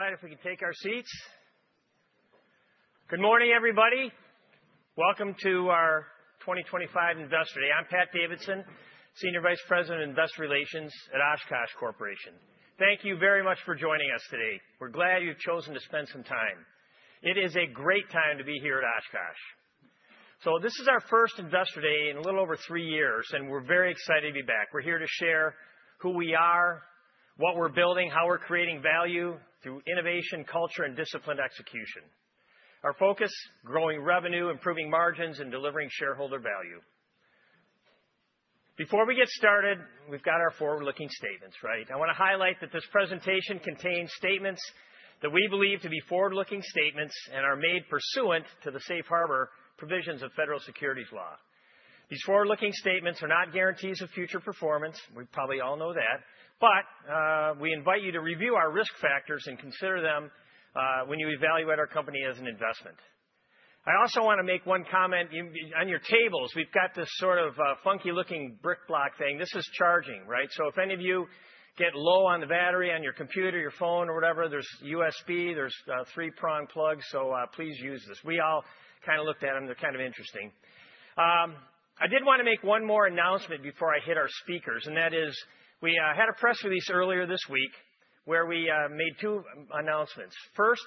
Right, if we can take our seats. Good morning, everybody. Welcome to our 2025 Investor Day. I'm Pat Davidson, Senior Vice President of Investor Relations at Oshkosh Corporation. Thank you very much for joining us today. We're glad you've chosen to spend some time. It is a great time to be here at Oshkosh. This is our first Investor Day in a little over three years, and we're very excited to be back. We're here to share who we are, what we're building, how we're creating value through innovation, culture, and disciplined execution. Our focus: growing revenue, improving margins, and delivering shareholder value. Before we get started, we've got our forward-looking statements, right? I want to highlight that this presentation contains statements that we believe to be forward-looking statements and are made pursuant to the safe harbor provisions of federal securities law. These forward-looking statements are not guarantees of future performance. We probably all know that, but we invite you to review our risk factors and consider them when you evaluate our company as an investment. I also want to make one comment. On your tables, we have got this sort of funky-looking brick block thing. This is charging, right? If any of you get low on the battery on your computer, your phone, or whatever, there is USB, there are three-prong plugs, so please use this. We all kind of looked at them. They are kind of interesting. I did want to make one more announcement before I hit our speakers, and that is we had a press release earlier this week where we made two announcements. First,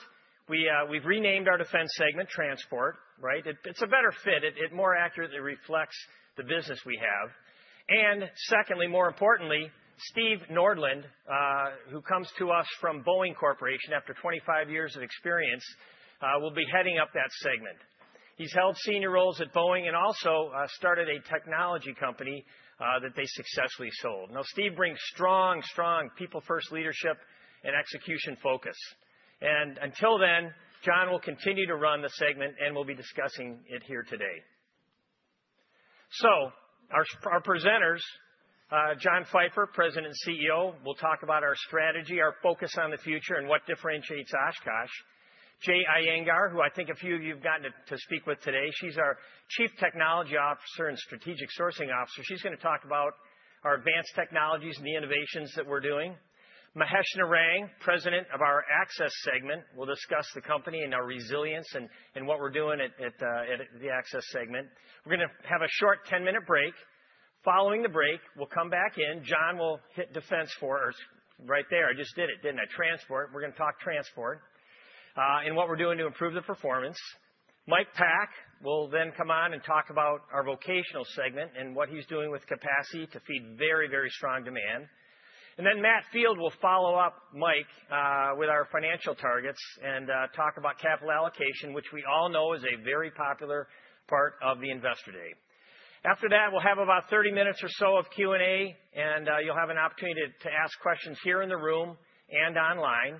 we have renamed our defense segment, transport, right? It is a better fit. It more accurately reflects the business we have. Secondly, more importantly, Steve Nordlund, who comes to us from Boeing Corporation after 25 years of experience, will be heading up that segment. He's held senior roles at Boeing and also started a technology company that they successfully sold. Steve brings strong, strong people-first leadership and execution focus. Until then, John will continue to run the segment and will be discussing it here today. Our presenters, John Pfeifer, President and CEO, will talk about our strategy, our focus on the future, and what differentiates Oshkosh. Jay Iyengar, who I think a few of you have gotten to speak with today, she's our Chief Technology Officer and Strategic Sourcing Officer. She's going to talk about our advanced technologies and the innovations that we're doing. Mahesh Narang, President of our Access segment, will discuss the company and our resilience and what we're doing at the Access segment. We're going to have a short 10-minute break. Following the break, we'll come back in. John will hit defense for us right there. I just did it, didn't I? Transport. We're going to talk transport and what we're doing to improve the performance. Mike Pack will then come on and talk about our vocational segment and what he's doing with capacity to feed very, very strong demand. Matt Field will follow up, Mike, with our financial targets and talk about capital allocation, which we all know is a very popular part of the Investor Day. After that, we'll have about 30 minutes or so of Q&A, and you'll have an opportunity to ask questions here in the room and online.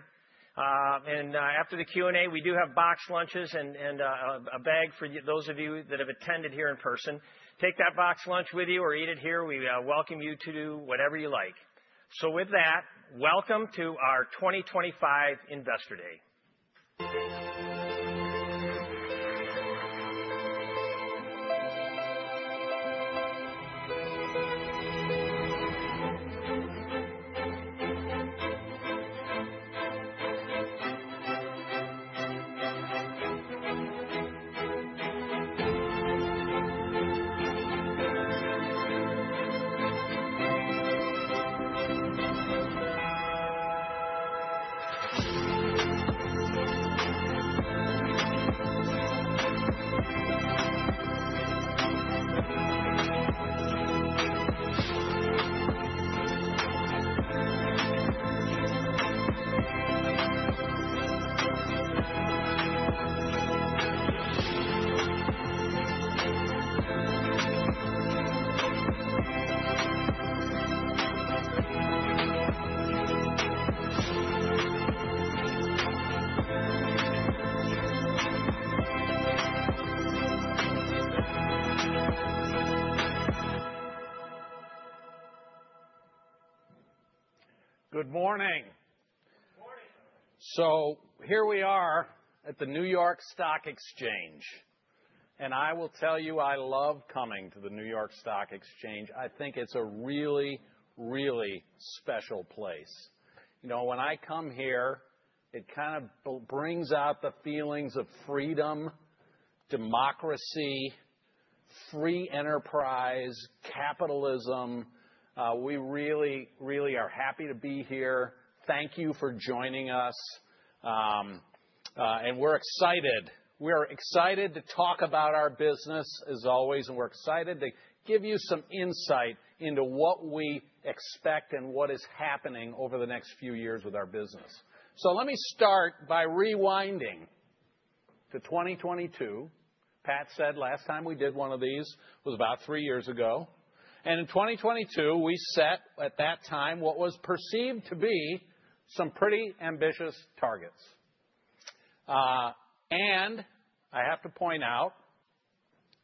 After the Q&A, we do have box lunches and a bag for those of you that have attended here in person. Take that box lunch with you or eat it here. We welcome you to do whatever you like. With that, welcome to our 2025 Investor Day. Good morning. Here we are at the New York Stock Exchange, and I will tell you, I love coming to the New York Stock Exchange. I think it's a really, really special place. You know, when I come here, it kind of brings out the feelings of freedom, democracy, free enterprise, capitalism. We really, really are happy to be here. Thank you for joining us. We're excited. We are excited to talk about our business, as always, and we're excited to give you some insight into what we expect and what is happening over the next few years with our business. Let me start by rewinding to 2022. Pat said last time we did one of these was about three years ago. In 2022, we set at that time what was perceived to be some pretty ambitious targets. I have to point out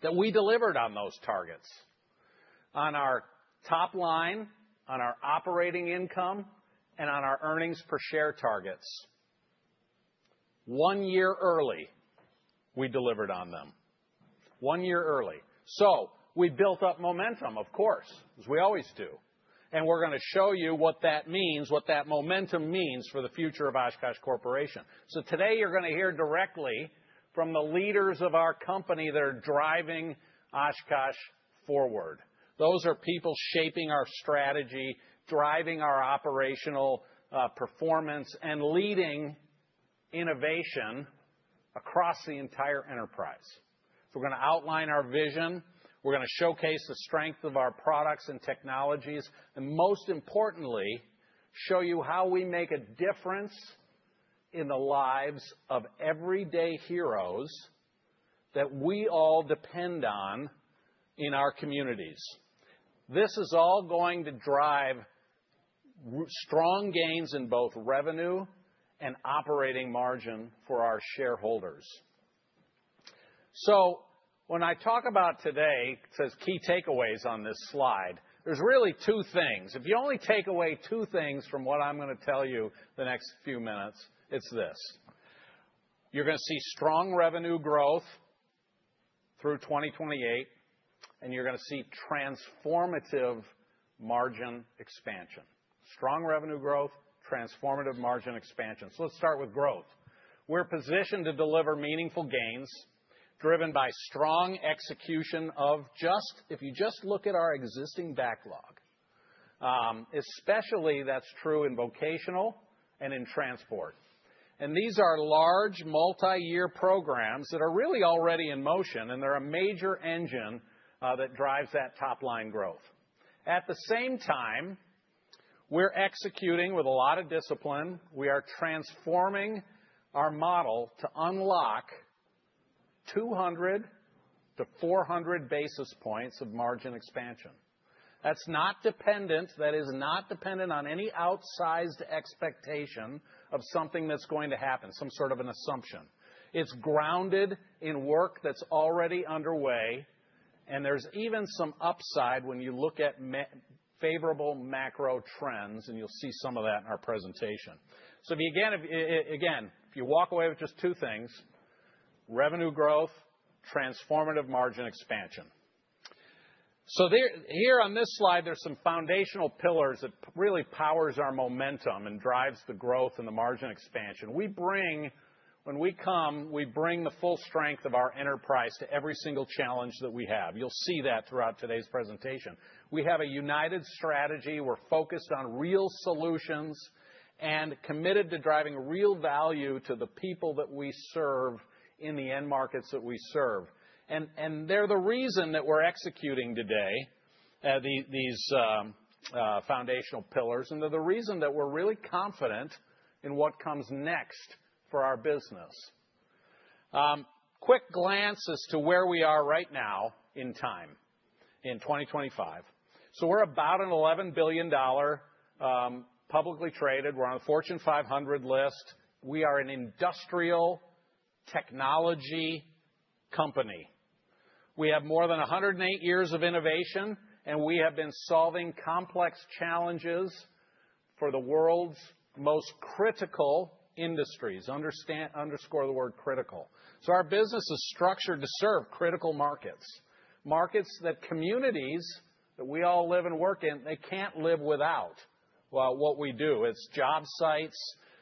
that we delivered on those targets on our top line, on our operating income, and on our earnings per share targets. One year early, we delivered on them. One year early. We built up momentum, of course, as we always do. We are going to show you what that means, what that momentum means for the future of Oshkosh Corporation. Today, you are going to hear directly from the leaders of our company that are driving Oshkosh forward. Those are people shaping our strategy, driving our operational performance, and leading innovation across the entire enterprise. We are going to outline our vision. We are going to showcase the strength of our products and technologies, and most importantly, show you how we make a difference in the lives of everyday heroes that we all depend on in our communities. This is all going to drive strong gains in both revenue and operating margin for our shareholders. When I talk about today, it says key takeaways on this slide. There are really two things. If you only take away two things from what I'm going to tell you the next few minutes, it's this. You're going to see strong revenue growth through 2028, and you're going to see transformative margin expansion. Strong revenue growth, transformative margin expansion. Let's start with growth. We're positioned to deliver meaningful gains driven by strong execution of just, if you just look at our existing backlog, especially that's true in vocational and in transport. These are large multi-year programs that are really already in motion, and they're a major engine that drives that top-line growth. At the same time, we're executing with a lot of discipline. We are transforming our model to unlock 200-400 basis points of margin expansion. That's not dependent. That is not dependent on any outsized expectation of something that's going to happen, some sort of an assumption. It's grounded in work that's already underway, and there's even some upside when you look at favorable macro trends, and you'll see some of that in our presentation. If you walk away with just two things: revenue growth, transformative margin expansion. Here on this slide, there's some foundational pillars that really power our momentum and drive the growth and the margin expansion. We bring, when we come, we bring the full strength of our enterprise to every single challenge that we have. You'll see that throughout today's presentation. We have a united strategy. We're focused on real solutions and committed to driving real value to the people that we serve in the end markets that we serve. They're the reason that we're executing today these foundational pillars and they're the reason that we're really confident in what comes next for our business. Quick glance as to where we are right now in time in 2025. We're about an $11 billion publicly traded. We're on the Fortune 500 list. We are an industrial technology company. We have more than 108 years of innovation, and we have been solving complex challenges for the world's most critical industries. Underscore the word critical. Our business is structured to serve critical markets, markets that communities that we all live and work in, they can't live without what we do. It's job sites,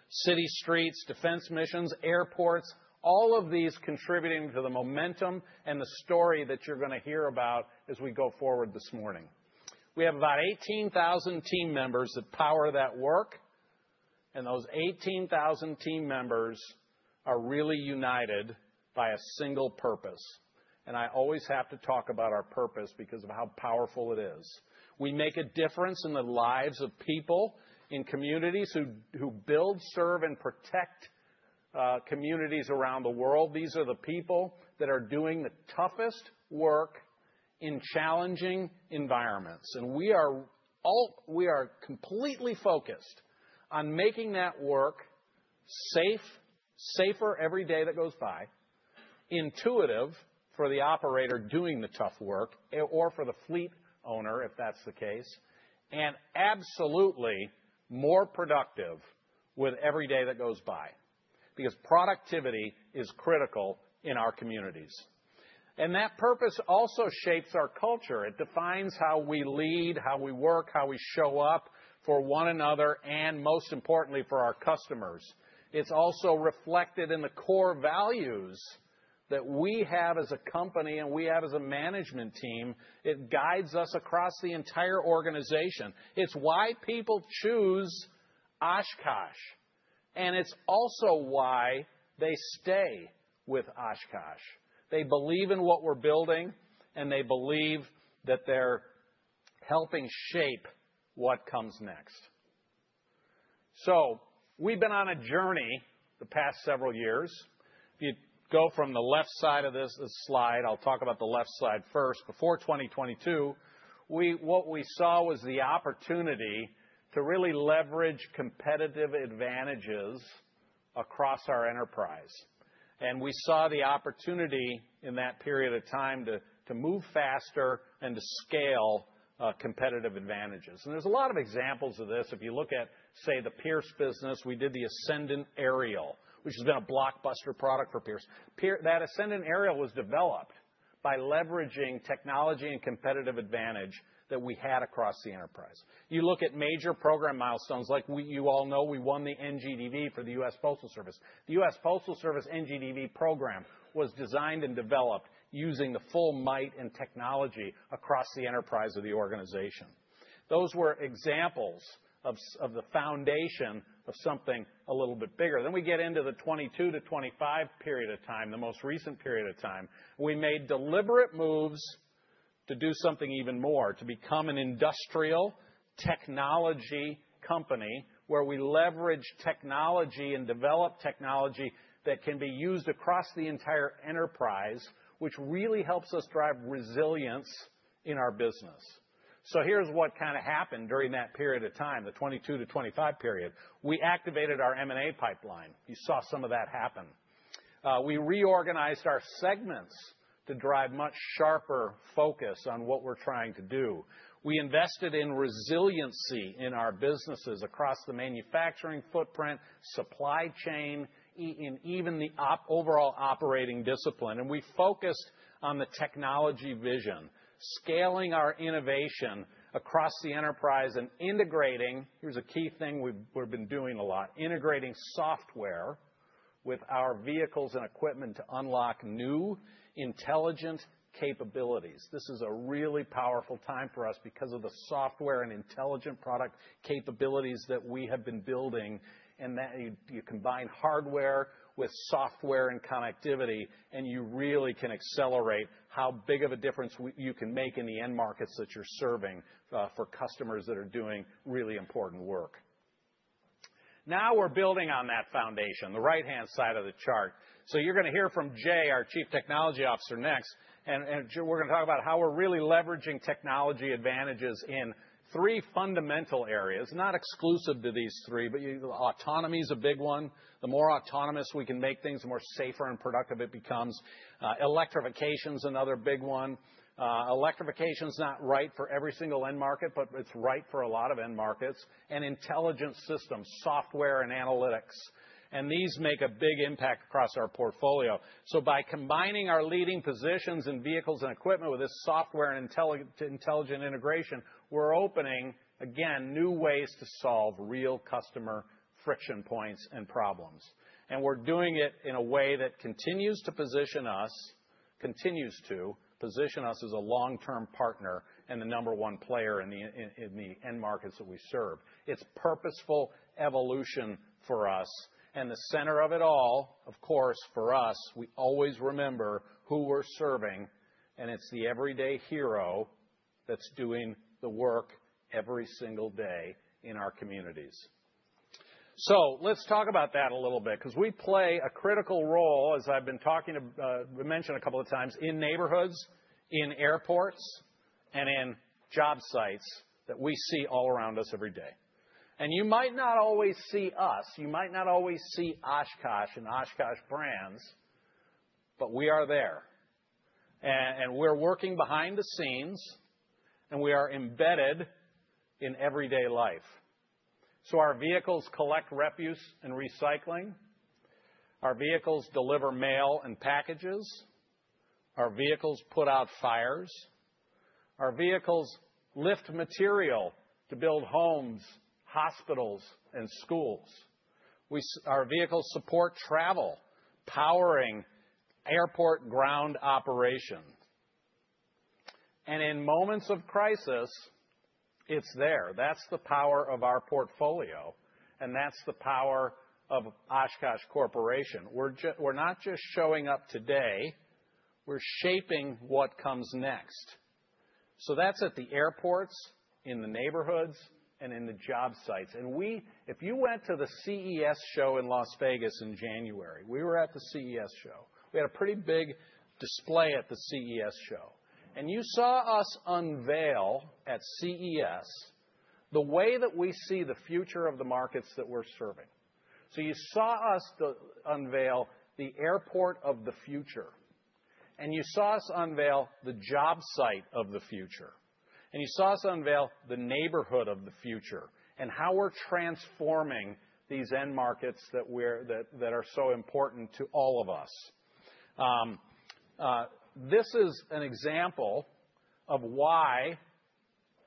city streets, defense missions, airports, all of these contributing to the momentum and the story that you're going to hear about as we go forward this morning. We have about 18,000 team members that power that work, and those 18,000 team members are really united by a single purpose. I always have to talk about our purpose because of how powerful it is. We make a difference in the lives of people in communities who build, serve, and protect communities around the world. These are the people that are doing the toughest work in challenging environments. We are completely focused on making that work safe, safer every day that goes by, intuitive for the operator doing the tough work or for the fleet owner, if that's the case, and absolutely more productive with every day that goes by because productivity is critical in our communities. That purpose also shapes our culture. It defines how we lead, how we work, how we show up for one another, and most importantly, for our customers. It is also reflected in the core values that we have as a company and we have as a management team. It guides us across the entire organization. It is why people choose Oshkosh, and it is also why they stay with Oshkosh. They believe in what we are building, and they believe that they are helping shape what comes next. We have been on a journey the past several years. If you go from the left side of this slide, I will talk about the left side first. Before 2022, what we saw was the opportunity to really leverage competitive advantages across our enterprise. We saw the opportunity in that period of time to move faster and to scale competitive advantages. There are a lot of examples of this. If you look at, say, the Pierce business, we did the Ascendant Aerial, which has been a blockbuster product for Pierce. That Ascendant Aerial was developed by leveraging technology and competitive advantage that we had across the enterprise. You look at major program milestones. Like you all know, we won the NGDV for the U.S. Postal Service. The U.S. Postal Service NGDV program was designed and developed using the full might and technology across the enterprise of the organization. Those were examples of the foundation of something a little bit bigger. We get into the 2022 to 2025 period of time, the most recent period of time. We made deliberate moves to do something even more to become an industrial technology company where we leverage technology and develop technology that can be used across the entire enterprise, which really helps us drive resilience in our business. Here is what kind of happened during that period of time, the 2022 to 2025 period. We activated our M&A pipeline. You saw some of that happen. We reorganized our segments to drive much sharper focus on what we are trying to do. We invested in resiliency in our businesses across the manufacturing footprint, supply chain, and even the overall operating discipline. We focused on the technology vision, scaling our innovation across the enterprise and integrating, here is a key thing we have been doing a lot, integrating software with our vehicles and equipment to unlock new intelligent capabilities. This is a really powerful time for us because of the software and intelligent product capabilities that we have been building. You combine hardware with software and connectivity, and you really can accelerate how big of a difference you can make in the end markets that you're serving for customers that are doing really important work. Now we're building on that foundation, the right-hand side of the chart. You're going to hear from Jay, our Chief Technology Officer, next. We're going to talk about how we're really leveraging technology advantages in three fundamental areas, not exclusive to these three, but autonomy is a big one. The more autonomous we can make things, the more safer and productive it becomes. Electrification is another big one. Electrification is not right for every single end market, but it's right for a lot of end markets. Intelligent systems, software and analytics make a big impact across our portfolio. By combining our leading positions in vehicles and equipment with this software and intelligent integration, we're opening new ways to solve real customer friction points and problems. We're doing it in a way that continues to position us as a long-term partner and the number one player in the end markets that we serve. It's purposeful evolution for us. At the center of it all, of course, we always remember who we're serving, and it's the everyday hero that's doing the work every single day in our communities. Let's talk about that a little bit because we play a critical role, as I've been talking about, mentioned a couple of times, in neighborhoods, in airports, and in job sites that we see all around us every day. You might not always see us. You might not always see Oshkosh and Oshkosh Brands, but we are there. We're working behind the scenes, and we are embedded in everyday life. Our vehicles collect refuse and recycling. Our vehicles deliver mail and packages. Our vehicles put out fires. Our vehicles lift material to build homes, hospitals, and schools. Our vehicles support travel, powering airport ground operations. In moments of crisis, it's there. That's the power of our portfolio, and that's the power of Oshkosh Corporation. We're not just showing up today. We're shaping what comes next. That's at the airports, in the neighborhoods, and in the job sites. If you went to the CES show in Las Vegas in January, we were at the CES show. We had a pretty big display at the CES show. You saw us unveil at CES the way that we see the future of the markets that we're serving. You saw us unveil the airport of the future. You saw us unveil the job site of the future. You saw us unveil the neighborhood of the future and how we're transforming these end markets that are so important to all of us. This is an example of why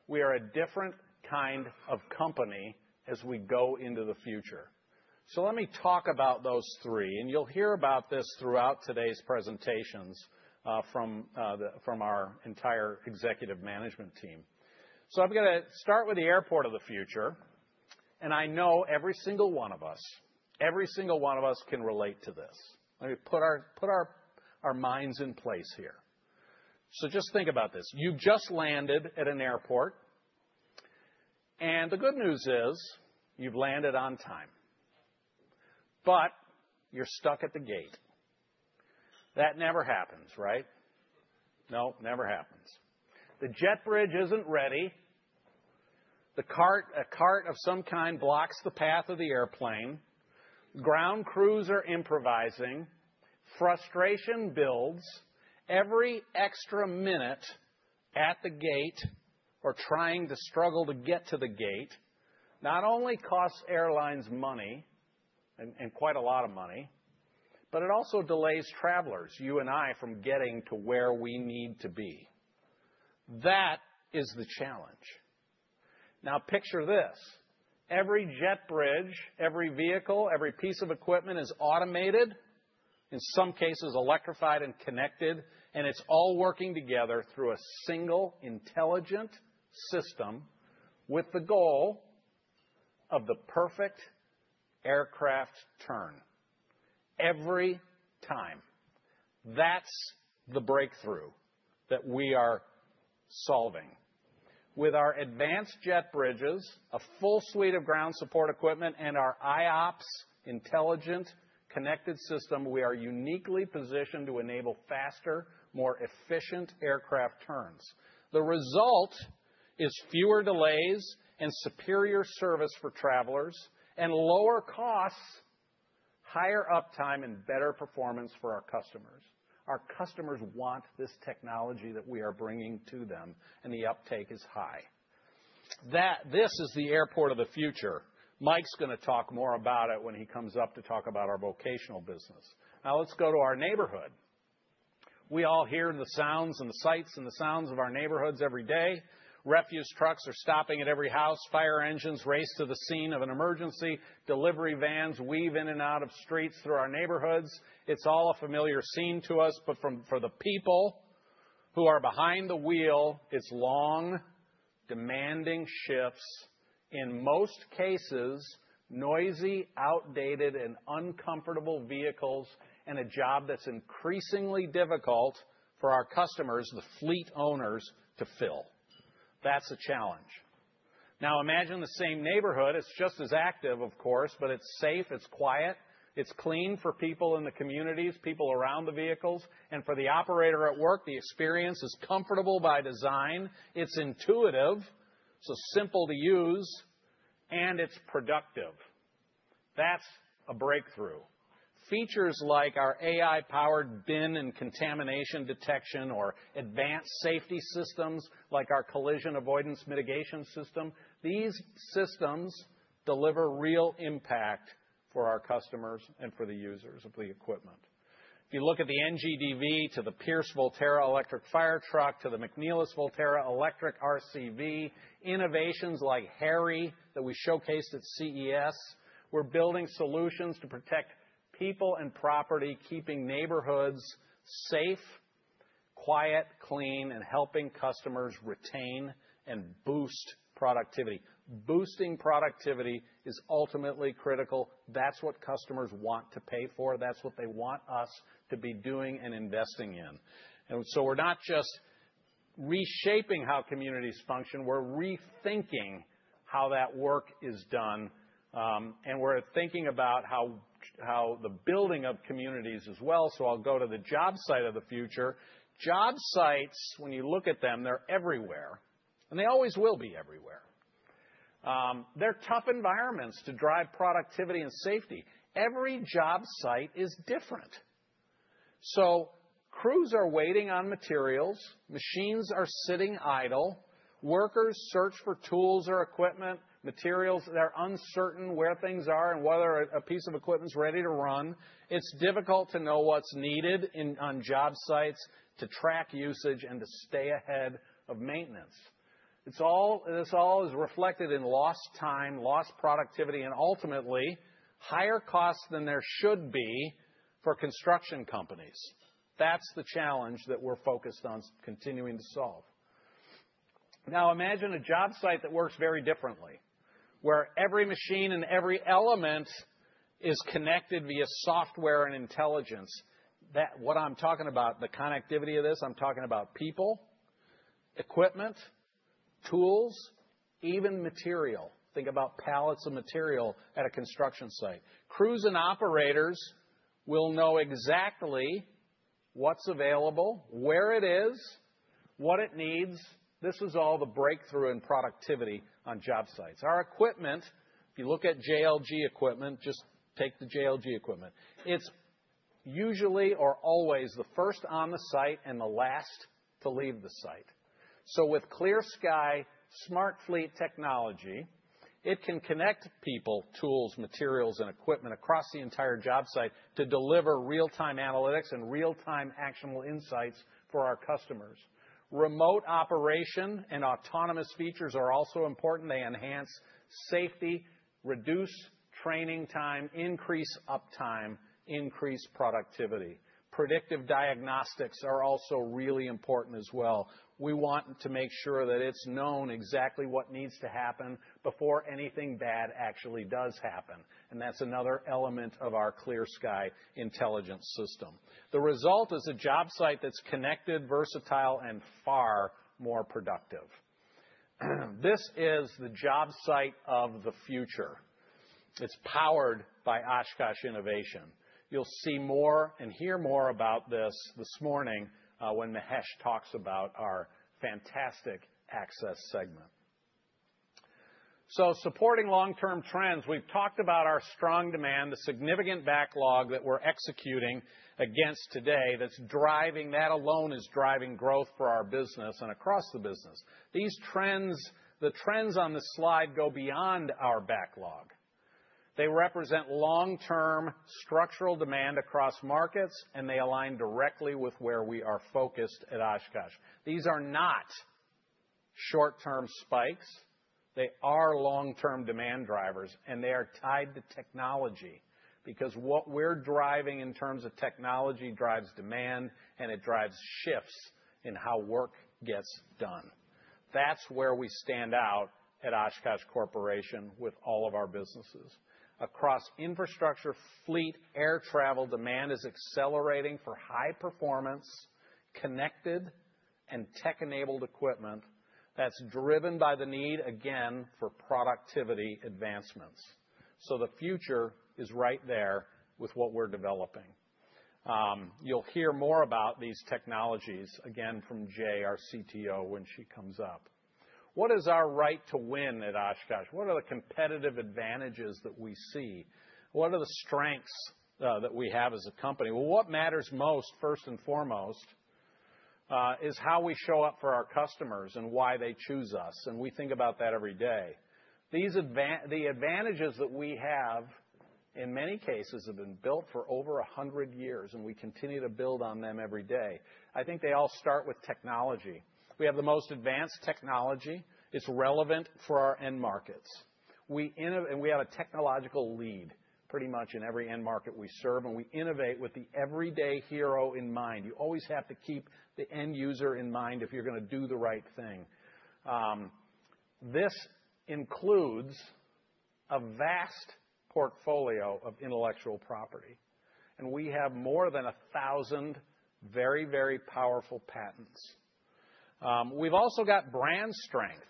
we are a different kind of company as we go into the future. Let me talk about those three. You'll hear about this throughout today's presentations from our entire executive management team. I'm going to start with the airport of the future. I know every single one of us, every single one of us can relate to this. Let me put our minds in place here. Just think about this. You've just landed at an airport. The good news is you've landed on time. You're stuck at the gate. That never happens, right? No, never happens. The jet bridge isn't ready. A cart of some kind blocks the path of the airplane. Ground crews are improvising. Frustration builds. Every extra minute at the gate or trying to struggle to get to the gate not only costs airlines money and quite a lot of money, but it also delays travelers, you and I, from getting to where we need to be. That is the challenge. Now picture this. Every jet bridge, every vehicle, every piece of equipment is automated, in some cases electrified and connected, and it is all working together through a single intelligent system with the goal of the perfect aircraft turn every time. That is the breakthrough that we are solving. With our advanced jet bridges, a full suite of ground support equipment, and our iOPS, Intelligent Connected System, we are uniquely positioned to enable faster, more efficient aircraft turns. The result is fewer delays and superior service for travelers and lower costs, higher uptime, and better performance for our customers. Our customers want this technology that we are bringing to them, and the uptake is high. This is the airport of the future. Mike is going to talk more about it when he comes up to talk about our vocational business. Now let's go to our neighborhood. We all hear the sounds and the sights and the sounds of our neighborhoods every day. Refuse trucks are stopping at every house. Fire engines race to the scene of an emergency. Delivery vans weave in and out of streets through our neighborhoods. It's all a familiar scene to us, but for the people who are behind the wheel, it's long, demanding shifts, in most cases, noisy, outdated, and uncomfortable vehicles and a job that's increasingly difficult for our customers, the fleet owners, to fill. That's a challenge. Now imagine the same neighborhood. It's just as active, of course, but it's safe, it's quiet, it's clean for people in the communities, people around the vehicles, and for the operator at work, the experience is comfortable by design. It's intuitive. It's simple to use, and it's productive. That's a breakthrough. Features like our AI-powered bin and contamination detection or advanced safety systems like our Collision Avoidance Mitigation System, these systems deliver real impact for our customers and for the users of the equipment. If you look at the NGDV to the Pierce Volterra electric fire truck to the McNeilus Volterra electric RCV, innovations like HARR-E that we showcased at CES, we're building solutions to protect people and property, keeping neighborhoods safe, quiet, clean, and helping customers retain and boost productivity. Boosting productivity is ultimately critical. That's what customers want to pay for. That's what they want us to be doing and investing in. We're not just reshaping how communities function. We're rethinking how that work is done. We're thinking about how the building of communities as well. I'll go to the job site of the future. Job sites, when you look at them, they're everywhere. They always will be everywhere. They're tough environments to drive productivity and safety. Every job site is different. Crews are waiting on materials. Machines are sitting idle. Workers search for tools or equipment, materials that are uncertain where things are and whether a piece of equipment is ready to run. It's difficult to know what's needed on job sites to track usage and to stay ahead of maintenance. This all is reflected in lost time, lost productivity, and ultimately higher costs than there should be for construction companies. That's the challenge that we're focused on continuing to solve. Now imagine a job site that works very differently, where every machine and every element is connected via software and intelligence. What I'm talking about, the connectivity of this, I'm talking about people, equipment, tools, even material. Think about pallets of material at a construction site. Crews and operators will know exactly what's available, where it is, what it needs. This is all the breakthrough in productivity on job sites. Our equipment, if you look at JLG equipment, just take the JLG equipment, it's usually or always the first on the site and the last to leave the site. With ClearSky Smart Fleet technology, it can connect people, tools, materials, and equipment across the entire job site to deliver real-time analytics and real-time actionable insights for our customers. Remote operation and autonomous features are also important. They enhance safety, reduce training time, increase uptime, increase productivity. Predictive diagnostics are also really important as well. We want to make sure that it's known exactly what needs to happen before anything bad actually does happen. That's another element of our ClearSky intelligence system. The result is a job site that's connected, versatile, and far more productive. This is the job site of the future. It's powered by Oshkosh Innovation. You'll see more and hear more about this this morning when Mahesh talks about our fantastic access segment. Supporting long-term trends, we've talked about our strong demand, the significant backlog that we're executing against today that's driving, that alone is driving growth for our business and across the business. These trends, the trends on the slide go beyond our backlog. They represent long-term structural demand across markets, and they align directly with where we are focused at Oshkosh. These are not short-term spikes. They are long-term demand drivers, and they are tied to technology because what we're driving in terms of technology drives demand, and it drives shifts in how work gets done. That's where we stand out at Oshkosh Corporation with all of our businesses. Across infrastructure, fleet, air travel, demand is accelerating for high-performance, connected, and tech-enabled equipment that's driven by the need, again, for productivity advancements. The future is right there with what we're developing. You'll hear more about these technologies, again, from Jay, our CTO, when she comes up. What is our right to win at Oshkosh? What are the competitive advantages that we see? What are the strengths that we have as a company? What matters most, first and foremost, is how we show up for our customers and why they choose us. We think about that every day. The advantages that we have, in many cases, have been built for over 100 years, and we continue to build on them every day. I think they all start with technology. We have the most advanced technology. It's relevant for our end markets. We have a technological lead pretty much in every end market we serve, and we innovate with the everyday hero in mind. You always have to keep the end user in mind if you're going to do the right thing. This includes a vast portfolio of intellectual property. We have more than 1,000 very, very powerful patents. We've also got brand strength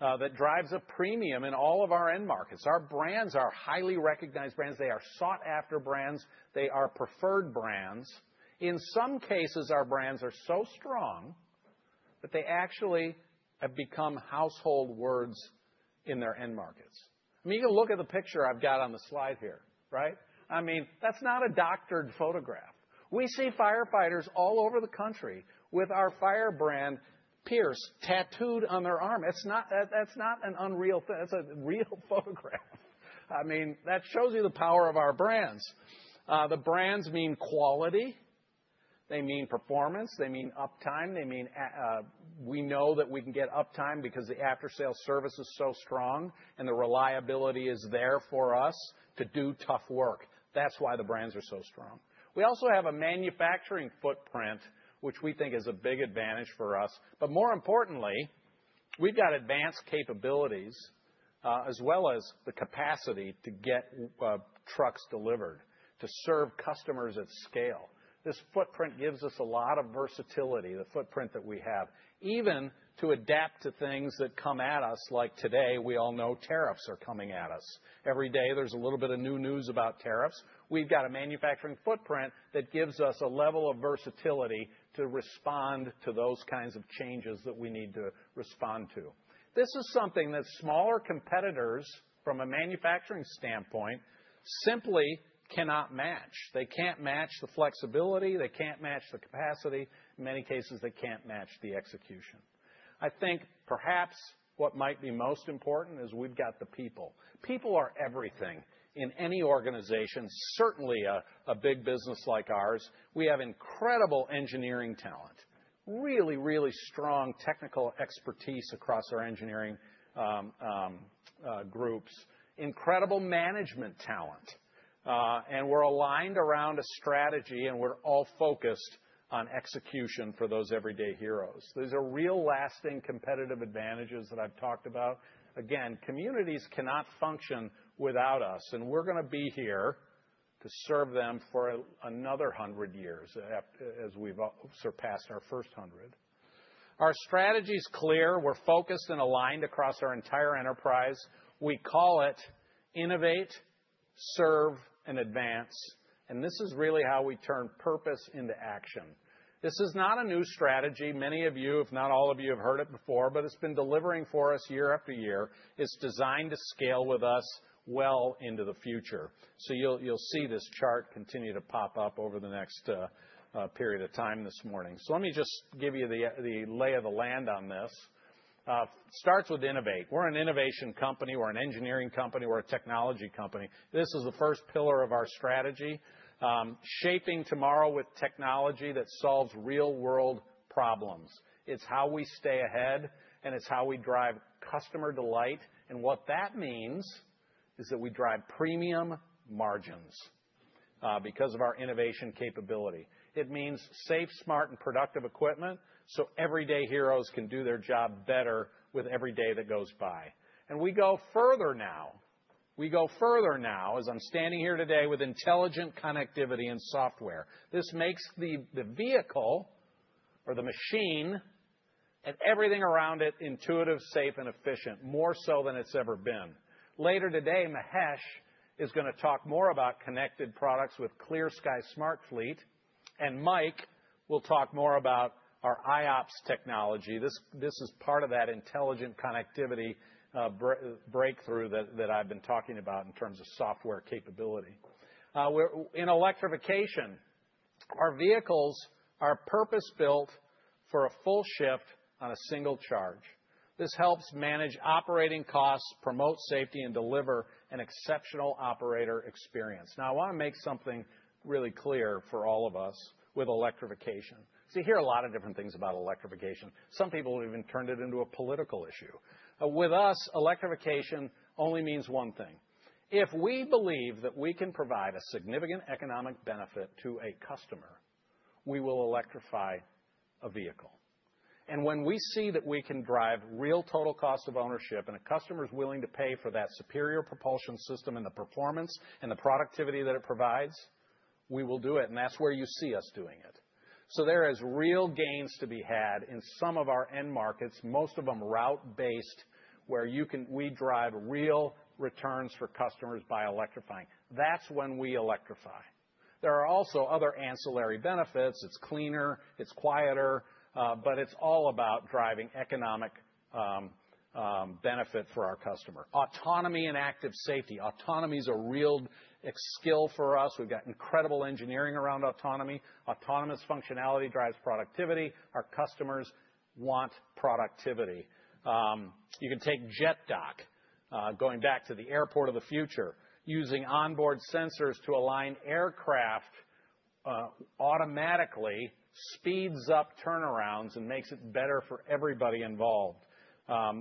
that drives a premium in all of our end markets. Our brands are highly recognized brands. They are sought-after brands. They are preferred brands. In some cases, our brands are so strong that they actually have become household words in their end markets. I mean, you can look at the picture I've got on the slide here, right? I mean, that's not a doctored photograph. We see firefighters all over the country with our firebrand Pierce tattooed on their arm. That's not an unreal thing. That's a real photograph. I mean, that shows you the power of our brands. The brands mean quality. They mean performance. They mean uptime. We know that we can get uptime because the after-sales service is so strong, and the reliability is there for us to do tough work. That's why the brands are so strong. We also have a manufacturing footprint, which we think is a big advantage for us. More importantly, we've got advanced capabilities as well as the capacity to get trucks delivered to serve customers at scale. This footprint gives us a lot of versatility, the footprint that we have, even to adapt to things that come at us. Like today, we all know tariffs are coming at us. Every day, there's a little bit of new news about tariffs. We've got a manufacturing footprint that gives us a level of versatility to respond to those kinds of changes that we need to respond to. This is something that smaller competitors, from a manufacturing standpoint, simply cannot match. They can't match the flexibility. They can't match the capacity. In many cases, they can't match the execution. I think perhaps what might be most important is we've got the people. People are everything in any organization, certainly a big business like ours. We have incredible engineering talent, really, really strong technical expertise across our engineering groups, incredible management talent. And we're aligned around a strategy, and we're all focused on execution for those everyday heroes. These are real lasting competitive advantages that I've talked about. Again, communities cannot function without us. And we're going to be here to serve them for another 100 years as we've surpassed our first 100. Our strategy is clear. We're focused and aligned across our entire enterprise. We call it innovate, serve, and advance. This is really how we turn purpose into action. This is not a new strategy. Many of you, if not all of you, have heard it before, but it's been delivering for us year after year. It's designed to scale with us well into the future. You'll see this chart continue to pop up over the next period of time this morning. Let me just give you the lay of the land on this. It starts with innovate. We're an innovation company. We're an engineering company. We're a technology company. This is the first pillar of our strategy, shaping tomorrow with technology that solves real-world problems. It's how we stay ahead, and it's how we drive customer delight. What that means is that we drive premium margins because of our innovation capability. It means safe, smart, and productive equipment so everyday heroes can do their job better with every day that goes by. We go further now. We go further now as I'm standing here today with intelligent connectivity and software. This makes the vehicle or the machine and everything around it intuitive, safe, and efficient, more so than it's ever been. Later today, Mahesh is going to talk more about connected products with ClearSky Smart Fleet. Mike will talk more about our iOPS technology. This is part of that intelligent connectivity breakthrough that I've been talking about in terms of software capability. In electrification, our vehicles are purpose-built for a full shift on a single charge. This helps manage operating costs, promote safety, and deliver an exceptional operator experience. Now, I want to make something really clear for all of us with electrification. You see, I hear a lot of different things about electrification. Some people have even turned it into a political issue. With us, electrification only means one thing. If we believe that we can provide a significant economic benefit to a customer, we will electrify a vehicle. When we see that we can drive real total cost of ownership and a customer is willing to pay for that superior propulsion system and the performance and the productivity that it provides, we will do it. That is where you see us doing it. There are real gains to be had in some of our end markets, most of them route-based, where we drive real returns for customers by electrifying. That is when we electrify. There are also other ancillary benefits. It is cleaner. It is quieter. It is all about driving economic benefit for our customer. Autonomy and active safety. Autonomy is a real skill for us. We have got incredible engineering around autonomy. Autonomous functionality drives productivity. Our customers want productivity. You can take JetDock, going back to the airport of the future, using onboard sensors to align aircraft automatically speeds up turnarounds and makes it better for everybody involved.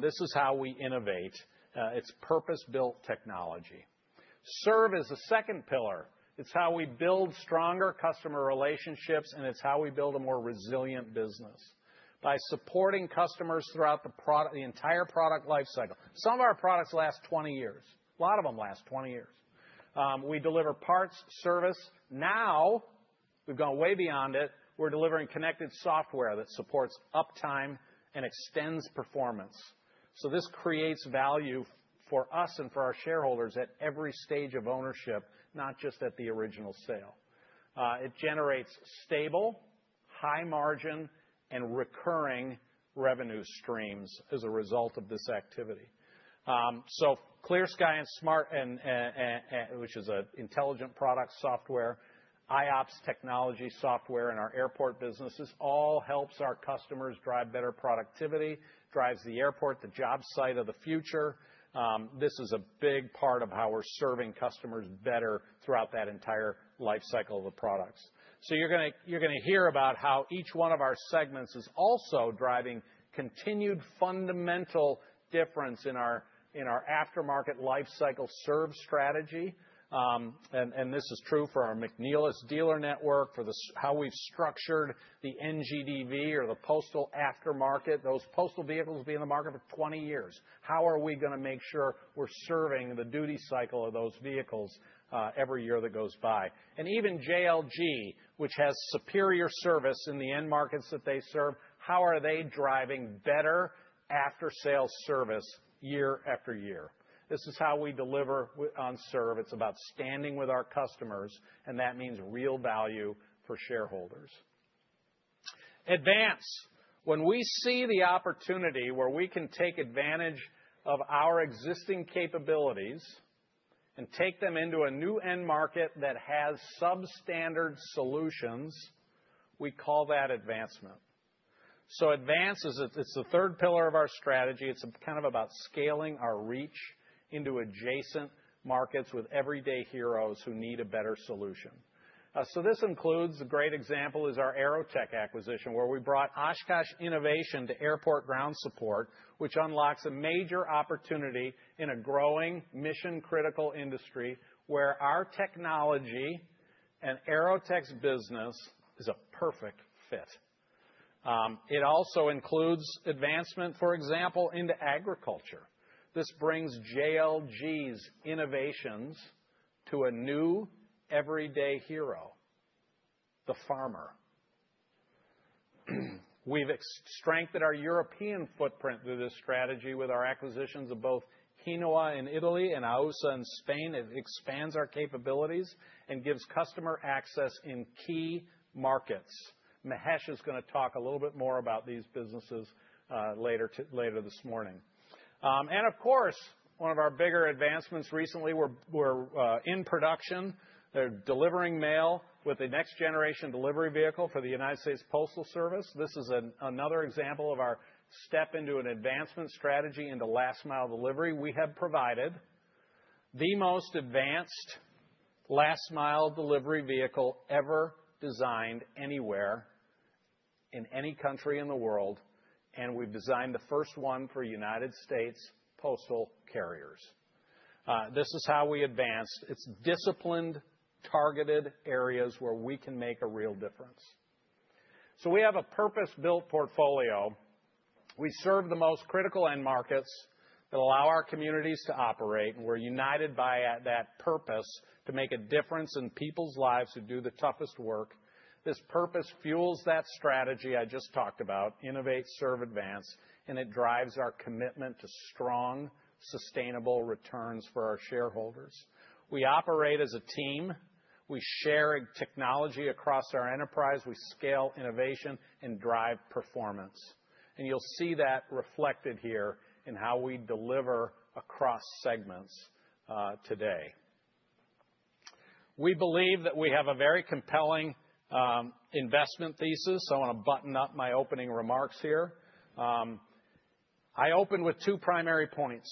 This is how we innovate. It is purpose-built technology. Serve is the second pillar. It is how we build stronger customer relationships, and it is how we build a more resilient business by supporting customers throughout the entire product lifecycle. Some of our products last 20 years. A lot of them last 20 years. We deliver parts, service. Now, we have gone way beyond it. We are delivering connected software that supports uptime and extends performance. This creates value for us and for our shareholders at every stage of ownership, not just at the original sale. It generates stable, high-margin, and recurring revenue streams as a result of this activity. ClearSky and Smart, which is an intelligent product software, iOPS technology software in our airport businesses, all helps our customers drive better productivity, drives the airport, the job site of the future. This is a big part of how we're serving customers better throughout that entire lifecycle of the products. You're going to hear about how each one of our segments is also driving continued fundamental difference in our aftermarket lifecycle serve strategy. This is true for our McNeilus dealer network, for how we've structured the NGDV or the postal aftermarket. Those postal vehicles will be in the market for 20 years. How are we going to make sure we're serving the duty cycle of those vehicles every year that goes by? Even JLG, which has superior service in the end markets that they serve, how are they driving better after-sales service year after year? This is how we deliver on serve. It's about standing with our customers, and that means real value for shareholders. Advance. When we see the opportunity where we can take advantage of our existing capabilities and take them into a new end market that has substandard solutions, we call that advancement. Advance is the third pillar of our strategy. It's kind of about scaling our reach into adjacent markets with everyday heroes who need a better solution. This includes a great example, our AeroTech acquisition, where we brought Oshkosh innovation to airport ground support, which unlocks a major opportunity in a growing mission-critical industry where our technology and AeroTech's business is a perfect fit. It also includes advancement, for example, into agriculture. This brings JLG's innovations to a new everyday hero, the farmer. We've strengthened our European footprint through this strategy with our acquisitions of both Hinowa in Italy and AUSA in Spain. It expands our capabilities and gives customer access in key markets. Mahesh is going to talk a little bit more about these businesses later this morning. Of course, one of our bigger advancements recently, we're in production. They're delivering mail with a Next Generation Delivery Vehicle for the U.S. Postal Service. This is another example of our step into an advancement strategy into last-mile delivery. We have provided the most advanced last-mile delivery vehicle ever designed anywhere in any country in the world, and we've designed the first one for United States Postal Carriers. This is how we advanced. It's disciplined, targeted areas where we can make a real difference. We have a purpose-built portfolio. We serve the most critical end markets that allow our communities to operate, and we're united by that purpose to make a difference in people's lives who do the toughest work. This purpose fuels that strategy I just talked about, innovate, serve, advance, and it drives our commitment to strong, sustainable returns for our shareholders. We operate as a team. We share technology across our enterprise. We scale innovation and drive performance. You'll see that reflected here in how we deliver across segments today. We believe that we have a very compelling investment thesis. I want to button up my opening remarks here. I open with two primary points: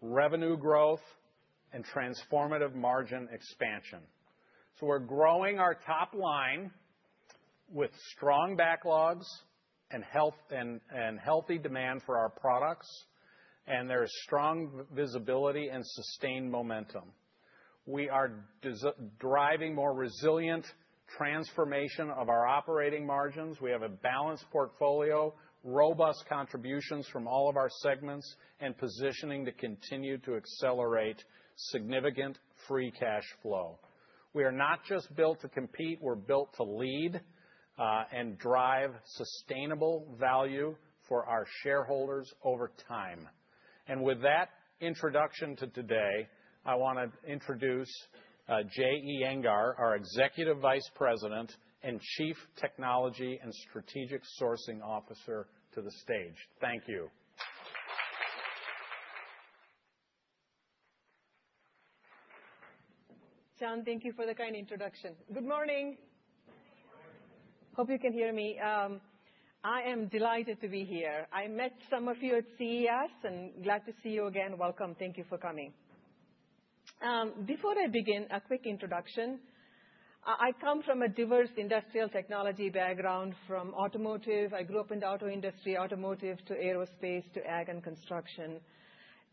revenue growth and transformative margin expansion. We're growing our top line with strong backlogs and healthy demand for our products, and there is strong visibility and sustained momentum. We are driving more resilient transformation of our operating margins. We have a balanced portfolio, robust contributions from all of our segments, and positioning to continue to accelerate significant free cash flow. We are not just built to compete. We're built to lead and drive sustainable value for our shareholders over time. With that introduction to today, I want to introduce Jay Iyengar, our Executive Vice President and Chief Technology and Strategic Sourcing Officer, to the stage. Thank you. John, thank you for the kind introduction. Good morning. Hope you can hear me. I am delighted to be here. I met some of you at CES and glad to see you again. Welcome. Thank you for coming. Before I begin, a quick introduction. I come from a diverse industrial technology background from automotive. I grew up in the auto industry, automotive to aerospace to ag and construction.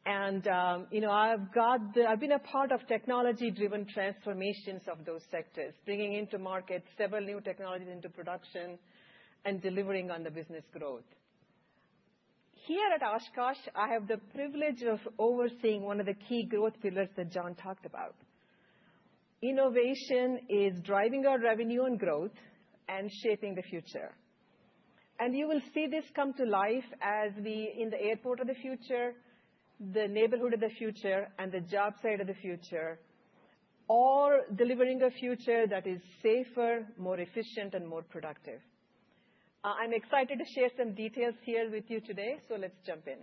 I have been a part of technology-driven transformations of those sectors, bringing into market several new technologies into production and delivering on the business growth. Here at Oshkosh, I have the privilege of overseeing one of the key growth pillars that John talked about. Innovation is driving our revenue and growth and shaping the future. You will see this come to life as we in the airport of the future, the neighborhood of the future, and the job site of the future, all delivering a future that is safer, more efficient, and more productive. I'm excited to share some details here with you today, so let's jump in.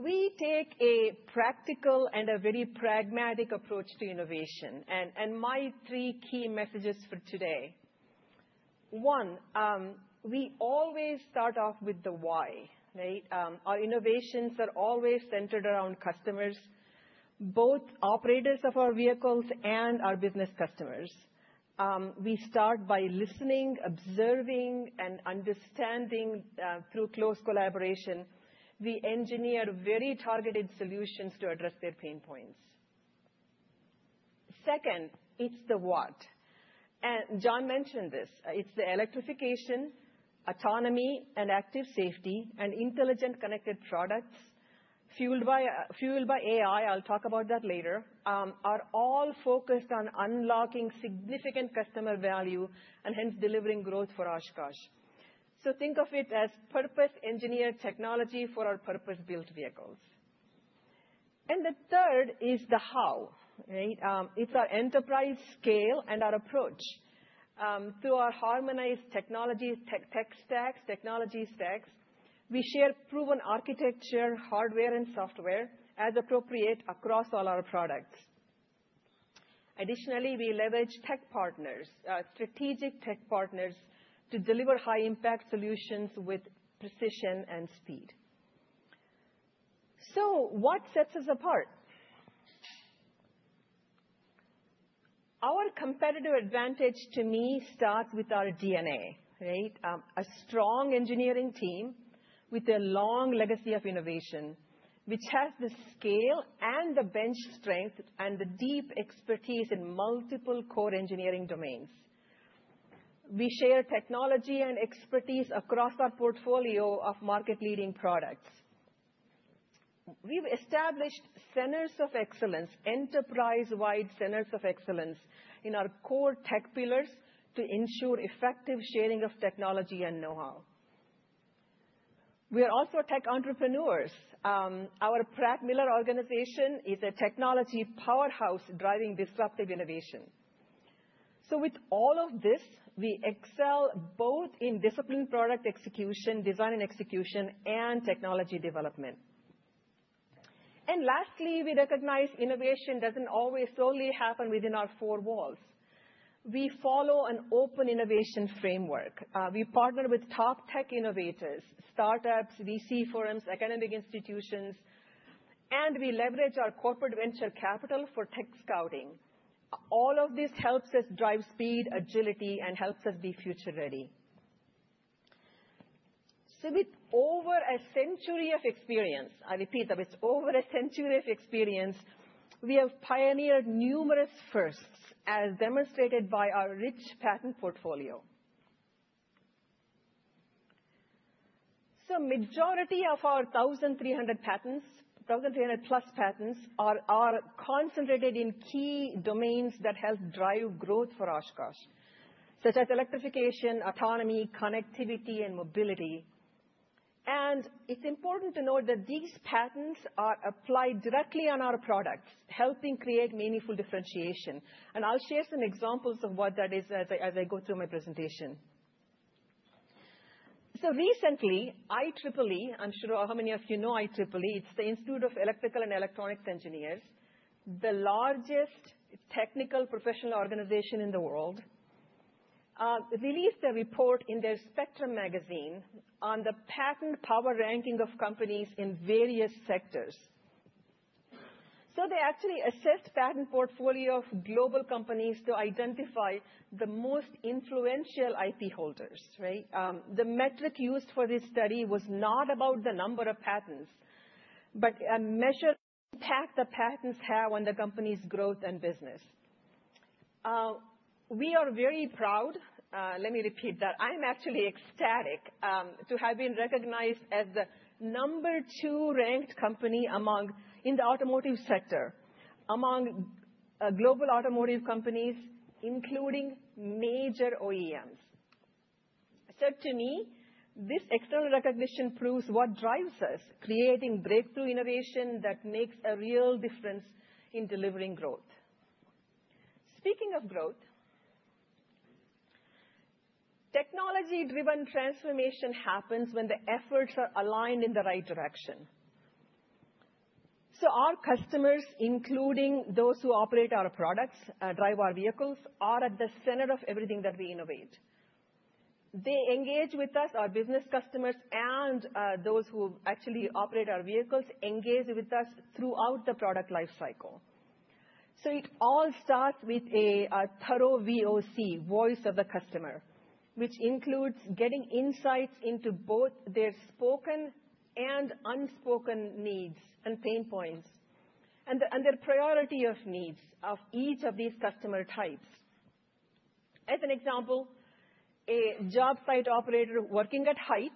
We take a practical and a very pragmatic approach to innovation. My three key messages for today. One, we always start off with the why, right? Our innovations are always centered around customers, both operators of our vehicles and our business customers. We start by listening, observing, and understanding through close collaboration. We engineer very targeted solutions to address their pain points. Second, it's the what. John mentioned this. It's the electrification, autonomy, and active safety and intelligent connected products fueled by AI. I'll talk about that later, are all focused on unlocking significant customer value and hence delivering growth for Oshkosh. Think of it as purpose-engineered technology for our purpose-built vehicles. The third is the how, right? It's our enterprise scale and our approach. Through our harmonized technology stacks, we share proven architecture, hardware, and software as appropriate across all our products. Additionally, we leverage strategic tech partners to deliver high-impact solutions with precision and speed. What sets us apart? Our competitive advantage to me starts with our DNA, right? A strong engineering team with a long legacy of innovation, which has the scale and the bench strength and the deep expertise in multiple core engineering domains. We share technology and expertise across our portfolio of market-leading products. have established centers of excellence, enterprise-wide centers of excellence in our core tech pillars to ensure effective sharing of technology and know-how. We are also tech entrepreneurs. Our Pratt Miller organization is a technology powerhouse driving disruptive innovation. With all of this, we excel both in disciplined product execution, design and execution, and technology development. Lastly, we recognize innovation does not always solely happen within our four walls. We follow an open innovation framework. We partner with top tech innovators, startups, VC firms, academic institutions, and we leverage our corporate venture capital for tech scouting. All of this helps us drive speed, agility, and helps us be future-ready. With over a century of experience, I repeat, with over a century of experience, we have pioneered numerous firsts as demonstrated by our rich patent portfolio. The majority of our 1,300 patents, 1,300-plus patents, are concentrated in key domains that help drive growth for Oshkosh, such as electrification, autonomy, connectivity, and mobility. It's important to note that these patents are applied directly on our products, helping create meaningful differentiation. I'll share some examples of what that is as I go through my presentation. Recently, IEEE, I'm sure how many of you know IEEE, it's the Institute of Electrical and Electronics Engineers, the largest technical professional organization in the world, released a report in their Spectrum magazine on the patent power ranking of companies in various sectors. They actually assessed the patent portfolio of global companies to identify the most influential IP holders, right? The metric used for this study was not about the number of patents, but a measure of impact the patents have on the company's growth and business. We are very proud. Let me repeat that. I'm actually ecstatic to have been recognized as the number two-ranked company in the automotive sector among global automotive companies, including major OEMs. To me, this external recognition proves what drives us, creating breakthrough innovation that makes a real difference in delivering growth. Speaking of growth, technology-driven transformation happens when the efforts are aligned in the right direction. Our customers, including those who operate our products, drive our vehicles, are at the center of everything that we innovate. They engage with us, our business customers, and those who actually operate our vehicles engage with us throughout the product lifecycle. It all starts with a thorough VOC, Voice of the Customer, which includes getting insights into both their spoken and unspoken needs and pain points and their priority of needs of each of these customer types. As an example, a job site operator working at height,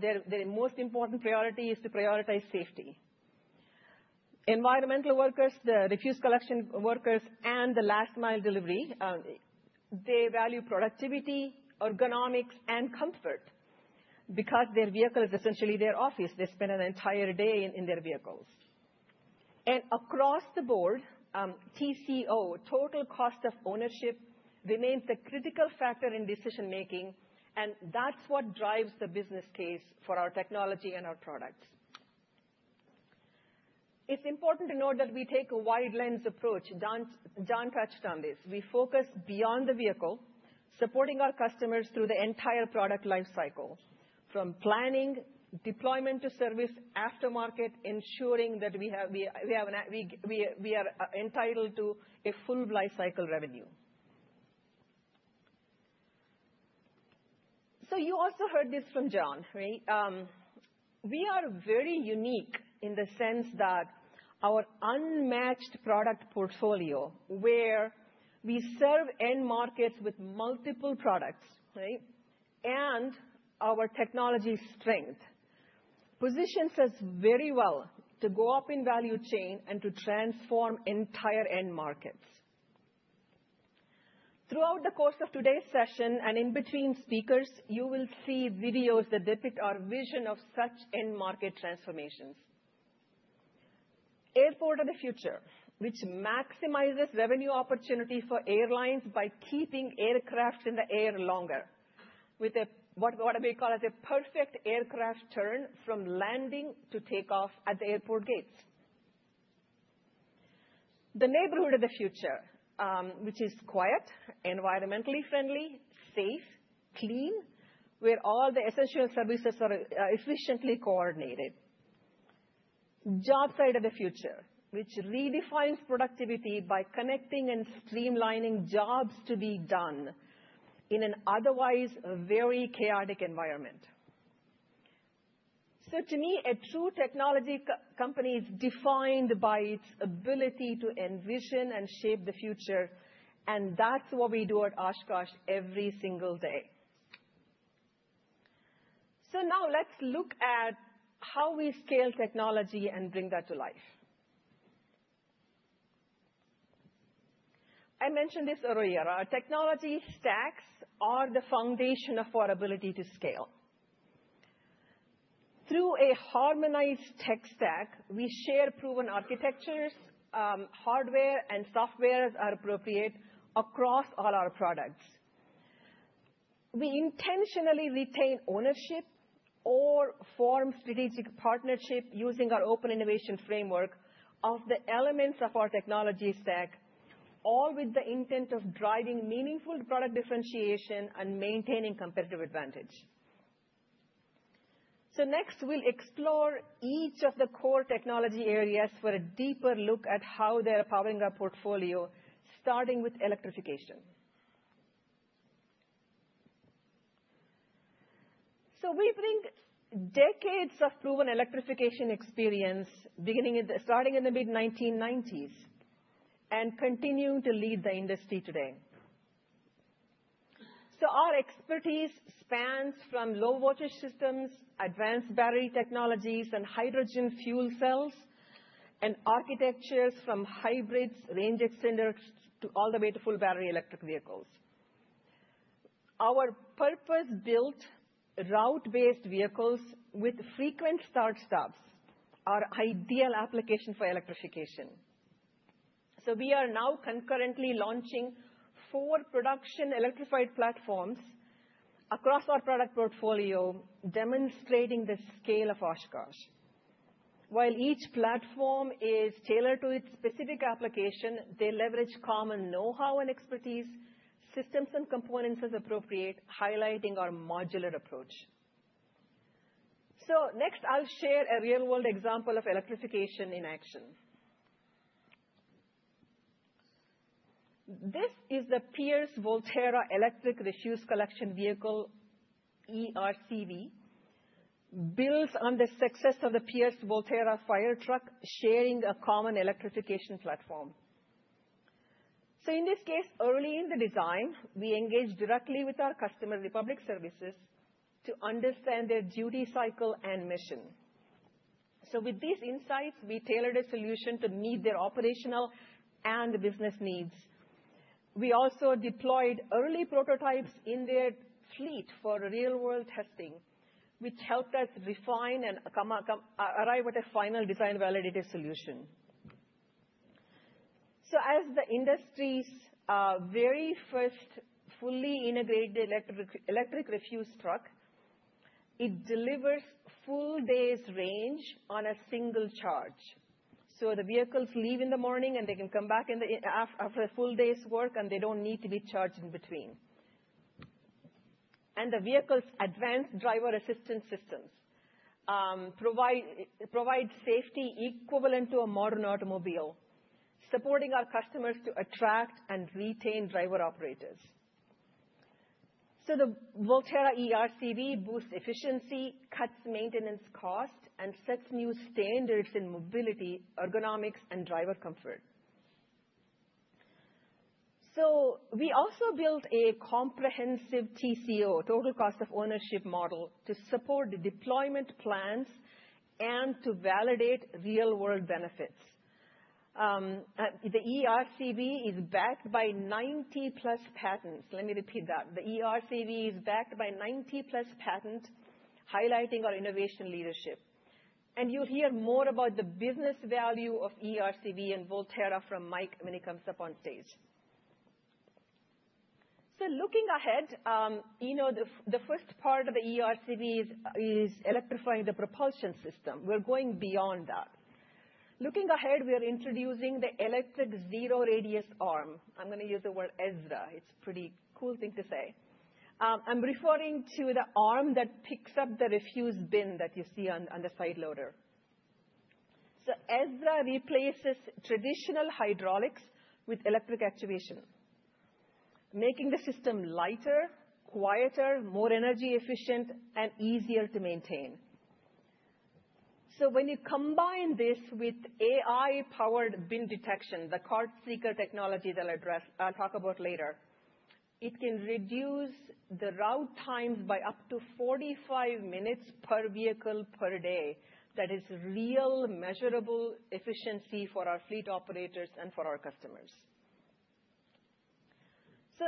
their most important priority is to prioritize safety. Environmental workers, the refuse collection workers, and the last-mile delivery, they value productivity, ergonomics, and comfort because their vehicle is essentially their office. They spend an entire day in their vehicles. Across the board, TCO, total cost of ownership, remains the critical factor in decision-making, and that's what drives the business case for our technology and our products. It's important to note that we take a wide-lens approach. John touched on this. We focus beyond the vehicle, supporting our customers through the entire product lifecycle, from planning, deployment to service, aftermarket, ensuring that we are entitled to a full lifecycle revenue. You also heard this from John, right? We are very unique in the sense that our unmatched product portfolio, where we serve end markets with multiple products, right, and our technology strength positions us very well to go up in value chain and to transform entire end markets. Throughout the course of today's session and in between speakers, you will see videos that depict our vision of such end market transformations. Airport of the Future, which maximizes revenue opportunity for airlines by keeping aircraft in the air longer with what we call as a perfect aircraft turn from landing to takeoff at the airport gates. The Neighborhood of the Future, which is quiet, environmentally friendly, safe, clean, where all the essential services are efficiently coordinated. Job Site of the Future, which redefines productivity by connecting and streamlining jobs to be done in an otherwise very chaotic environment. To me, a true technology company is defined by its ability to envision and shape the future, and that's what we do at Oshkosh every single day. Now let's look at how we scale technology and bring that to life. I mentioned this earlier. Our technology stacks are the foundation of our ability to scale. Through a harmonized tech stack, we share proven architectures. Hardware and software are appropriate across all our products. We intentionally retain ownership or form strategic partnership using our open innovation framework of the elements of our technology stack, all with the intent of driving meaningful product differentiation and maintaining competitive advantage. Next, we'll explore each of the core technology areas for a deeper look at how they're powering our portfolio, starting with electrification. We bring decades of proven electrification experience, starting in the mid-1990s and continuing to lead the industry today. Our expertise spans from low-voltage systems, advanced battery technologies, and hydrogen fuel cells, and architectures from hybrids, range extenders, to all the way to full battery electric vehicles. Our purpose-built route-based vehicles with frequent start-stops are ideal applications for electrification. We are now concurrently launching four production electrified platforms across our product portfolio, demonstrating the scale of Oshkosh. While each platform is tailored to its specific application, they leverage common know-how and expertise, systems, and components as appropriate, highlighting our modular approach. Next, I'll share a real-world example of electrification in action. This is the Pierce Volterra electric refuse collection vehicle, eRCV, built on the success of the Pierce Volterra fire truck, sharing a common electrification platform. In this case, early in the design, we engaged directly with our customer, Republic Services, to understand their duty cycle and mission. With these insights, we tailored a solution to meet their operational and business needs. We also deployed early prototypes in their fleet for real-world testing, which helped us refine and arrive at a final design-validated solution. As the industry's very first fully integrated electric refuse truck, it delivers a full day's range on a single charge. The vehicles leave in the morning, and they can come back after a full day's work, and they do not need to be charged in between. The vehicle's advanced driver assistance systems provide safety equivalent to a modern automobile, supporting our customers to attract and retain driver operators. The Volterra eRCV boosts efficiency, cuts maintenance cost, and sets new standards in mobility, ergonomics, and driver comfort. We also built a comprehensive TCO, total cost of ownership, model to support the deployment plans and to validate real-world benefits. The eRCV is backed by 90-plus patents. Let me repeat that. The eRCV is backed by 90-plus patents, highlighting our innovation leadership. You will hear more about the business value of eRCV and Volterra from Mike when he comes up on stage. Looking ahead, the first part of the eRCV is electrifying the propulsion system. We are going beyond that. Looking ahead, we are introducing the electric zero radius arm. I am going to use the word ESRA. It is a pretty cool thing to say. I am referring to the arm that picks up the refuse bin that you see on the side loader. ESRA replaces traditional hydraulics with electric actuation, making the system lighter, quieter, more energy efficient, and easier to maintain. When you combine this with AI-powered bin detection, the CartSeeker technology that I'll talk about later, it can reduce the route times by up to 45 minutes per vehicle per day. That is real measurable efficiency for our fleet operators and for our customers.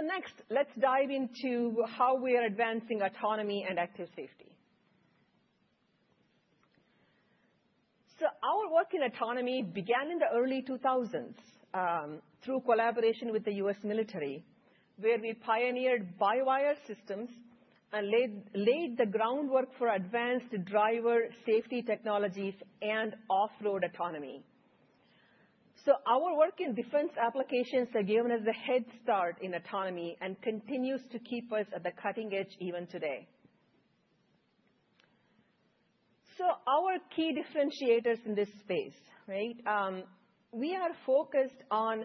Next, let's dive into how we are advancing autonomy and active safety. Our work in autonomy began in the early 2000s through collaboration with the U.S. military, where we pioneered by-wire systems and laid the groundwork for advanced driver safety technologies and off-road autonomy. Our work in defense applications has given us the head start in autonomy and continues to keep us at the cutting edge even today. Our key differentiators in this space, right? We are focused on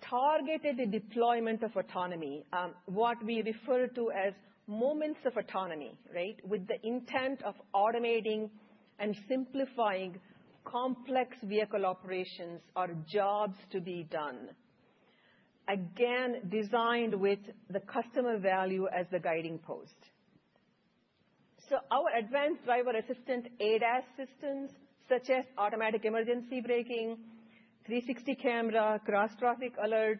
targeted deployment of autonomy, what we refer to as moments of autonomy, right, with the intent of automating and simplifying complex vehicle operations, our jobs to be done, again, designed with the customer value as the guiding post. Our advanced driver assistant ADAS systems, such as automatic emergency braking, 360 camera, cross-traffic alert,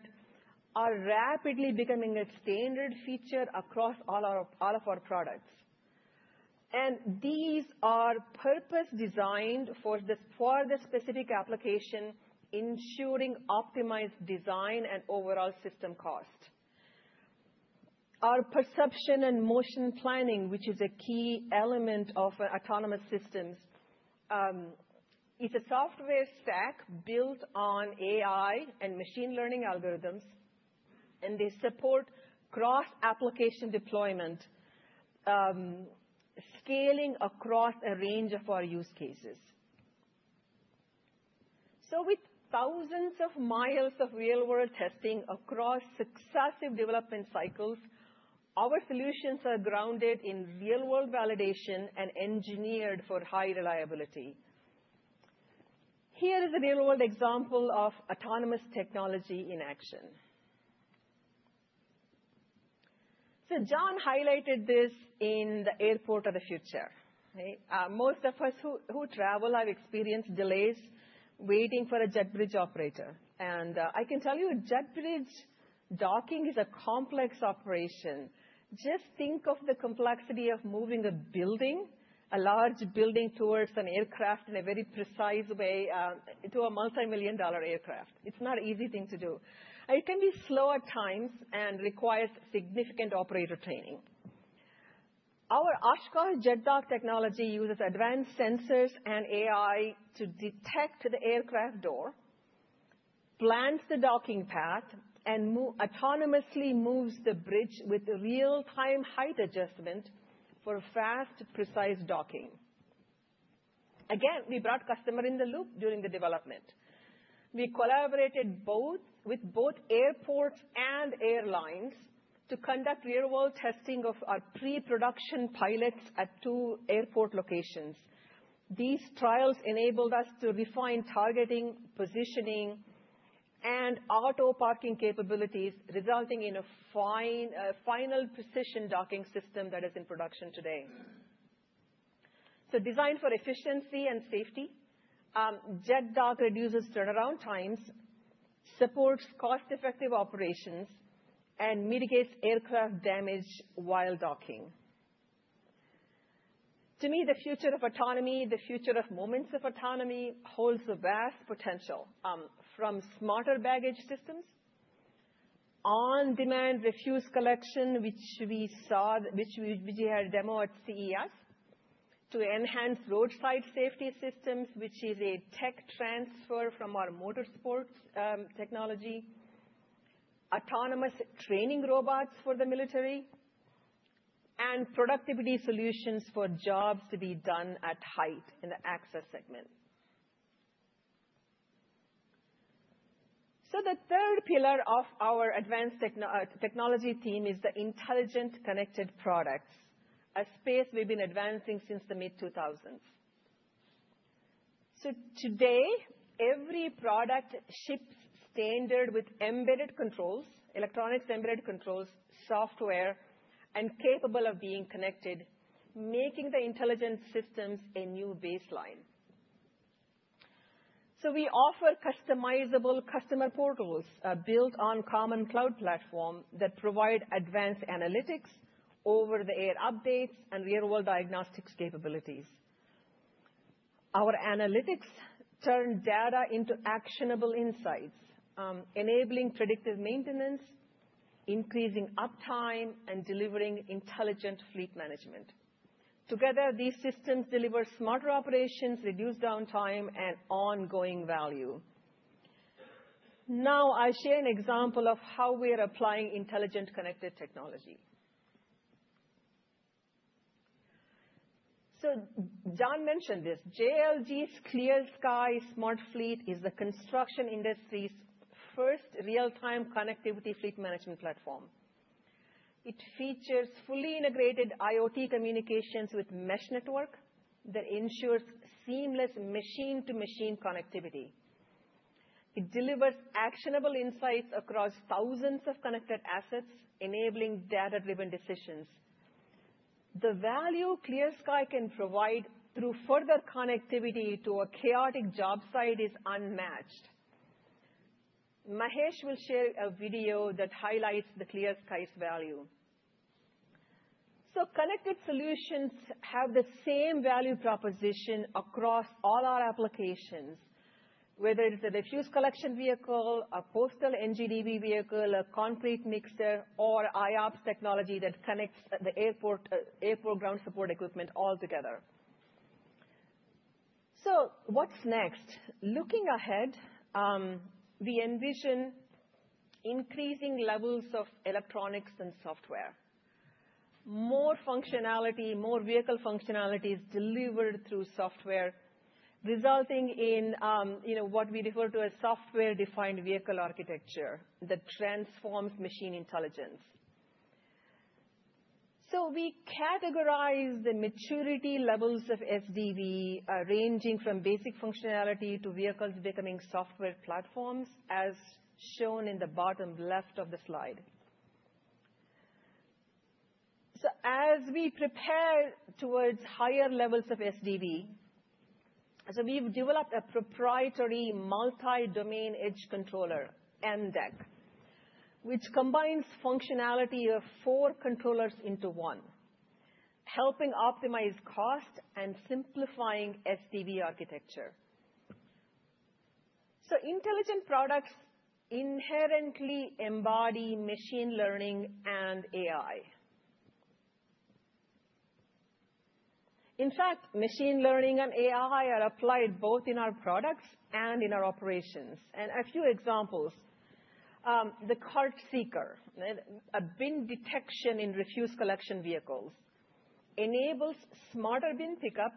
are rapidly becoming a standard feature across all of our products. These are purpose-designed for the specific application, ensuring optimized design and overall system cost. Our perception and motion planning, which is a key element of autonomous systems, is a software stack built on AI and machine learning algorithms, and they support cross-application deployment, scaling across a range of our use cases. With thousands of miles of real-world testing across successive development cycles, our solutions are grounded in real-world validation and engineered for high reliability. Here is a real-world example of autonomous technology in action. John highlighted this in the Airport of the Future. Most of us who travel have experienced delays waiting for a jet bridge operator. I can tell you jet bridge docking is a complex operation. Just think of the complexity of moving a building, a large building towards an aircraft in a very precise way to a multimillion-dollar aircraft. It's not an easy thing to do. It can be slow at times and requires significant operator training. Our Oshkosh JetDock technology uses advanced sensors and AI to detect the aircraft door, plans the docking path, and autonomously moves the bridge with real-time height adjustment for fast, precise docking. Again, we brought customers in the loop during the development. We collaborated with both airports and airlines to conduct real-world testing of our pre-production pilots at two airport locations. These trials enabled us to refine targeting, positioning, and auto-parking capabilities, resulting in a final precision docking system that is in production today. Designed for efficiency and safety, JetDock reduces turnaround times, supports cost-effective operations, and mitigates aircraft damage while docking. To me, the future of autonomy, the future of moments of autonomy, holds vast potential from smarter baggage systems, on-demand refuse collection, which we had a demo at CES, to enhanced roadside safety systems, which is a tech transfer from our motorsport technology, autonomous training robots for the military, and productivity solutions for jobs to be done at height in the access segment. The third pillar of our advanced technology theme is the intelligent connected products, a space we've been advancing since the mid-2000s. Today, every product ships standard with embedded controls, electronics embedded controls, software, and capable of being connected, making the intelligent systems a new baseline. We offer customizable customer portals built on a common cloud platform that provide advanced analytics, over-the-air updates, and real-world diagnostics capabilities. Our analytics turn data into actionable insights, enabling predictive maintenance, increasing uptime, and delivering intelligent fleet management. Together, these systems deliver smarter operations, reduced downtime, and ongoing value. Now I'll share an example of how we are applying intelligent connected technology. John mentioned this. JLG's ClearSky Smart Fleet is the construction industry's first real-time connectivity fleet management platform. It features fully integrated IoT communications with mesh network that ensures seamless machine-to-machine connectivity. It delivers actionable insights across thousands of connected assets, enabling data-driven decisions. The value ClearSky can provide through further connectivity to a chaotic job site is unmatched. Mahesh will share a video that highlights the ClearSky's value. Connected solutions have the same value proposition across all our applications, whether it's a refuse collection vehicle, a postal NGDV vehicle, a concrete mixer, or iOPS technology that connects the airport ground support equipment all together. What's next? Looking ahead, we envision increasing levels of electronics and software. More functionality, more vehicle functionalities delivered through software, resulting in what we refer to as software-defined vehicle architecture that transforms machine intelligence. We categorize the maturity levels of SDV, ranging from basic functionality to vehicles becoming software platforms, as shown in the bottom left of the slide. As we prepare towards higher levels of SDV, we've developed a proprietary multi-domain edge controller, MDEC, which combines functionality of four controllers into one, helping optimize cost and simplifying SDV architecture. Intelligent products inherently embody machine learning and AI. In fact, machine learning and AI are applied both in our products and in our operations. A few examples. The CartSeeker, a bin detection in refuse collection vehicles, enables smarter bin pickup,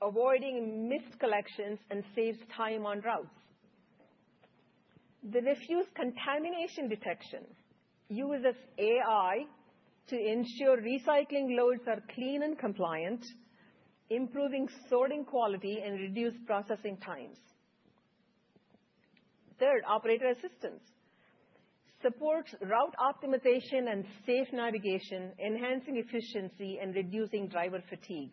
avoiding missed collections, and saves time on routes. The refuse contamination detection uses AI to ensure recycling loads are clean and compliant, improving sorting quality and reduced processing times. Third, operator assistance supports route optimization and safe navigation, enhancing efficiency and reducing driver fatigue.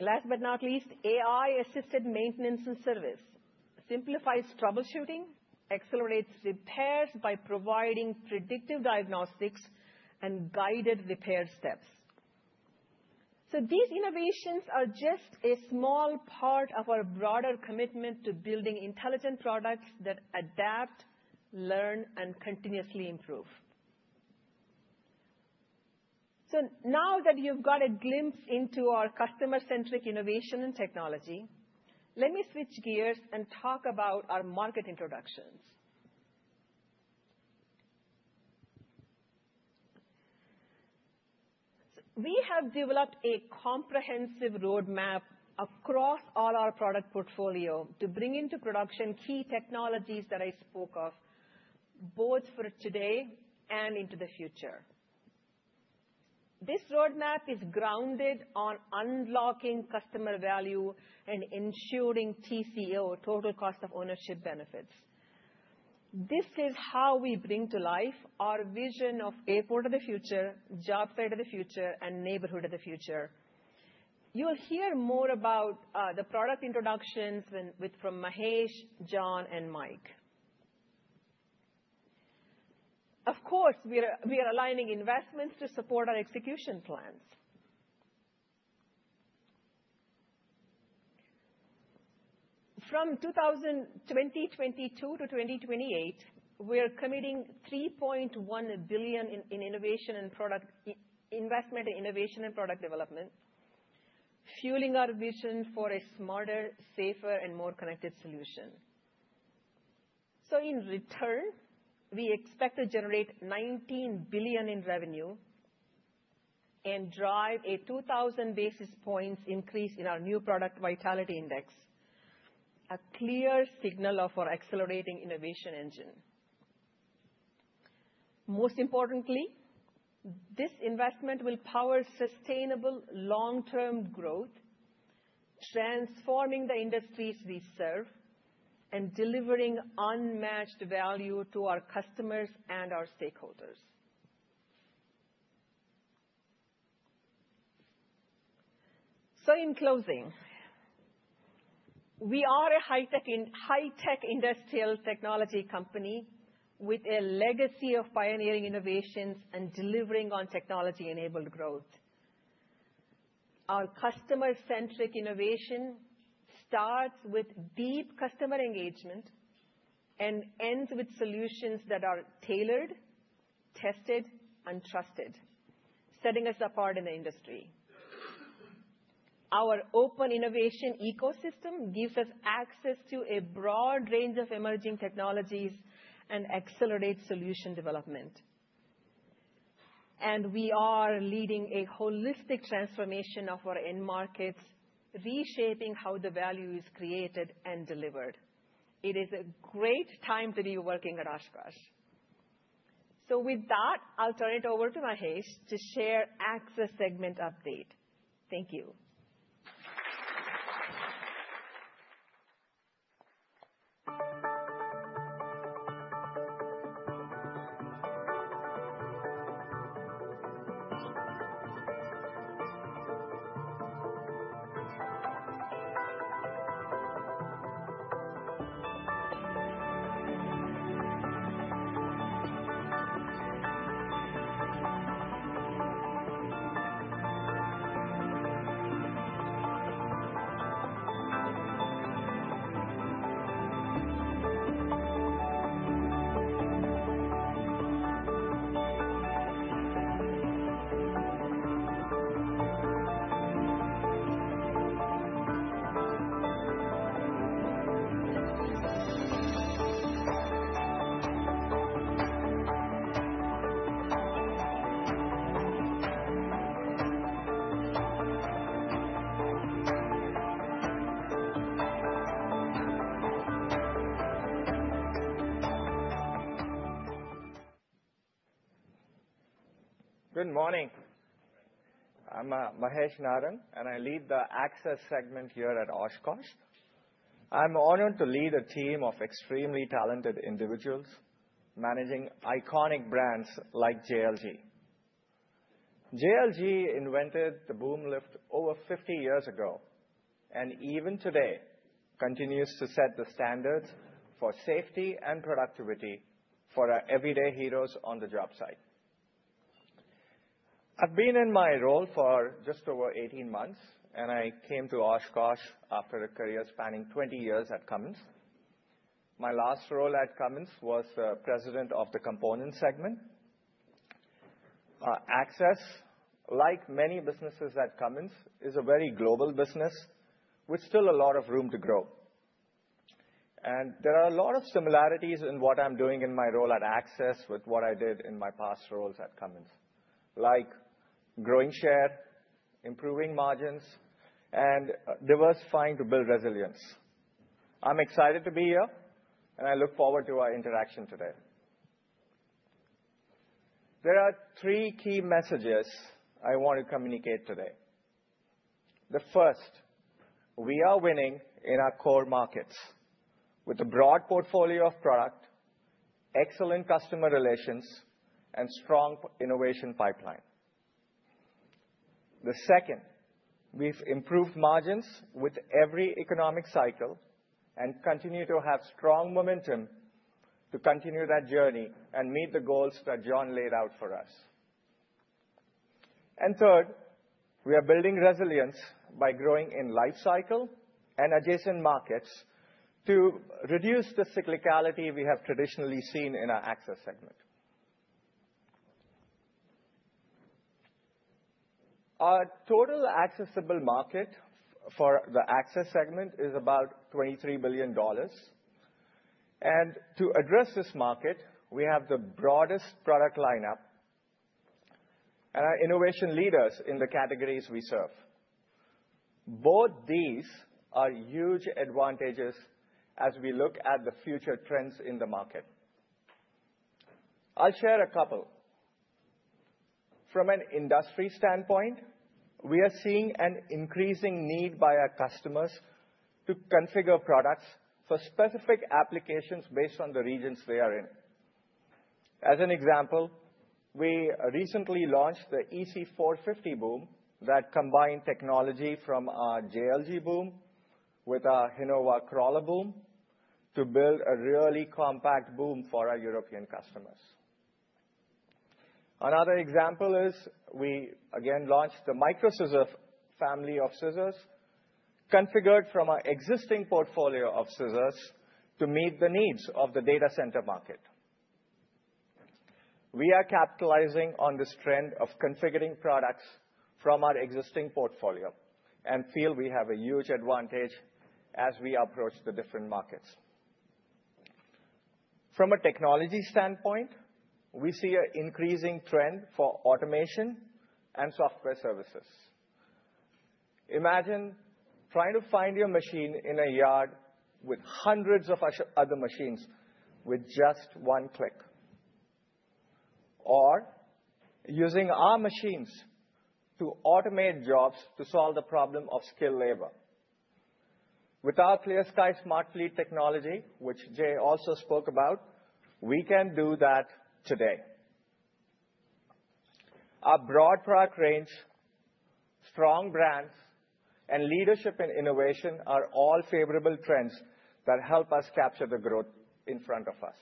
Last but not least, AI-assisted maintenance and service simplifies troubleshooting, accelerates repairs by providing predictive diagnostics and guided repair steps. These innovations are just a small part of our broader commitment to building intelligent products that adapt, learn, and continuously improve. Now that you've got a glimpse into our customer-centric innovation and technology, let me switch gears and talk about our market introductions. We have developed a comprehensive roadmap across all our product portfolio to bring into production key technologies that I spoke of, both for today and into the future. This roadmap is grounded on unlocking customer value and ensuring TCO, total cost of ownership, benefits. This is how we bring to life our vision of airport of the future, job fair of the future, and neighborhood of the future. You'll hear more about the product introductions from Mahesh, John, and Mike. Of course, we are aligning investments to support our execution plans. From 2022 to 2028, we are committing $3.1 billion in investment in innovation and product development, fueling our vision for a smarter, safer, and more connected solution. In return, we expect to generate $19 billion in revenue and drive a 2,000 basis points increase in our new product vitality index, a clear signal of our accelerating innovation engine. Most importantly, this investment will power sustainable long-term growth, transforming the industries we serve and delivering unmatched value to our customers and our stakeholders. In closing, we are a high-tech industrial technology company with a legacy of pioneering innovations and delivering on technology-enabled growth. Our customer-centric innovation starts with deep customer engagement and ends with solutions that are tailored, tested, and trusted, setting us apart in the industry. Our open innovation ecosystem gives us access to a broad range of emerging technologies and accelerates solution development. We are leading a holistic transformation of our end markets, reshaping how the value is created and delivered. It is a great time to be working at Oshkosh. With that, I'll turn it over to Mahesh to share access segment update. Thank you. Good morning. I'm Mahesh Narang, and I lead the access segment here at Oshkosh. I'm honored to lead a team of extremely talented individuals managing iconic brands like JLG. JLG invented the boom lift over 50 years ago and even today continues to set the standards for safety and productivity for our everyday heroes on the job site. I've been in my role for just over 18 months, and I came to Oshkosh after a career spanning 20 years at Cummins. My last role at Cummins was president of the component segment. Access, like many businesses at Cummins, is a very global business with still a lot of room to grow. There are a lot of similarities in what I'm doing in my role at Access with what I did in my past roles at Cummins, like growing share, improving margins, and diversifying to build resilience. I'm excited to be here, and I look forward to our interaction today. There are three key messages I want to communicate today. The first, we are winning in our core markets with a broad portfolio of product, excellent customer relations, and strong innovation pipeline. The second, we've improved margins with every economic cycle and continue to have strong momentum to continue that journey and meet the goals that John laid out for us. Third, we are building resilience by growing in lifecycle and adjacent markets to reduce the cyclicality we have traditionally seen in our access segment. Our total accessible market for the access segment is about $23 billion. To address this market, we have the broadest product lineup and are innovation leaders in the categories we serve. Both these are huge advantages as we look at the future trends in the market. I'll share a couple. From an industry standpoint, we are seeing an increasing need by our customers to configure products for specific applications based on the regions they are in. As an example, we recently launched the EC450 Boom that combined technology from our JLG boom with our Hinowa Crawler boom to build a really compact boom for our European customers. Another example is we, again, launched the Micro Scissor Family of scissors configured from our existing portfolio of scissors to meet the needs of the data center market. We are capitalizing on this trend of configuring products from our existing portfolio and feel we have a huge advantage as we approach the different markets. From a technology standpoint, we see an increasing trend for automation and software services. Imagine trying to find your machine in a yard with hundreds of other machines with just one click, or using our machines to automate jobs to solve the problem of skilled labor. With our ClearSky Smart Fleet technology, which Jay also spoke about, we can do that today. Our broad product range, strong brands, and leadership in innovation are all favorable trends that help us capture the growth in front of us.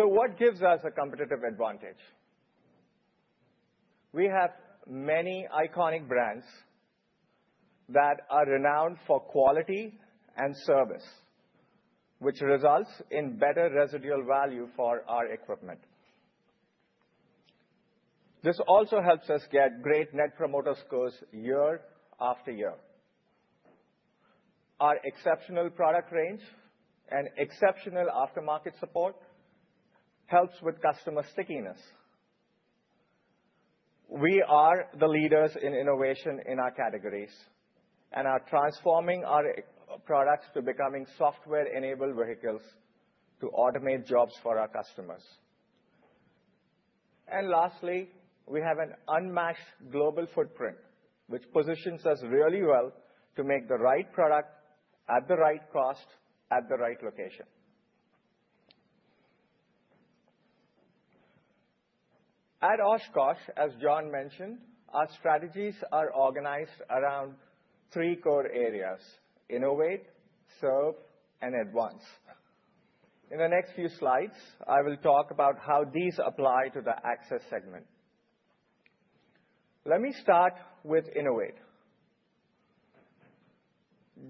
What gives us a competitive advantage? We have many iconic brands that are renowned for quality and service, which results in better residual value for our equipment. This also helps us get great net promoter scores year after year. Our exceptional product range and exceptional aftermarket support helps with customer stickiness. We are the leaders in innovation in our categories and are transforming our products to becoming software-enabled vehicles to automate jobs for our customers. Lastly, we have an unmatched global footprint, which positions us really well to make the right product at the right cost at the right location. At Oshkosh, as John mentioned, our strategies are organized around three core areas: innovate, serve, and advance. In the next few slides, I will talk about how these apply to the access segment. Let me start with innovate.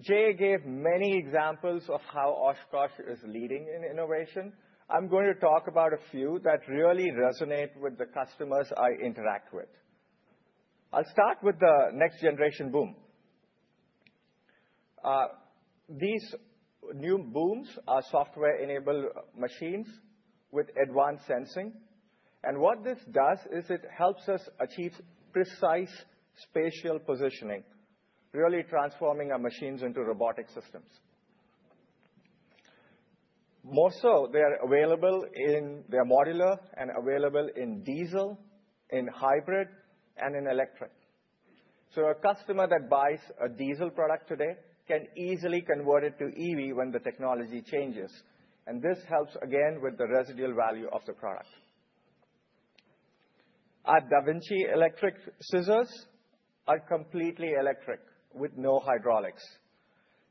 Jay gave many examples of how Oshkosh is leading in innovation. I'm going to talk about a few that really resonate with the customers I interact with. I'll start with the next generation boom. These new booms are software-enabled machines with advanced sensing. What this does is it helps us achieve precise spatial positioning, really transforming our machines into robotic systems. More so, they are modular and available in diesel, in hybrid, and in electric. A customer that buys a diesel product today can easily convert it to EV when the technology changes. This helps, again, with the residual value of the product. Our Da Vinci electric scissors are completely electric with no hydraulics.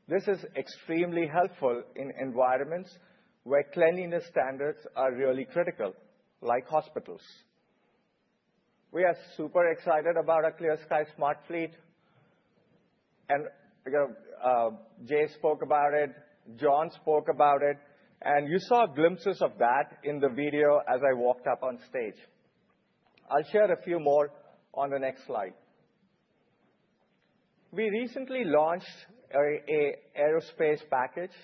This is extremely helpful in environments where cleanliness standards are really critical, like hospitals. We are super excited about our ClearSky Smart Fleet. Jay spoke about it, John spoke about it, and you saw glimpses of that in the video as I walked up on stage. I'll share a few more on the next slide. We recently launched an aerospace package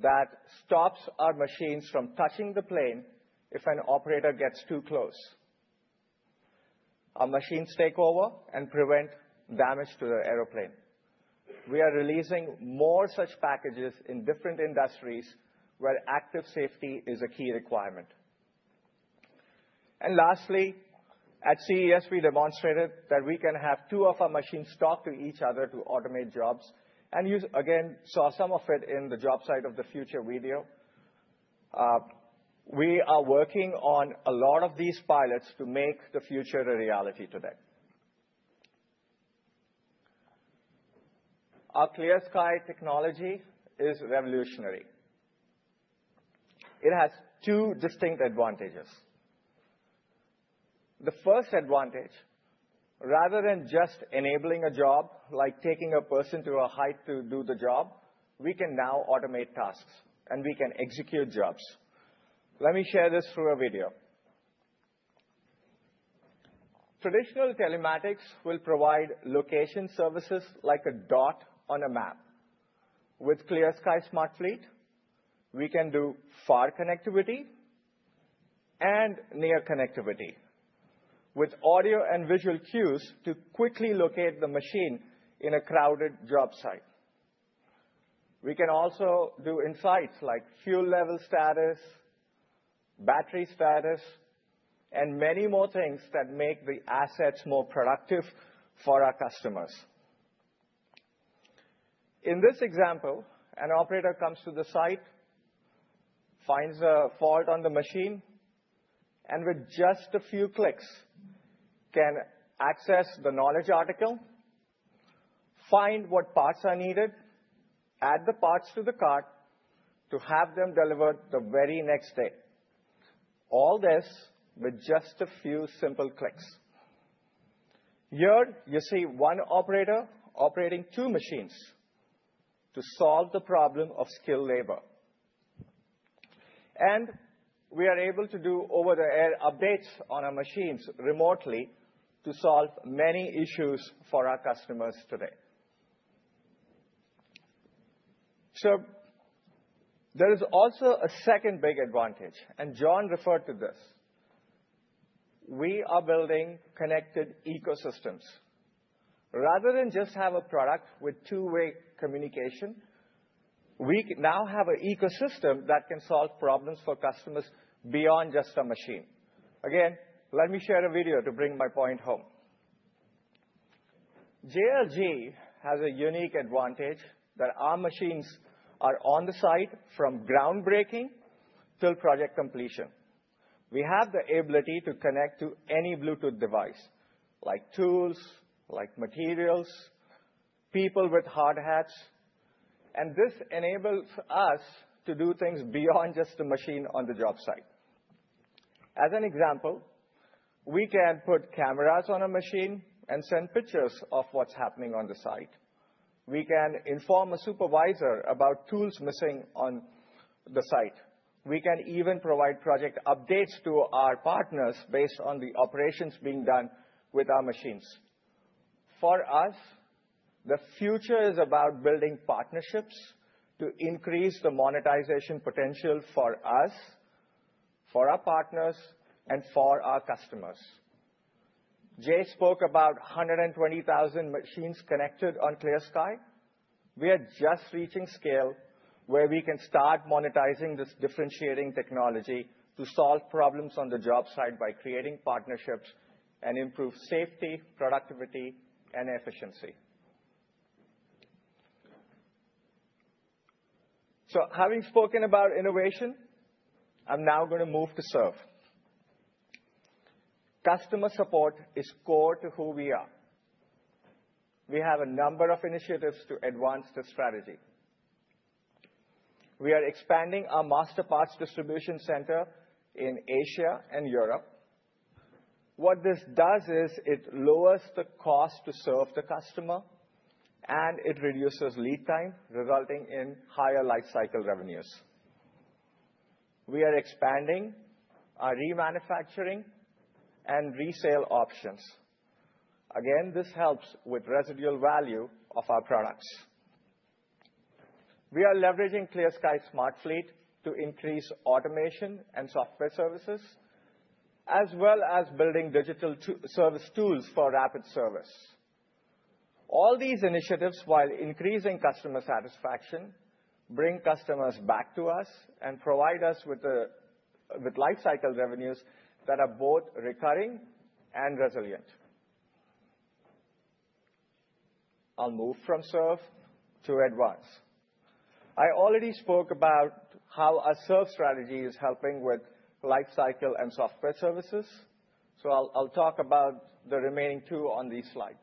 that stops our machines from touching the plane if an operator gets too close. Our machines take over and prevent damage to the airplane. We are releasing more such packages in different industries where active safety is a key requirement. Lastly, at CES, we demonstrated that we can have two of our machines talk to each other to automate jobs. You, again, saw some of it in the job site of the future video. We are working on a lot of these pilots to make the future a reality today. Our ClearSky technology is revolutionary. It has two distinct advantages. The first advantage, rather than just enabling a job like taking a person to a height to do the job, is we can now automate tasks, and we can execute jobs. Let me share this through a video. Traditional telematics will provide location services like a dot on a map. With ClearSky Smart Fleet, we can do far connectivity and near connectivity with audio and visual cues to quickly locate the machine in a crowded job site. We can also do insights like fuel level status, battery status, and many more things that make the assets more productive for our customers. In this example, an operator comes to the site, finds a fault on the machine, and with just a few clicks can access the knowledge article, find what parts are needed, add the parts to the cart to have them delivered the very next day. All this with just a few simple clicks. Here you see one operator operating two machines to solve the problem of skilled labor. We are able to do over-the-air updates on our machines remotely to solve many issues for our customers today. There is also a second big advantage, and John referred to this. We are building connected ecosystems. Rather than just have a product with two-way communication, we now have an ecosystem that can solve problems for customers beyond just a machine. Again, let me share a video to bring my point home. JLG has a unique advantage that our machines are on the site from groundbreaking till project completion. We have the ability to connect to any Bluetooth device, like tools, like materials, people with hard hats. This enables us to do things beyond just the machine on the job site. As an example, we can put cameras on a machine and send pictures of what is happening on the site. We can inform a supervisor about tools missing on the site. We can even provide project updates to our partners based on the operations being done with our machines. For us, the future is about building partnerships to increase the monetization potential for us, for our partners, and for our customers. Jay spoke about 120,000 machines connected on ClearSky. We are just reaching scale where we can start monetizing this differentiating technology to solve problems on the job site by creating partnerships and improve safety, productivity, and efficiency. Having spoken about innovation, I'm now going to move to serve. Customer support is core to who we are. We have a number of initiatives to advance the strategy. We are expanding our master parts distribution center in Asia and Europe. What this does is it lowers the cost to serve the customer, and it reduces lead time, resulting in higher lifecycle revenues. We are expanding our remanufacturing and resale options. Again, this helps with residual value of our products. We are leveraging ClearSky Smart Fleet to increase automation and software services, as well as building digital service tools for rapid service. All these initiatives, while increasing customer satisfaction, bring customers back to us and provide us with lifecycle revenues that are both recurring and resilient. I'll move from serve to advance. I already spoke about how our serve strategy is helping with lifecycle and software services. I'll talk about the remaining two on this slide.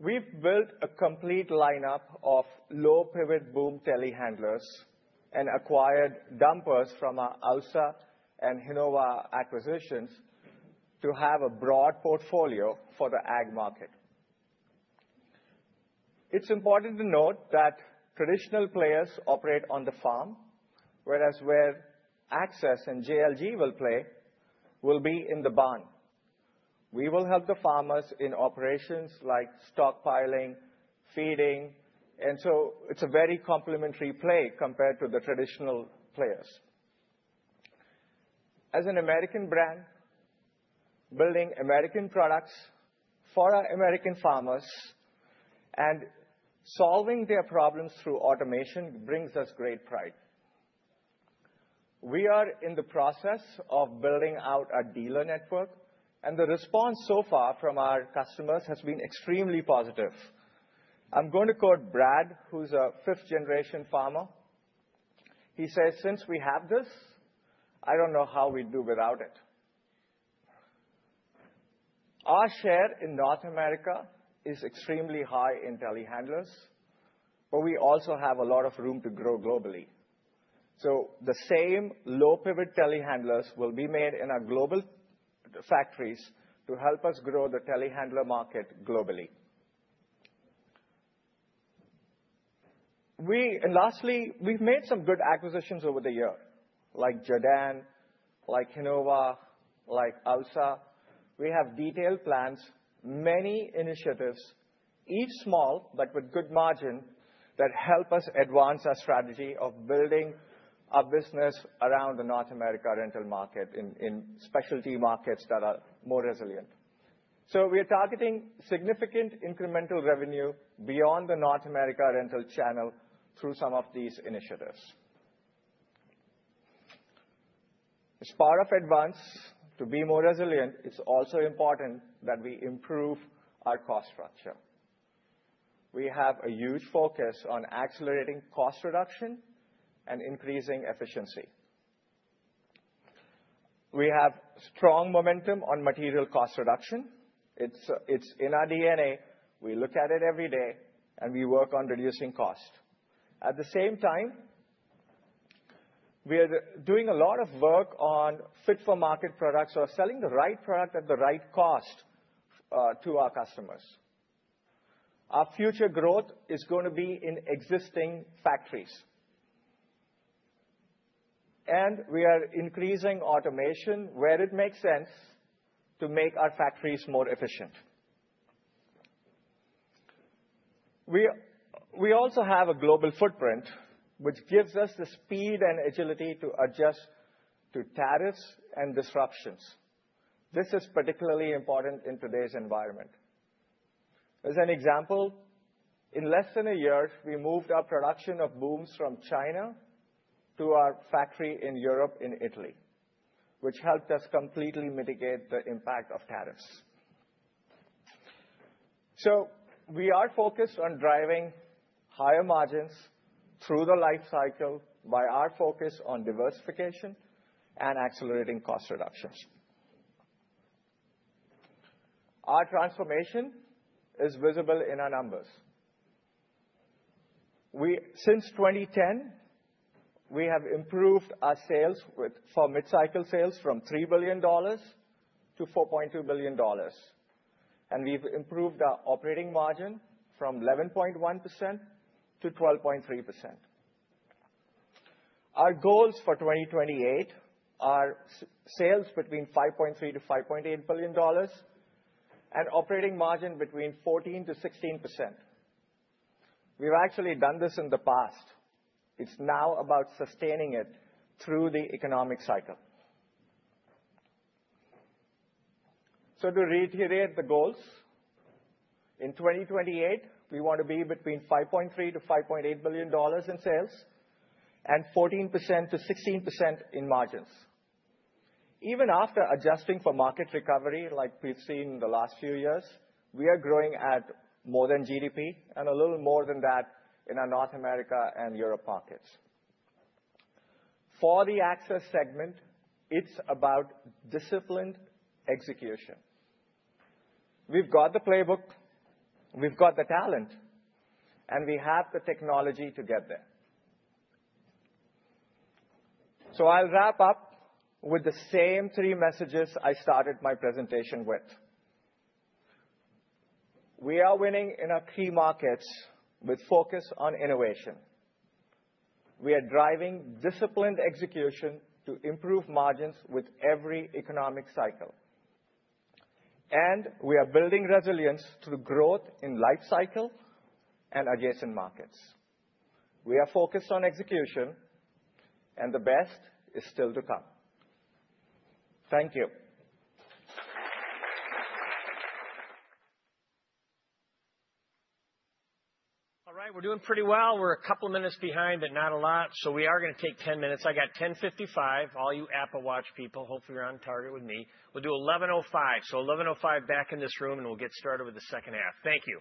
We've built a complete lineup of low-pivot boom telehandlers and acquired dumpers from our AUSA and Hinowa acquisitions to have a broad portfolio for the ag market. It's important to note that traditional players operate on the farm, whereas where Access and JLG will play will be in the barn. We will help the farmers in operations like stockpiling, feeding. It's a very complementary play compared to the traditional players. As an American brand, building American products for our American farmers and solving their problems through automation brings us great pride. We are in the process of building out our dealer network, and the response so far from our customers has been extremely positive. I'm going to quote Brad, who's a fifth-generation farmer. He says, "Since we have this, I don't know how we'd do without it." Our share in North America is extremely high in telehandlers, but we also have a lot of room to grow globally. The same low-pivot telehandlers will be made in our global factories to help us grow the telehandler market globally. Lastly, we've made some good acquisitions over the year, like Jadan, like Hinowa, like AUSA. We have detailed plans, many initiatives, each small but with good margin, that help us advance our strategy of building our business around the North America rental market in specialty markets that are more resilient. We are targeting significant incremental revenue beyond the North America rental channel through some of these initiatives. As part of advance to be more resilient, it is also important that we improve our cost structure. We have a huge focus on accelerating cost reduction and increasing efficiency. We have strong momentum on material cost reduction. It is in our DNA. We look at it every day, and we work on reducing cost. At the same time, we are doing a lot of work on fit-for-market products or selling the right product at the right cost to our customers. Our future growth is going to be in existing factories. We are increasing automation where it makes sense to make our factories more efficient. We also have a global footprint, which gives us the speed and agility to adjust to tariffs and disruptions. This is particularly important in today's environment. As an example, in less than a year, we moved our production of booms from China to our factory in Europe in Italy, which helped us completely mitigate the impact of tariffs. We are focused on driving higher margins through the lifecycle by our focus on diversification and accelerating cost reductions. Our transformation is visible in our numbers. Since 2010, we have improved our sales for mid-cycle sales from $3 billion to $4.2 billion. We have improved our operating margin from 11.1% to 12.3%. Our goals for 2028 are sales between $5.3 billion-$5.8 billion and operating margin between 14%-16%. We've actually done this in the past. It's now about sustaining it through the economic cycle. To reiterate the goals, in 2028, we want to be between $5.3 billion-$5.8 billion in sales and 14%-16% in margins. Even after adjusting for market recovery, like we've seen in the last few years, we are growing at more than GDP and a little more than that in our North America and Europe markets. For the AXS segment, it's about disciplined execution. We've got the playbook. We've got the talent, and we have the technology to get there. I'll wrap up with the same three messages I started my presentation with. We are winning in our key markets with focus on innovation. We are driving disciplined execution to improve margins with every economic cycle. We are building resilience through growth in lifecycle and adjacent markets. We are focused on execution, and the best is still to come. Thank you. All right, we're doing pretty well. We're a couple of minutes behind, but not a lot. We are going to take 10 minutes. I got 10:55. All you Apple Watch people, hopefully you're on target with me. We'll do 11:05. 11:05 back in this room, and we'll get started with the second half. Thank you.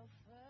He's been just for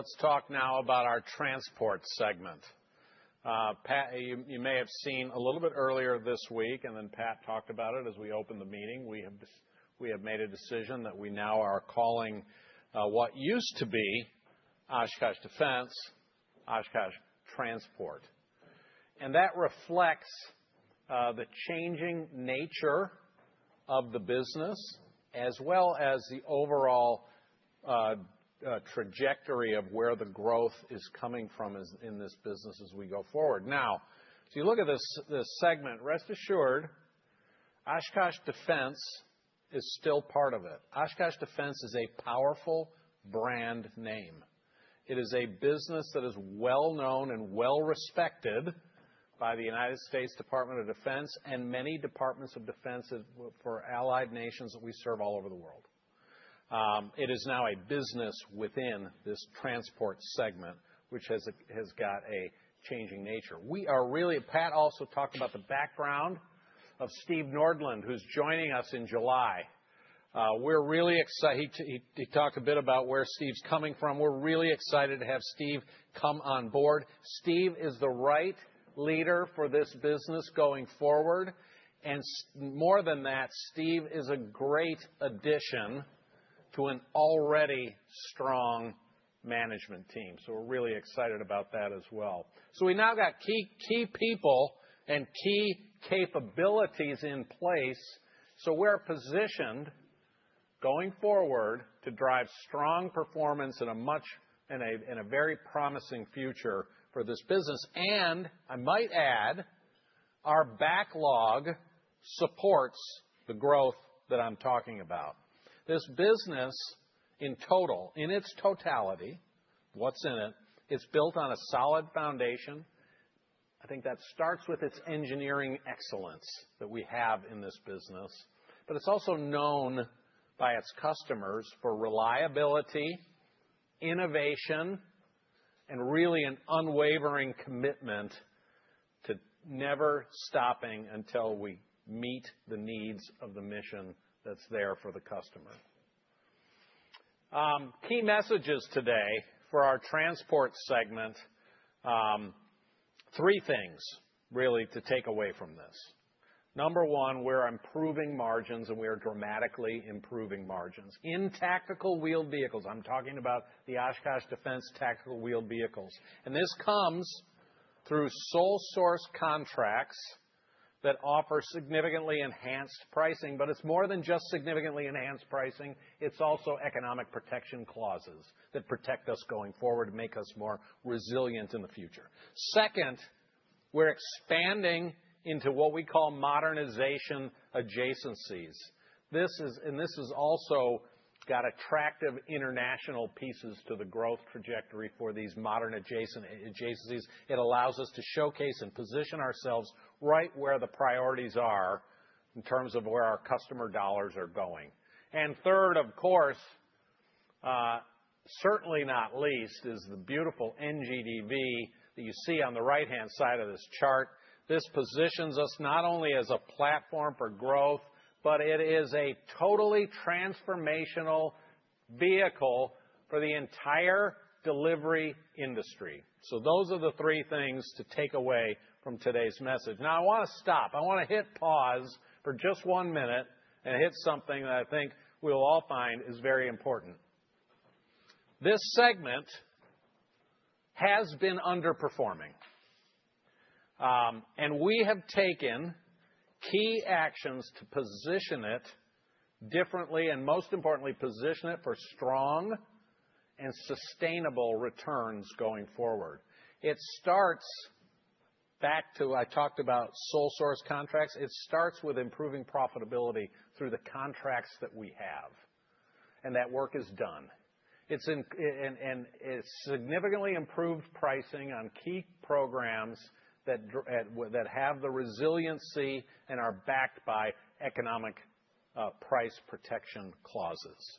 Hello again. Let's talk now about our transport segment. You may have seen a little bit earlier this week, and then Pat talked about it as we opened the meeting. We have made a decision that we now are calling what used to be Oshkosh Defense, Oshkosh Transport. That reflects the changing nature of the business as well as the overall trajectory of where the growth is coming from in this business as we go forward. Now, as you look at this segment, rest assured, Oshkosh Defense is still part of it. Oshkosh Defense is a powerful brand name. It is a business that is well known and well respected by the United States Department of Defense and many departments of defense for allied nations that we serve all over the world. It is now a business within this transport segment, which has got a changing nature. Pat also talked about the background of Steve Nordlund, who's joining us in July. He talked a bit about where Steve's coming from. We're really excited to have Steve come on board. Steve is the right leader for this business going forward. More than that, Steve is a great addition to an already strong management team. We're really excited about that as well. We now got key people and key capabilities in place. We're positioned going forward to drive strong performance in a very promising future for this business. I might add, our backlog supports the growth that I'm talking about. This business, in total, in its totality, what's in it, it's built on a solid foundation. I think that starts with its engineering excellence that we have in this business. It's also known by its customers for reliability, innovation, and really an unwavering commitment to never stopping until we meet the needs of the mission that's there for the customer. Key messages today for our transport segment, three things really to take away from this. Number one, we're improving margins and we are dramatically improving margins. In tactical wheeled vehicles, I'm talking about the Oshkosh Defense tactical wheeled vehicles. This comes through sole source contracts that offer significantly enhanced pricing. It's more than just significantly enhanced pricing. It's also economic protection clauses that protect us going forward, make us more resilient in the future. Second, we're expanding into what we call modernization adjacencies. This has also got attractive international pieces to the growth trajectory for these modern adjacencies. It allows us to showcase and position ourselves right where the priorities are in terms of where our customer dollars are going. Third, of course, certainly not least, is the beautiful NGDV that you see on the right-hand side of this chart. This positions us not only as a platform for growth, but it is a totally transformational vehicle for the entire delivery industry. Those are the three things to take away from today's message. Now I want to stop. I want to hit pause for just one minute and hit something that I think we will all find is very important. This segment has been underperforming. We have taken key actions to position it differently and, most importantly, position it for strong and sustainable returns going forward. It starts back to I talked about sole source contracts. It starts with improving profitability through the contracts that we have. That work is done. It has significantly improved pricing on key programs that have the resiliency and are backed by economic price protection clauses.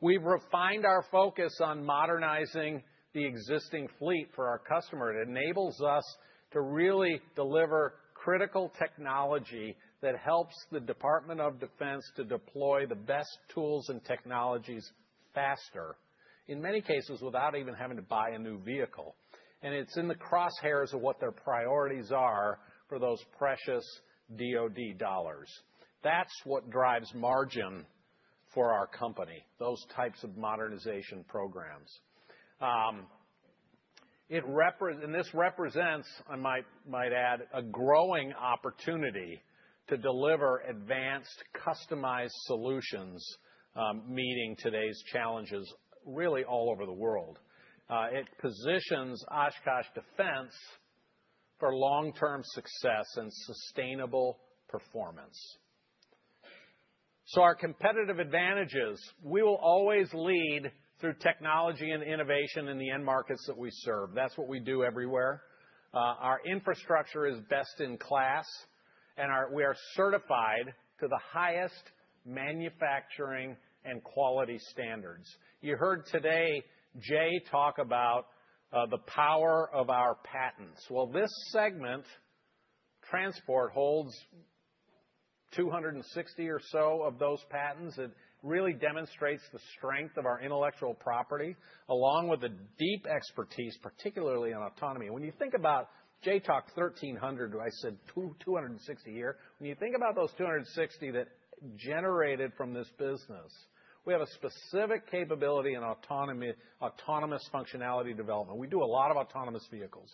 We have refined our focus on modernizing the existing fleet for our customer. It enables us to really deliver critical technology that helps the Department of Defense to deploy the best tools and technologies faster, in many cases without even having to buy a new vehicle. It is in the crosshairs of what their priorities are for those precious DoD dollars. That is what drives margin for our company, those types of modernization programs. This represents, I might add, a growing opportunity to deliver advanced customized solutions meeting today's challenges really all over the world. It positions Oshkosh Defense for long-term success and sustainable performance. Our competitive advantages, we will always lead through technology and innovation in the end markets that we serve. That's what we do everywhere. Our infrastructure is best in class, and we are certified to the highest manufacturing and quality standards. You heard today Jay talk about the power of our patents. This segment, transport, holds 260 or so of those patents. It really demonstrates the strength of our intellectual property along with the deep expertise, particularly in autonomy. When you think about Jay talked 1,300, I said 260 here. When you think about those 260 that generated from this business, we have a specific capability in autonomous functionality development. We do a lot of autonomous vehicles.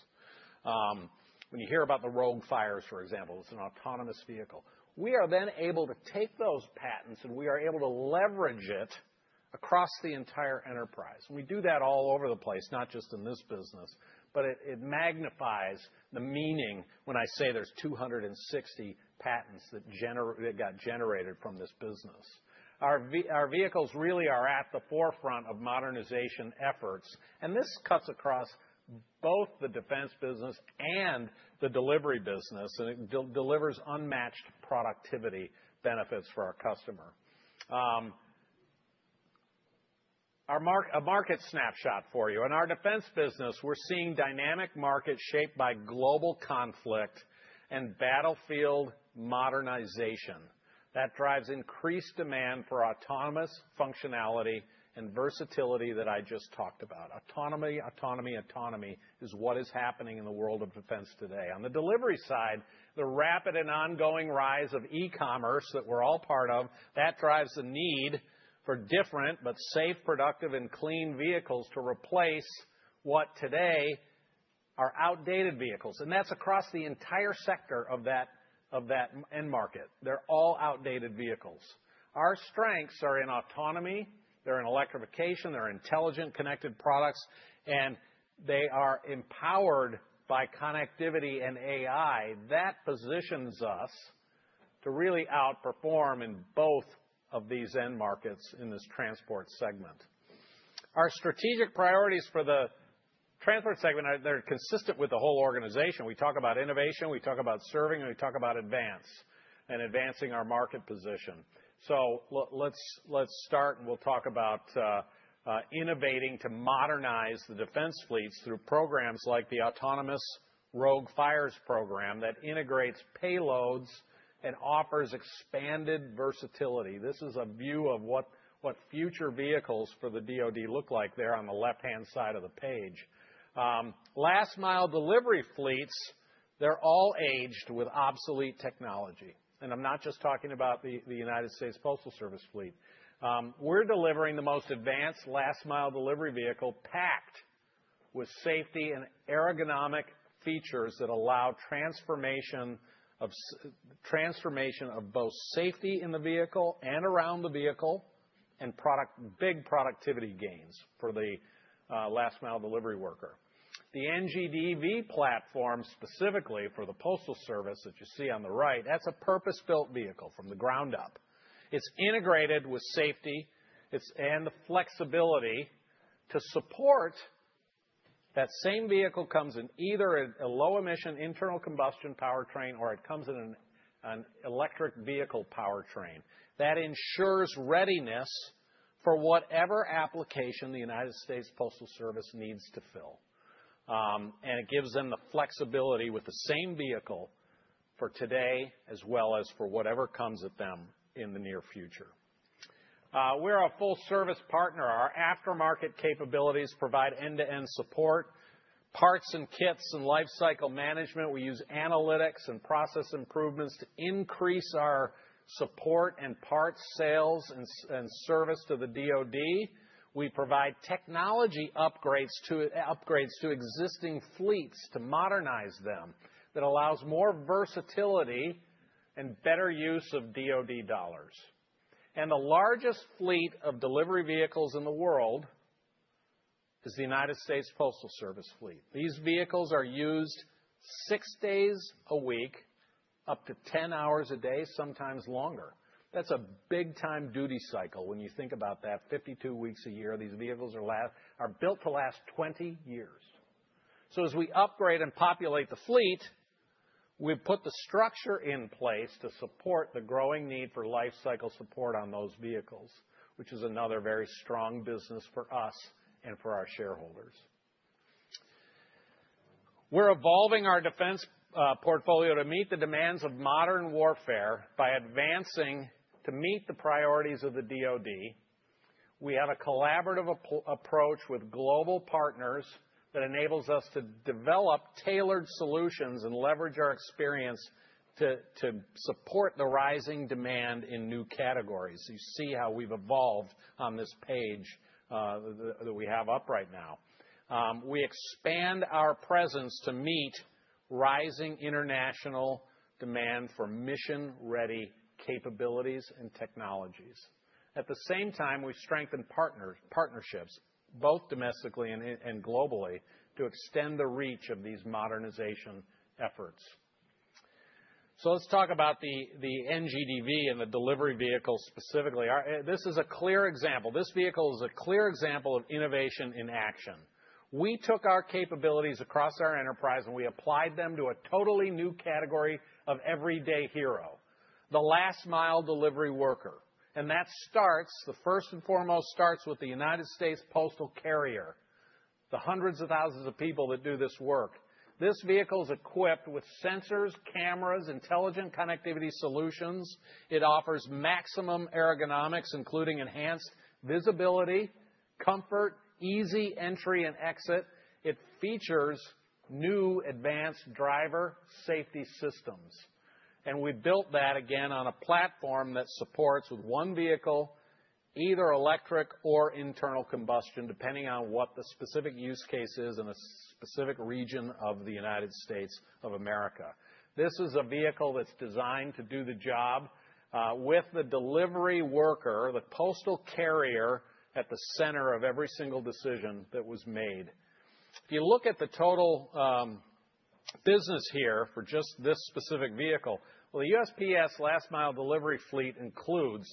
When you hear about the ROGUE-Fires, for example, it's an autonomous vehicle. We are then able to take those patents, and we are able to leverage it across the entire enterprise. We do that all over the place, not just in this business, but it magnifies the meaning when I say there's 260 patents that got generated from this business. Our vehicles really are at the forefront of modernization efforts. This cuts across both the defense business and the delivery business, and it delivers unmatched productivity benefits for our customer. A market snapshot for you. In our defense business, we're seeing dynamic markets shaped by global conflict and battlefield modernization. That drives increased demand for autonomous functionality and versatility that I just talked about. Autonomy, autonomy, autonomy is what is happening in the world of defense today. On the delivery side, the rapid and ongoing rise of e-commerce that we're all part of, that drives the need for different but safe, productive, and clean vehicles to replace what today are outdated vehicles. That is across the entire sector of that end market. They're all outdated vehicles. Our strengths are in autonomy. They're in electrification. They're intelligent connected products, and they are empowered by connectivity and AI. That positions us to really outperform in both of these end markets in this transport segment. Our strategic priorities for the transport segment, they're consistent with the whole organization. We talk about innovation. We talk about serving, and we talk about advance and advancing our market position. Let's start, and we'll talk about innovating to modernize the defense fleets through programs like the Autonomous ROGUE-Fires program that integrates payloads and offers expanded versatility. This is a view of what future vehicles for the DoD look like there on the left-hand side of the page. Last-mile delivery fleets, they're all aged with obsolete technology. And I'm not just talking about the United States Postal Service fleet. We're delivering the most advanced last-mile delivery vehicle packed with safety and ergonomic features that allow transformation of both safety in the vehicle and around the vehicle and big productivity gains for the last-mile delivery worker. The NGDV platform, specifically for the Postal Service that you see on the right, that's a purpose-built vehicle from the ground up. It's integrated with safety and the flexibility to support that same vehicle comes in either a low-emission internal combustion powertrain or it comes in an electric vehicle powertrain. That ensures readiness for whatever application the United States Postal Service needs to fill. It gives them the flexibility with the same vehicle for today as well as for whatever comes at them in the near future. We are a full-service partner. Our aftermarket capabilities provide end-to-end support, parts and kits, and life cycle management. We use analytics and process improvements to increase our support and parts sales and service to the DoD. We provide technology upgrades to existing fleets to modernize them that allows more versatility and better use of DoD dollars. The largest fleet of delivery vehicles in the world is the United States Postal Service fleet. These vehicles are used six days a week, up to 10 hours a day, sometimes longer. That is a big-time duty cycle when you think about that. Fifty-two weeks a year, these vehicles are built to last 20 years. As we upgrade and populate the fleet, we've put the structure in place to support the growing need for life cycle support on those vehicles, which is another very strong business for us and for our shareholders. We're evolving our defense portfolio to meet the demands of modern warfare by advancing to meet the priorities of the DoD. We have a collaborative approach with global partners that enables us to develop tailored solutions and leverage our experience to support the rising demand in new categories. You see how we've evolved on this page that we have up right now. We expand our presence to meet rising international demand for mission-ready capabilities and technologies. At the same time, we've strengthened partnerships, both domestically and globally, to extend the reach of these modernization efforts. Let's talk about the NGDV and the delivery vehicle specifically. This is a clear example. This vehicle is a clear example of innovation in action. We took our capabilities across our enterprise, and we applied them to a totally new category of everyday hero: the last-mile delivery worker. That starts, first and foremost, with the United States Postal Carrier, the hundreds of thousands of people that do this work. This vehicle is equipped with sensors, cameras, intelligent connectivity solutions. It offers maximum ergonomics, including enhanced visibility, comfort, easy entry and exit. It features new advanced driver safety systems. We built that again on a platform that supports, with one vehicle, either electric or internal combustion, depending on what the specific use case is in a specific region of the United States of America. This is a vehicle that's designed to do the job with the delivery worker, the Postal Carrier, at the center of every single decision that was made. If you look at the total business here for just this specific vehicle, the USPS last-mile delivery fleet includes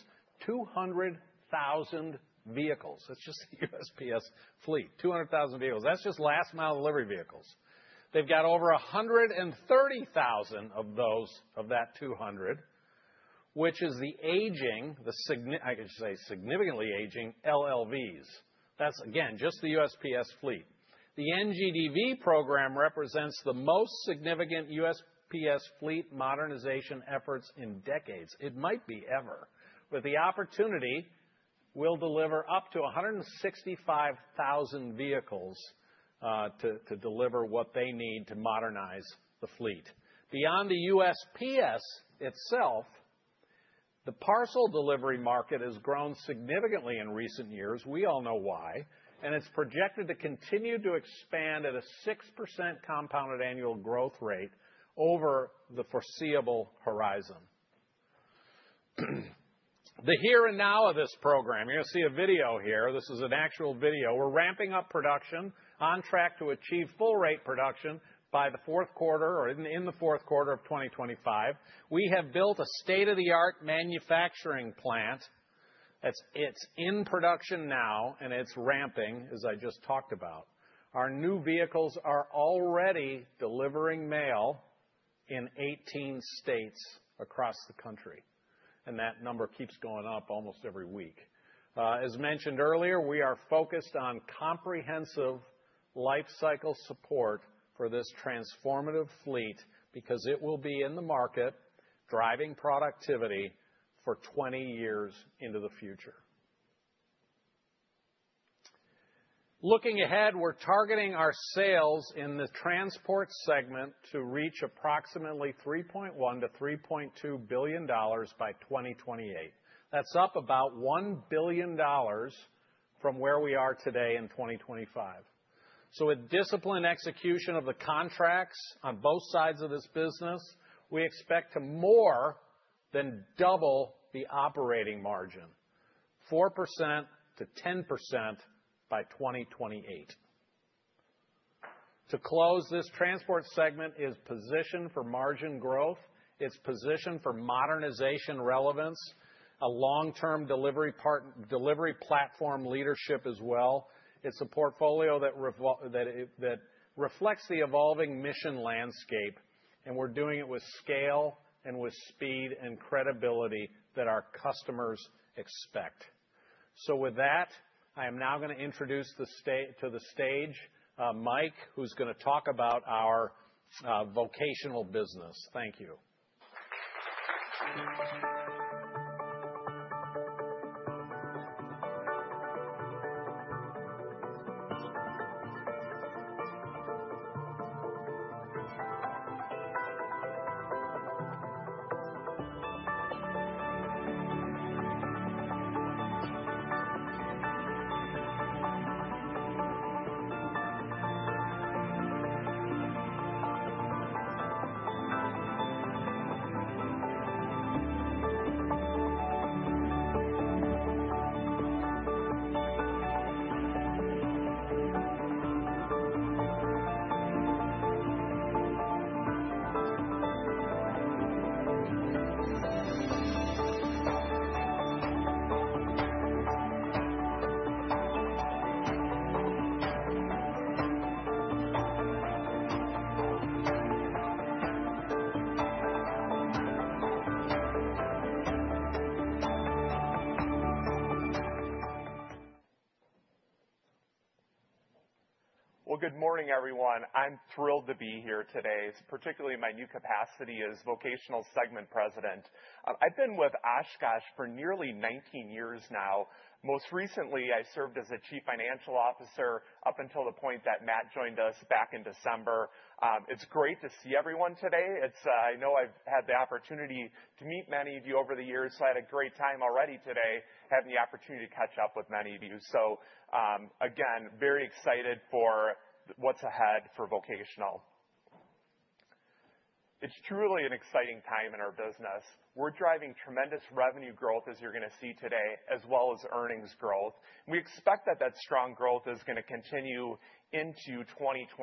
200,000 vehicles. That is just the USPS fleet: 200,000 vehicles. That is just last-mile delivery vehicles. They have got over 130,000 of those of that 200, which is the aging, I should say significantly aging LLVs. That is, again, just the USPS fleet. The NGDV program represents the most significant USPS fleet modernization efforts in decades. It might be ever. With the opportunity, we will deliver up to 165,000 vehicles to deliver what they need to modernize the fleet. Beyond the USPS itself, the parcel delivery market has grown significantly in recent years. We all know why. It is projected to continue to expand at a 6% compounded annual growth rate over the foreseeable horizon. The here and now of this program, you are going to see a video here. This is an actual video. We're ramping up production, on track to achieve full-rate production by the fourth quarter or in the fourth quarter of 2025. We have built a state-of-the-art manufacturing plant. It's in production now, and it's ramping, as I just talked about. Our new vehicles are already delivering mail in 18 states across the country. That number keeps going up almost every week. As mentioned earlier, we are focused on comprehensive life cycle support for this transformative fleet because it will be in the market, driving productivity for 20 years into the future. Looking ahead, we're targeting our sales in the transport segment to reach approximately $3.1 billion-$3.2 billion by 2028. That's up about $1 billion from where we are today in 2025. With disciplined execution of the contracts on both sides of this business, we expect to more than double the operating margin: 4%-10% by 2028. To close, this transport segment is positioned for margin growth. It's positioned for modernization relevance, a long-term delivery platform leadership as well. It's a portfolio that reflects the evolving mission landscape, and we're doing it with scale and with speed and credibility that our customers expect. With that, I am now going to introduce to the stage Mike, who's going to talk about our vocational business. Thank you. Good morning, everyone. I'm thrilled to be here today, particularly in my new capacity as Vocational segment president. I've been with Oshkosh for nearly 19 years now. Most recently, I served as Chief Financial Officer up until the point that Matt joined us back in December. It's great to see everyone today. I know I've had the opportunity to meet many of you over the years, so I had a great time already today having the opportunity to catch up with many of you. Again, very excited for what's ahead for vocational. It's truly an exciting time in our business. We're driving tremendous revenue growth, as you're going to see today, as well as earnings growth. We expect that that strong growth is going to continue into 2028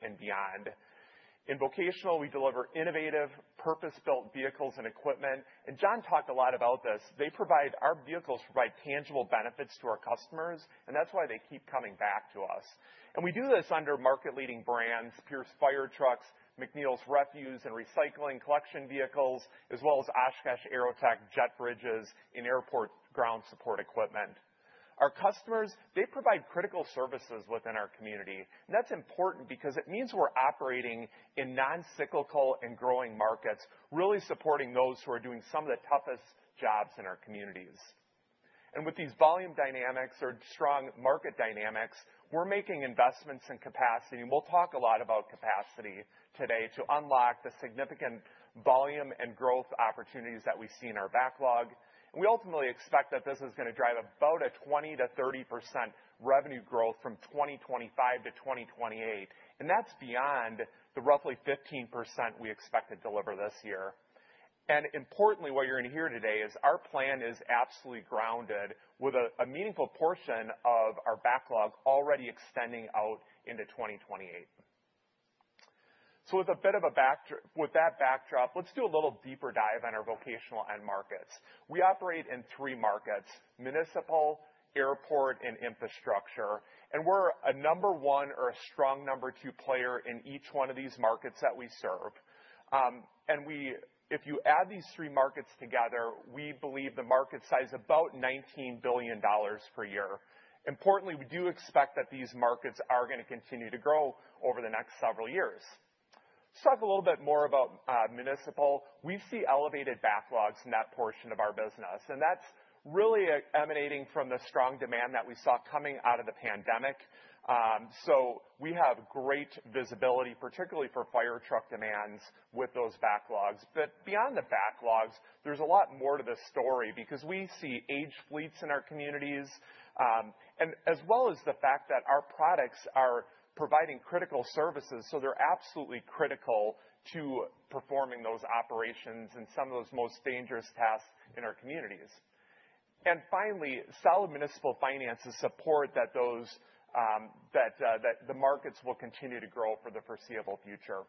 and beyond. In vocational, we deliver innovative, purpose-built vehicles and equipment. John talked a lot about this. They provide our vehicles provide tangible benefits to our customers, and that's why they keep coming back to us. We do this under market-leading brands: Pierce fire trucks, McNeilus refuse and recycling collection vehicles, as well as Oshkosh AeroTech jet bridges and airport ground support equipment. Our customers, they provide critical services within our community. That is important because it means we are operating in non-cyclical and growing markets, really supporting those who are doing some of the toughest jobs in our communities. With these volume dynamics or strong market dynamics, we are making investments in capacity. We will talk a lot about capacity today to unlock the significant volume and growth opportunities that we see in our backlog. We ultimately expect that this is going to drive about 20-30% revenue growth from 2025 to 2028. That is beyond the roughly 15% we expect to deliver this year. Importantly, what you are going to hear today is our plan is absolutely grounded with a meaningful portion of our backlog already extending out into 2028. With that backdrop, let's do a little deeper dive on our vocational end markets. We operate in three markets: municipal, airport, and infrastructure. We're a number one or a strong number two player in each one of these markets that we serve. If you add these three markets together, we believe the market size is about $19 billion per year. Importantly, we do expect that these markets are going to continue to grow over the next several years. Let's talk a little bit more about municipal. We see elevated backlogs in that portion of our business. That's really emanating from the strong demand that we saw coming out of the pandemic. We have great visibility, particularly for fire truck demands with those backlogs. Beyond the backlogs, there's a lot more to this story because we see aged fleets in our communities, as well as the fact that our products are providing critical services. They are absolutely critical to performing those operations and some of those most dangerous tasks in our communities. Finally, solid municipal finances support that the markets will continue to grow for the foreseeable future.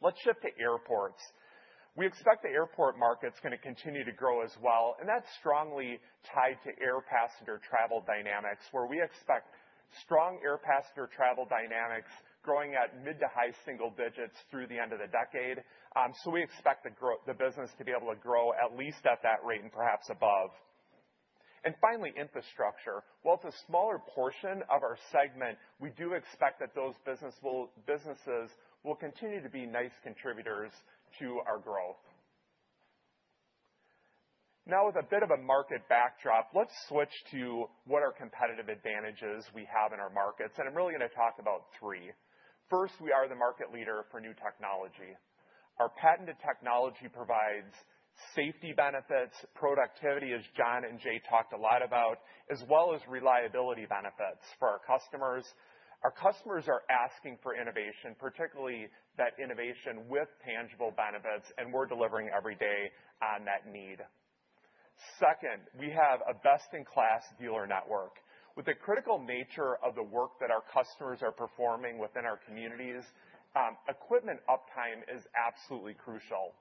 Let's shift to airports. We expect the airport markets are going to continue to grow as well. That is strongly tied to air passenger travel dynamics, where we expect strong air passenger travel dynamics growing at mid to high single digits through the end of the decade. We expect the business to be able to grow at least at that rate and perhaps above. Finally, infrastructure. While it's a smaller portion of our segment, we do expect that those businesses will continue to be nice contributors to our growth. Now, with a bit of a market backdrop, let's switch to what our competitive advantages we have in our markets. I'm really going to talk about three. First, we are the market leader for new technology. Our patented technology provides safety benefits, productivity, as John and Jay talked a lot about, as well as reliability benefits for our customers. Our customers are asking for innovation, particularly that innovation with tangible benefits, and we're delivering every day on that need. Second, we have a best-in-class dealer network. With the critical nature of the work that our customers are performing within our communities, equipment uptime is absolutely crucial.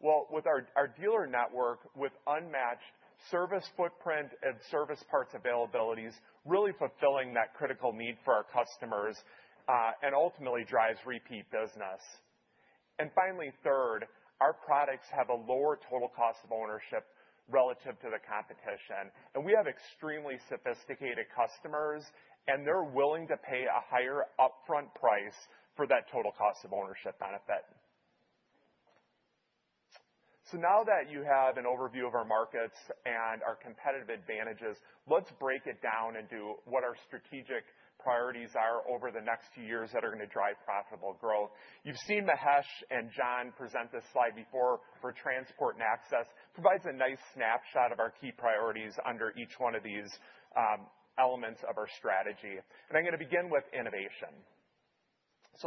With our dealer network, with unmatched service footprint and service parts availabilities, really fulfilling that critical need for our customers and ultimately drives repeat business. Finally, third, our products have a lower total cost of ownership relative to the competition. We have extremely sophisticated customers, and they're willing to pay a higher upfront price for that total cost of ownership benefit. Now that you have an overview of our markets and our competitive advantages, let's break it down and do what our strategic priorities are over the next few years that are going to drive profitable growth. You've seen Mahesh and John present this slide before for transport and access. It provides a nice snapshot of our key priorities under each one of these elements of our strategy. I'm going to begin with innovation.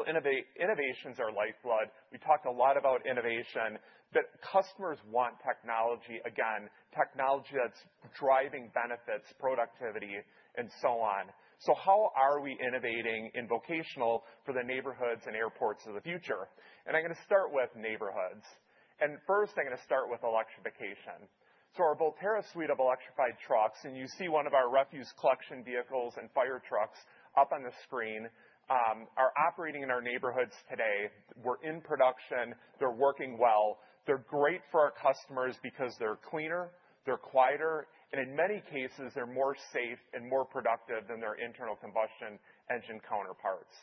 Innovations are lifeblood. We talked a lot about innovation, but customers want technology, again, technology that's driving benefits, productivity, and so on. How are we innovating in vocational for the neighborhoods and airports of the future? I'm going to start with neighborhoods. First, I'm going to start with electrification. Our Volterra suite of electrified trucks, and you see one of our refuse collection vehicles and fire trucks up on the screen, are operating in our neighborhoods today. We're in production. They're working well. They're great for our customers because they're cleaner, they're quieter, and in many cases, they're more safe and more productive than their internal combustion engine counterparts.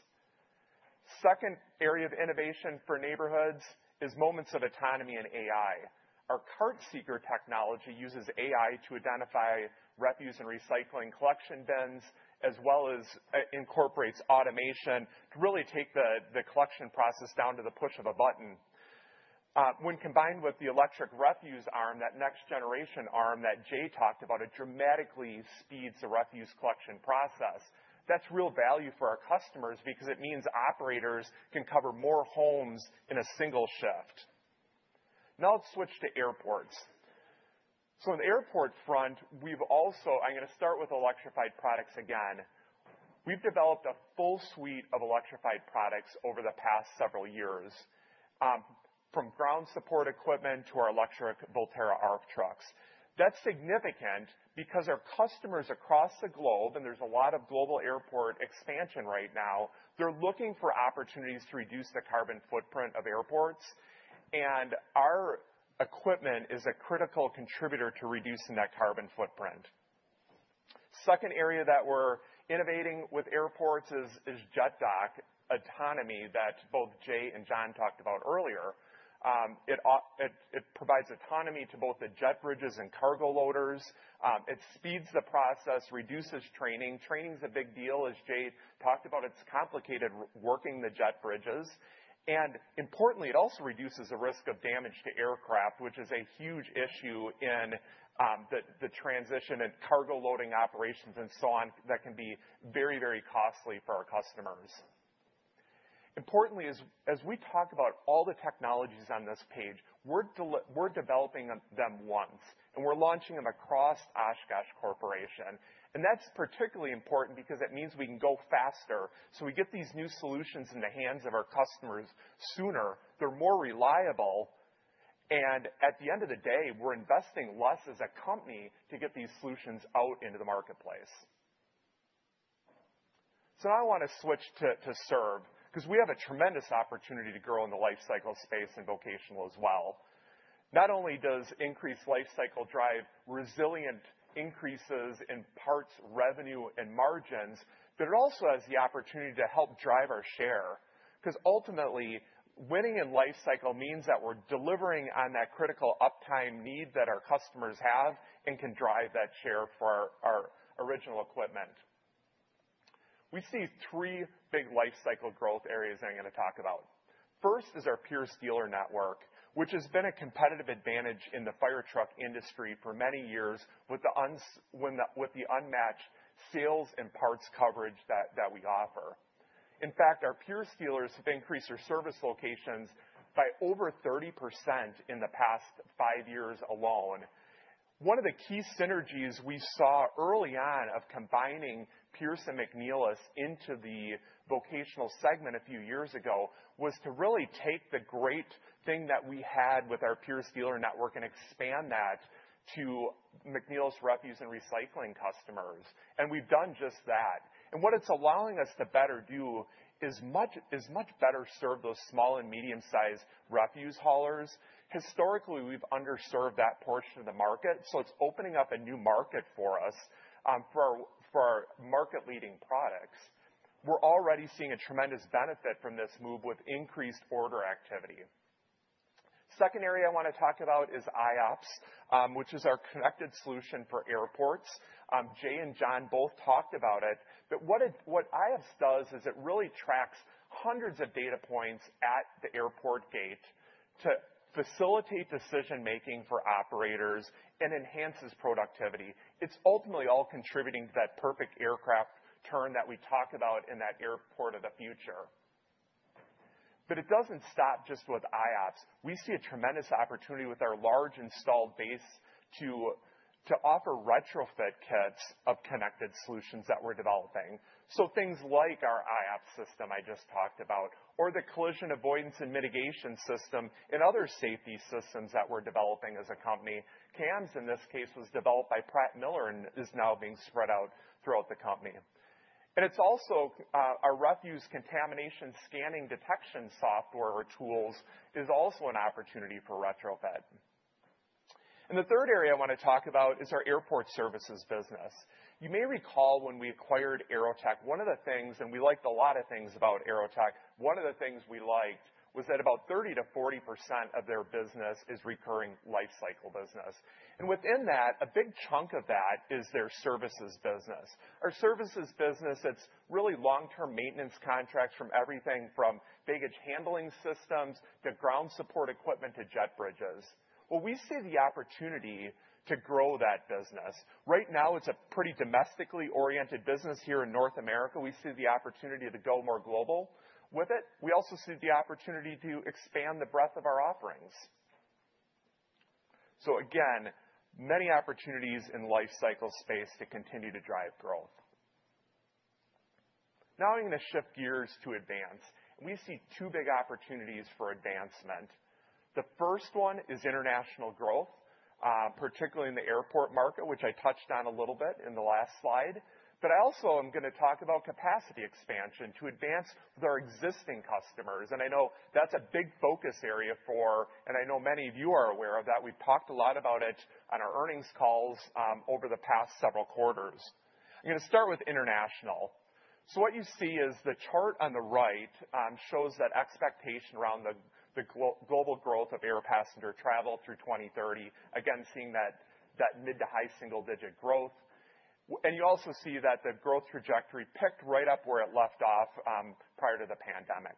Second area of innovation for neighborhoods is moments of autonomy and AI. Our CartSeeker technology uses AI to identify refuse and recycling collection bins, as well as incorporates automation to really take the collection process down to the push of a button. When combined with the electric refuse arm, that next generation arm that Jay talked about, it dramatically speeds the refuse collection process. That's real value for our customers because it means operators can cover more homes in a single shift. Now let's switch to airports. On the airport front, we've also, I'm going to start with electrified products again. We've developed a full suite of electrified products over the past several years, from ground support equipment to our electric Volterra ARFF trucks. That's significant because our customers across the globe, and there's a lot of global airport expansion right now, they're looking for opportunities to reduce the carbon footprint of airports. Our equipment is a critical contributor to reducing that carbon footprint. The second area that we're innovating with airports is JetDock autonomy that both Jay and John talked about earlier. It provides autonomy to both the jet bridges and cargo loaders. It speeds the process, reduces training. Training is a big deal, as Jay talked about. It's complicated working the jet bridges. Importantly, it also reduces the risk of damage to aircraft, which is a huge issue in the transition and cargo loading operations and so on that can be very, very costly for our customers. Importantly, as we talk about all the technologies on this page, we're developing them once, and we're launching them across Oshkosh Corporation. That's particularly important because it means we can go faster. We get these new solutions in the hands of our customers sooner. They're more reliable. At the end of the day, we're investing less as a company to get these solutions out into the marketplace. Now I want to switch to serve because we have a tremendous opportunity to grow in the life cycle space in vocational as well. Not only does increased life cycle drive resilient increases in parts, revenue, and margins, but it also has the opportunity to help drive our share because ultimately, winning in life cycle means that we're delivering on that critical uptime need that our customers have and can drive that share for our original equipment. We see three big life cycle growth areas that I'm going to talk about. First is our Pierce dealer network, which has been a competitive advantage in the fire truck industry for many years with the unmatched sales and parts coverage that we offer. In fact, our Pierce dealers have increased their service locations by over 30% in the past five years alone. One of the key synergies we saw early on of combining Pierce and McNeilus into the vocational segment a few years ago was to really take the great thing that we had with our Pierce dealer network and expand that to McNeilus refuse and recycling customers. We have done just that. What it is allowing us to better do is much better serve those small and medium-sized refuse haulers. Historically, we have underserved that portion of the market. It is opening up a new market for us for our market-leading products. We are already seeing a tremendous benefit from this move with increased order activity. The second area I want to talk about is iOPS, which is our connected solution for airports. Jay and John both talked about it. What iOPS does is it really tracks hundreds of data points at the airport gate to facilitate decision-making for operators and enhances productivity. It is ultimately all contributing to that perfect aircraft turn that we talk about in that airport of the future. It does not stop just with iOPS. We see a tremendous opportunity with our large installed base to offer retrofit kits of connected solutions that we are developing. Things like our iOPS system I just talked about, or the Collision Avoidance Mitigation System, and other safety systems that we are developing as a company. CAMS, in this case, was developed by Pratt Miller and is now being spread out throughout the company. It is also our refuse contamination scanning detection software or tools is also an opportunity for retrofit. The third area I want to talk about is our airport services business. You may recall when we acquired AeroTech, one of the things, and we liked a lot of things about AeroTech, one of the things we liked was that about 30%-40% of their business is recurring life cycle business. In that, a big chunk of that is their services business. Our services business, it's really long-term maintenance contracts from everything from baggage handling systems to ground support equipment to jet bridges. We see the opportunity to grow that business. Right now, it's a pretty domestically oriented business here in North America. We see the opportunity to go more global with it. We also see the opportunity to expand the breadth of our offerings. Again, many opportunities in life cycle space to continue to drive growth. Now I'm going to shift gears to advance. We see two big opportunities for advancement. The first one is international growth, particularly in the airport market, which I touched on a little bit in the last slide. I also am going to talk about capacity expansion to advance with our existing customers. I know that's a big focus area for, and I know many of you are aware of that. We've talked a lot about it on our earnings calls over the past several quarters. I'm going to start with international. What you see is the chart on the right shows that expectation around the global growth of air passenger travel through 2030, again, seeing that mid to high single-digit growth. You also see that the growth trajectory picked right up where it left off prior to the pandemic.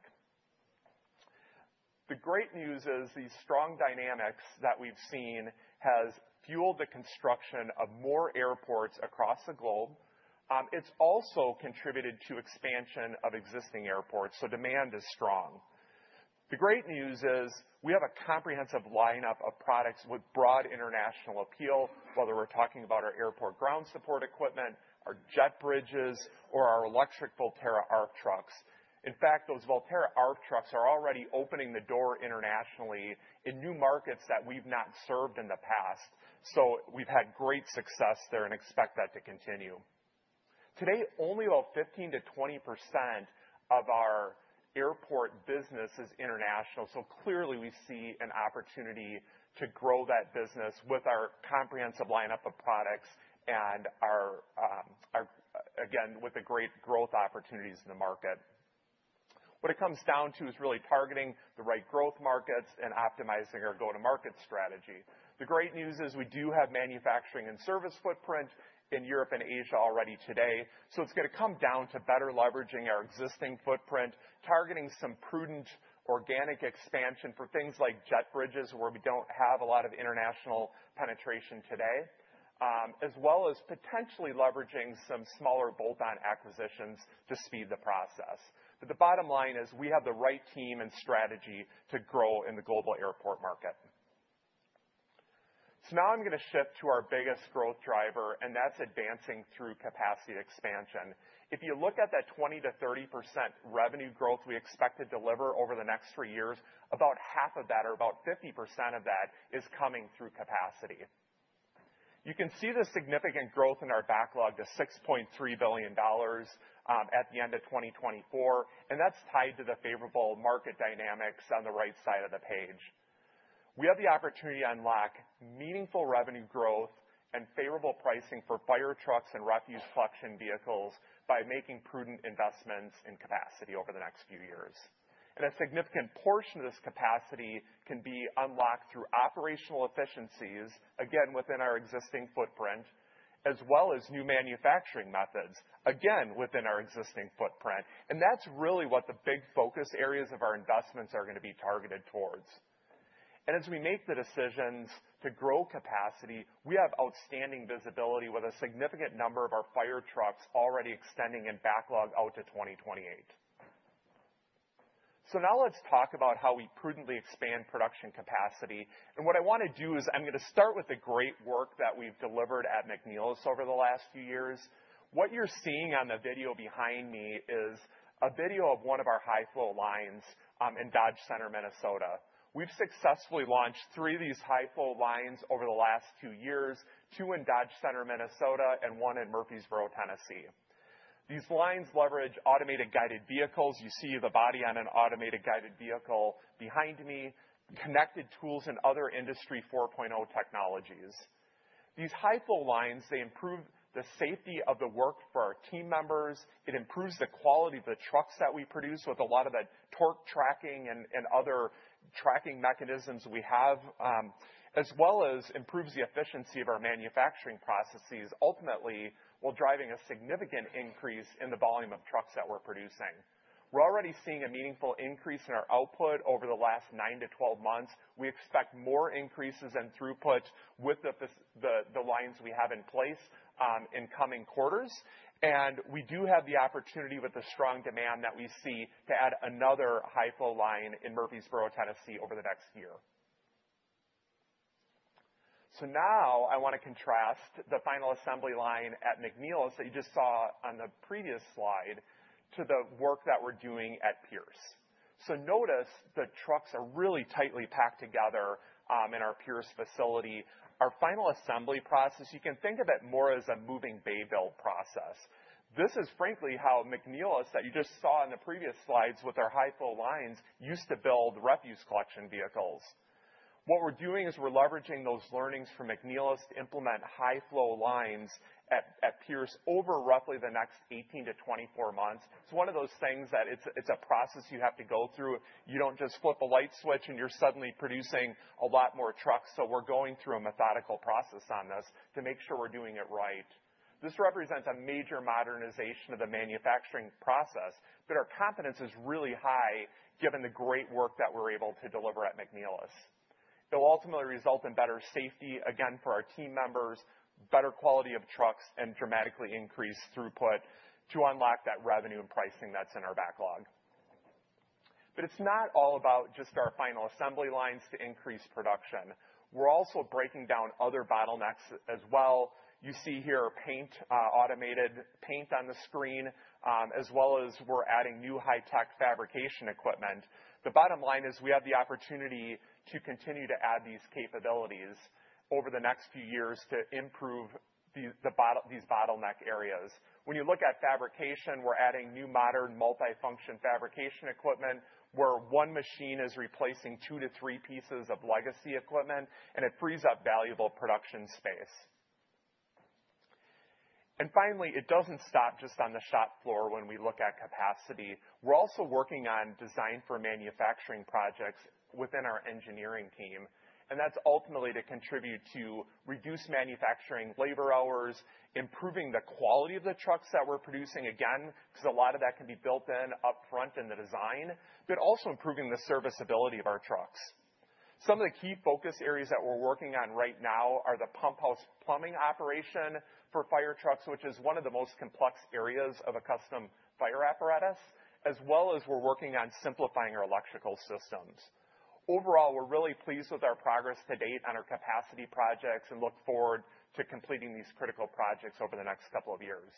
The great news is these strong dynamics that we've seen have fueled the construction of more airports across the globe. It's also contributed to expansion of existing airports. Demand is strong. The great news is we have a comprehensive lineup of products with broad international appeal, whether we're talking about our airport ground support equipment, our jet bridges, or our electric Volterra ARFF trucks. In fact, those Volterra ARFF trucks are already opening the door internationally in new markets that we've not served in the past. We've had great success there and expect that to continue. Today, only about 15%-20% of our airport business is international. Clearly, we see an opportunity to grow that business with our comprehensive lineup of products and, again, with the great growth opportunities in the market. What it comes down to is really targeting the right growth markets and optimizing our go-to-market strategy. The great news is we do have manufacturing and service footprint in Europe and Asia already today. It's going to come down to better leveraging our existing footprint, targeting some prudent organic expansion for things like jet bridges, where we do not have a lot of international penetration today, as well as potentially leveraging some smaller bolt-on acquisitions to speed the process. The bottom line is we have the right team and strategy to grow in the global airport market. Now I'm going to shift to our biggest growth driver, and that's advancing through capacity expansion. If you look at that 20%-30% revenue growth we expect to deliver over the next three years, about half of that, or about 50% of that, is coming through capacity. You can see the significant growth in our backlog to $6.3 billion at the end of 2024. That's tied to the favorable market dynamics on the right side of the page. We have the opportunity to unlock meaningful revenue growth and favorable pricing for fire trucks and refuse collection vehicles by making prudent investments in capacity over the next few years. A significant portion of this capacity can be unlocked through operational efficiencies, within our existing footprint, as well as new manufacturing methods, within our existing footprint. That is really what the big focus areas of our investments are going to be targeted towards. As we make the decisions to grow capacity, we have outstanding visibility with a significant number of our fire trucks already extending in backlog out to 2028. Now let's talk about how we prudently expand production capacity. What I want to do is I'm going to start with the great work that we've delivered at McNeilus over the last few years. What you're seeing on the video behind me is a video of one of our high-flow lines in Dodge Center, Minnesota. We've successfully launched three of these high-flow lines over the last two years, two in Dodge Center, Minnesota, and one in Murphysboro, Tennessee. These lines leverage automated guided vehicles. You see the body on an automated guided vehicle behind me, connected tools and other industry 4.0 technologies. These high-flow lines, they improve the safety of the work for our team members. It improves the quality of the trucks that we produce with a lot of that torque tracking and other tracking mechanisms we have, as well as improves the efficiency of our manufacturing processes, ultimately while driving a significant increase in the volume of trucks that we're producing. We're already seeing a meaningful increase in our output over the last nine to 12 months. We expect more increases in throughput with the lines we have in place in coming quarters. We do have the opportunity, with the strong demand that we see, to add another high-flow line in Murphysboro, Tennessee, over the next year. Now I want to contrast the final assembly line at McNeilus that you just saw on the previous slide to the work that we're doing at Pierce. Notice the trucks are really tightly packed together in our Pierce facility. Our final assembly process, you can think of it more as a moving bay build process. This is frankly how McNeilus that you just saw in the previous slides with our high-flow lines used to build refuse collection vehicles. What we're doing is we're leveraging those learnings from McNeilus to implement high-flow lines at Pierce over roughly the next 18-24 months. It's one of those things that it's a process you have to go through. You don't just flip a light switch and you're suddenly producing a lot more trucks. We're going through a methodical process on this to make sure we're doing it right. This represents a major modernization of the manufacturing process. Our confidence is really high given the great work that we're able to deliver at McNeilus. It'll ultimately result in better safety, again, for our team members, better quality of trucks, and dramatically increased throughput to unlock that revenue and pricing that's in our backlog. It's not all about just our final assembly lines to increase production. We're also breaking down other bottlenecks as well. You see here automated paint on the screen, as well as we're adding new high-tech fabrication equipment. The bottom line is we have the opportunity to continue to add these capabilities over the next few years to improve these bottleneck areas. When you look at fabrication, we're adding new modern multifunction fabrication equipment where one machine is replacing two to three pieces of legacy equipment, and it frees up valuable production space. It does not stop just on the shop floor when we look at capacity. We're also working on design for manufacturing projects within our engineering team. That is ultimately to contribute to reduced manufacturing labor hours, improving the quality of the trucks that we're producing, again, because a lot of that can be built in upfront in the design, but also improving the serviceability of our trucks. Some of the key focus areas that we're working on right now are the pumphouse plumbing operation for fire trucks, which is one of the most complex areas of a custom fire apparatus, as well as we're working on simplifying our electrical systems. Overall, we're really pleased with our progress to date on our capacity projects and look forward to completing these critical projects over the next couple of years.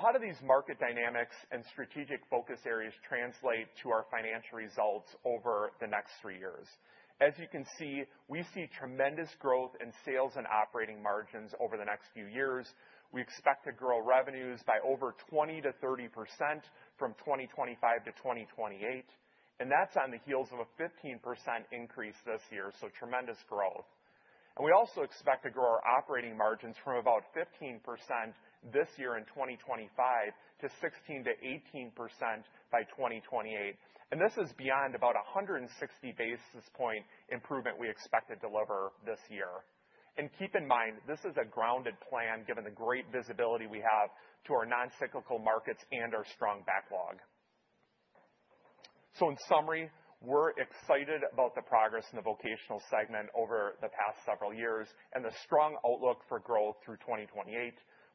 How do these market dynamics and strategic focus areas translate to our financial results over the next three years? As you can see, we see tremendous growth in sales and operating margins over the next few years. We expect to grow revenues by over 20%-30% from 2025 to 2028. That's on the heels of a 15% increase this year, so tremendous growth. We also expect to grow our operating margins from about 15% this year in 2025 to 16%-18% by 2028. This is beyond about a 160 basis point improvement we expect to deliver this year. Keep in mind, this is a grounded plan given the great visibility we have to our non-cyclical markets and our strong backlog. In summary, we're excited about the progress in the vocational segment over the past several years and the strong outlook for growth through 2028.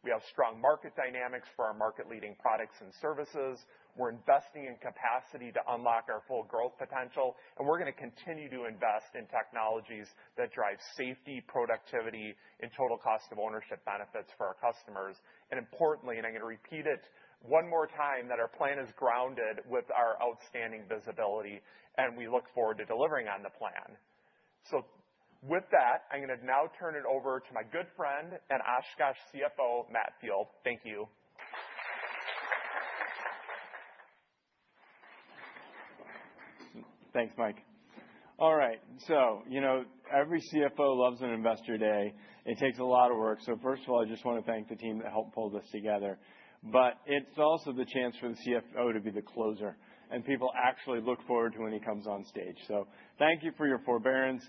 We have strong market dynamics for our market-leading products and services. We're investing in capacity to unlock our full growth potential. We're going to continue to invest in technologies that drive safety, productivity, and total cost of ownership benefits for our customers. Importantly, and I'm going to repeat it one more time, our plan is grounded with our outstanding visibility, and we look forward to delivering on the plan. With that, I'm going to now turn it over to my good friend and Oshkosh CFO, Matt Field. Thank you. Thanks, Mike. All right. Every CFO loves an investor day. It takes a lot of work. First of all, I just want to thank the team that helped pull this together. It is also the chance for the CFO to be the closer. People actually look forward to when he comes on stage. Thank you for your forbearance.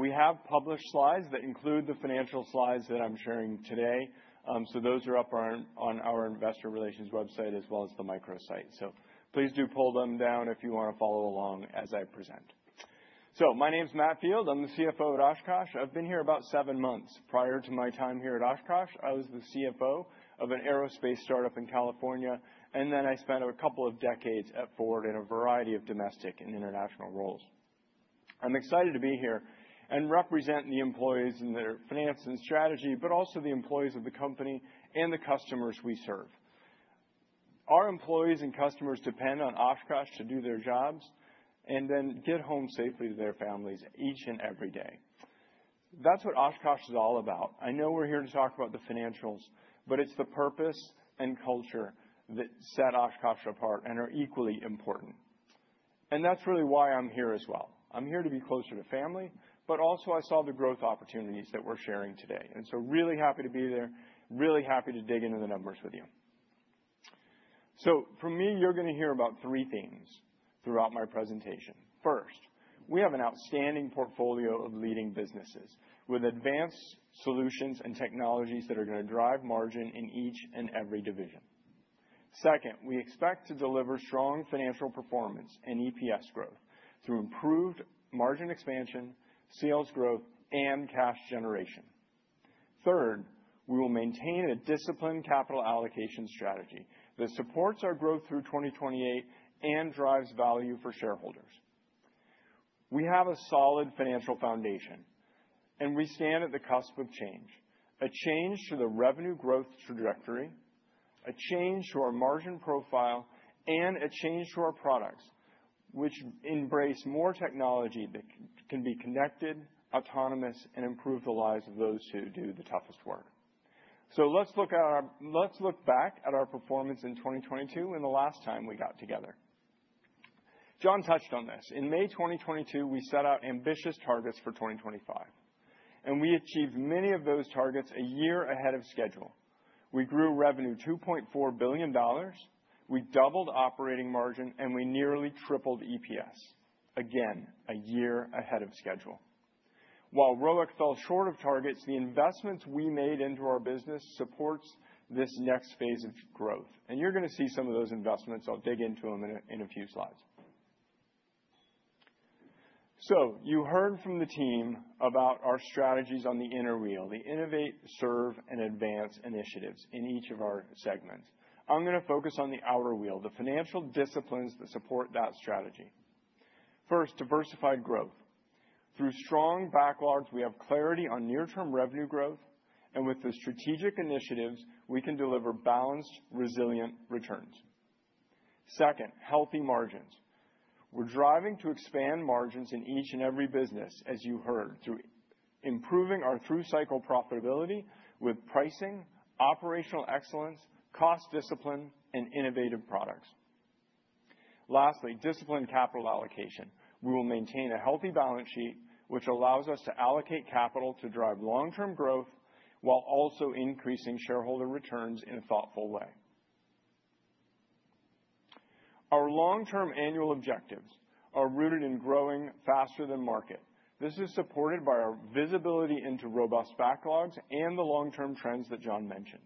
We have published slides that include the financial slides that I'm sharing today. Those are up on our investor relations website as well as the micro site. Please do pull them down if you want to follow along as I present. My name is Matt Field. I'm the CFO at Oshkosh. I've been here about seven months. Prior to my time here at Oshkosh, I was the CFO of an aerospace startup in California. I spent a couple of decades at Ford in a variety of domestic and international roles. I'm excited to be here and represent the employees and their finance and strategy, but also the employees of the company and the customers we serve. Our employees and customers depend on Oshkosh to do their jobs and then get home safely to their families each and every day. That is what Oshkosh is all about. I know we are here to talk about the financials, but it is the purpose and culture that set Oshkosh apart and are equally important. That is really why I'm here as well. I'm here to be closer to family, but also I saw the growth opportunities that we are sharing today. I am really happy to be there, really happy to dig into the numbers with you. For me, you're going to hear about three themes throughout my presentation. First, we have an outstanding portfolio of leading businesses with advanced solutions and technologies that are going to drive margin in each and every division. Second, we expect to deliver strong financial performance and EPS growth through improved margin expansion, sales growth, and cash generation. Third, we will maintain a disciplined capital allocation strategy that supports our growth through 2028 and drives value for shareholders. We have a solid financial foundation, and we stand at the cusp of change, a change to the revenue growth trajectory, a change to our margin profile, and a change to our products, which embrace more technology that can be connected, autonomous, and improve the lives of those who do the toughest work. Let's look back at our performance in 2022 and the last time we got together. John touched on this. In May 2022, we set out ambitious targets for 2025. We achieved many of those targets a year ahead of schedule. We grew revenue $2.4 billion. We doubled operating margin, and we nearly tripled EPS, again, a year ahead of schedule. While RoEC fell short of targets, the investments we made into our business support this next phase of growth. You are going to see some of those investments. I will dig into them in a few slides. You heard from the team about our strategies on the inner wheel, the innovate, serve, and advance initiatives in each of our segments. I am going to focus on the outer wheel, the financial disciplines that support that strategy. First, diversified growth. Through strong backlogs, we have clarity on near-term revenue growth. With the strategic initiatives, we can deliver balanced, resilient returns. Second, healthy margins. We're driving to expand margins in each and every business, as you heard, through improving our through-cycle profitability with pricing, operational excellence, cost discipline, and innovative products. Lastly, disciplined capital allocation. We will maintain a healthy balance sheet, which allows us to allocate capital to drive long-term growth while also increasing shareholder returns in a thoughtful way. Our long-term annual objectives are rooted in growing faster than market. This is supported by our visibility into robust backlogs and the long-term trends that John mentioned.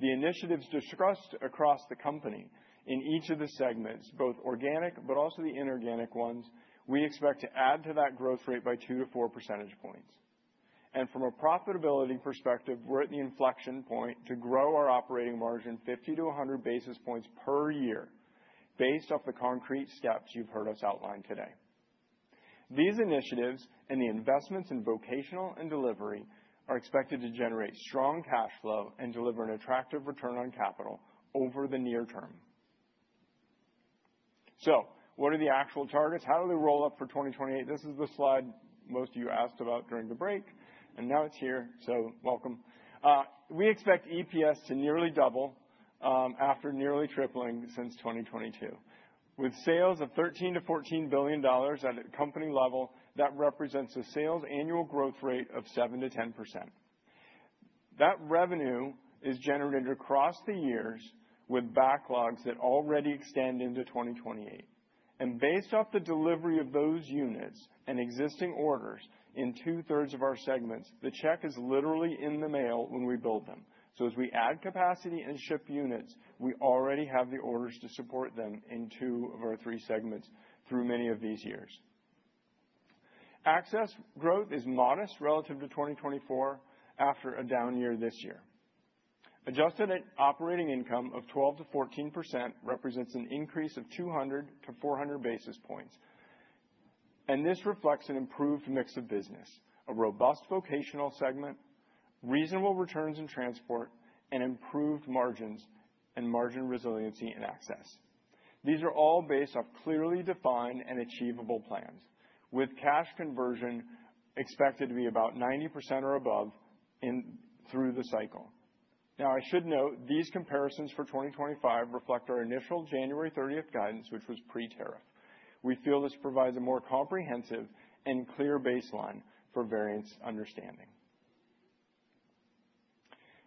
The initiatives discussed across the company in each of the segments, both organic but also the inorganic ones, we expect to add to that growth rate by 2-4 percentage points. From a profitability perspective, we're at the inflection point to grow our operating margin 50-100 basis points per year based off the concrete steps you've heard us outline today. These initiatives and the investments in vocational and delivery are expected to generate strong cash flow and deliver an attractive return on capital over the near term. What are the actual targets? How do they roll up for 2028? This is the slide most of you asked about during the break. It is here. Welcome. We expect EPS to nearly double after nearly tripling since 2022. With sales of $13 billion-$14 billion at a company level, that represents a sales annual growth rate of 7%-10%. That revenue is generated across the years with backlogs that already extend into 2028. Based off the delivery of those units and existing orders in two-thirds of our segments, the check is literally in the mail when we build them. As we add capacity and ship units, we already have the orders to support them in two of our three segments through many of these years. Access growth is modest relative to 2024 after a down year this year. Adjusted operating income of 12%-14% represents an increase of 200-400 basis points. This reflects an improved mix of business, a robust vocational segment, reasonable returns in transport, and improved margins and margin resiliency in access. These are all based off clearly defined and achievable plans, with cash conversion expected to be about 90% or above through the cycle. I should note these comparisons for 2025 reflect our initial January 30th guidance, which was pre-tariff. We feel this provides a more comprehensive and clear baseline for variance understanding.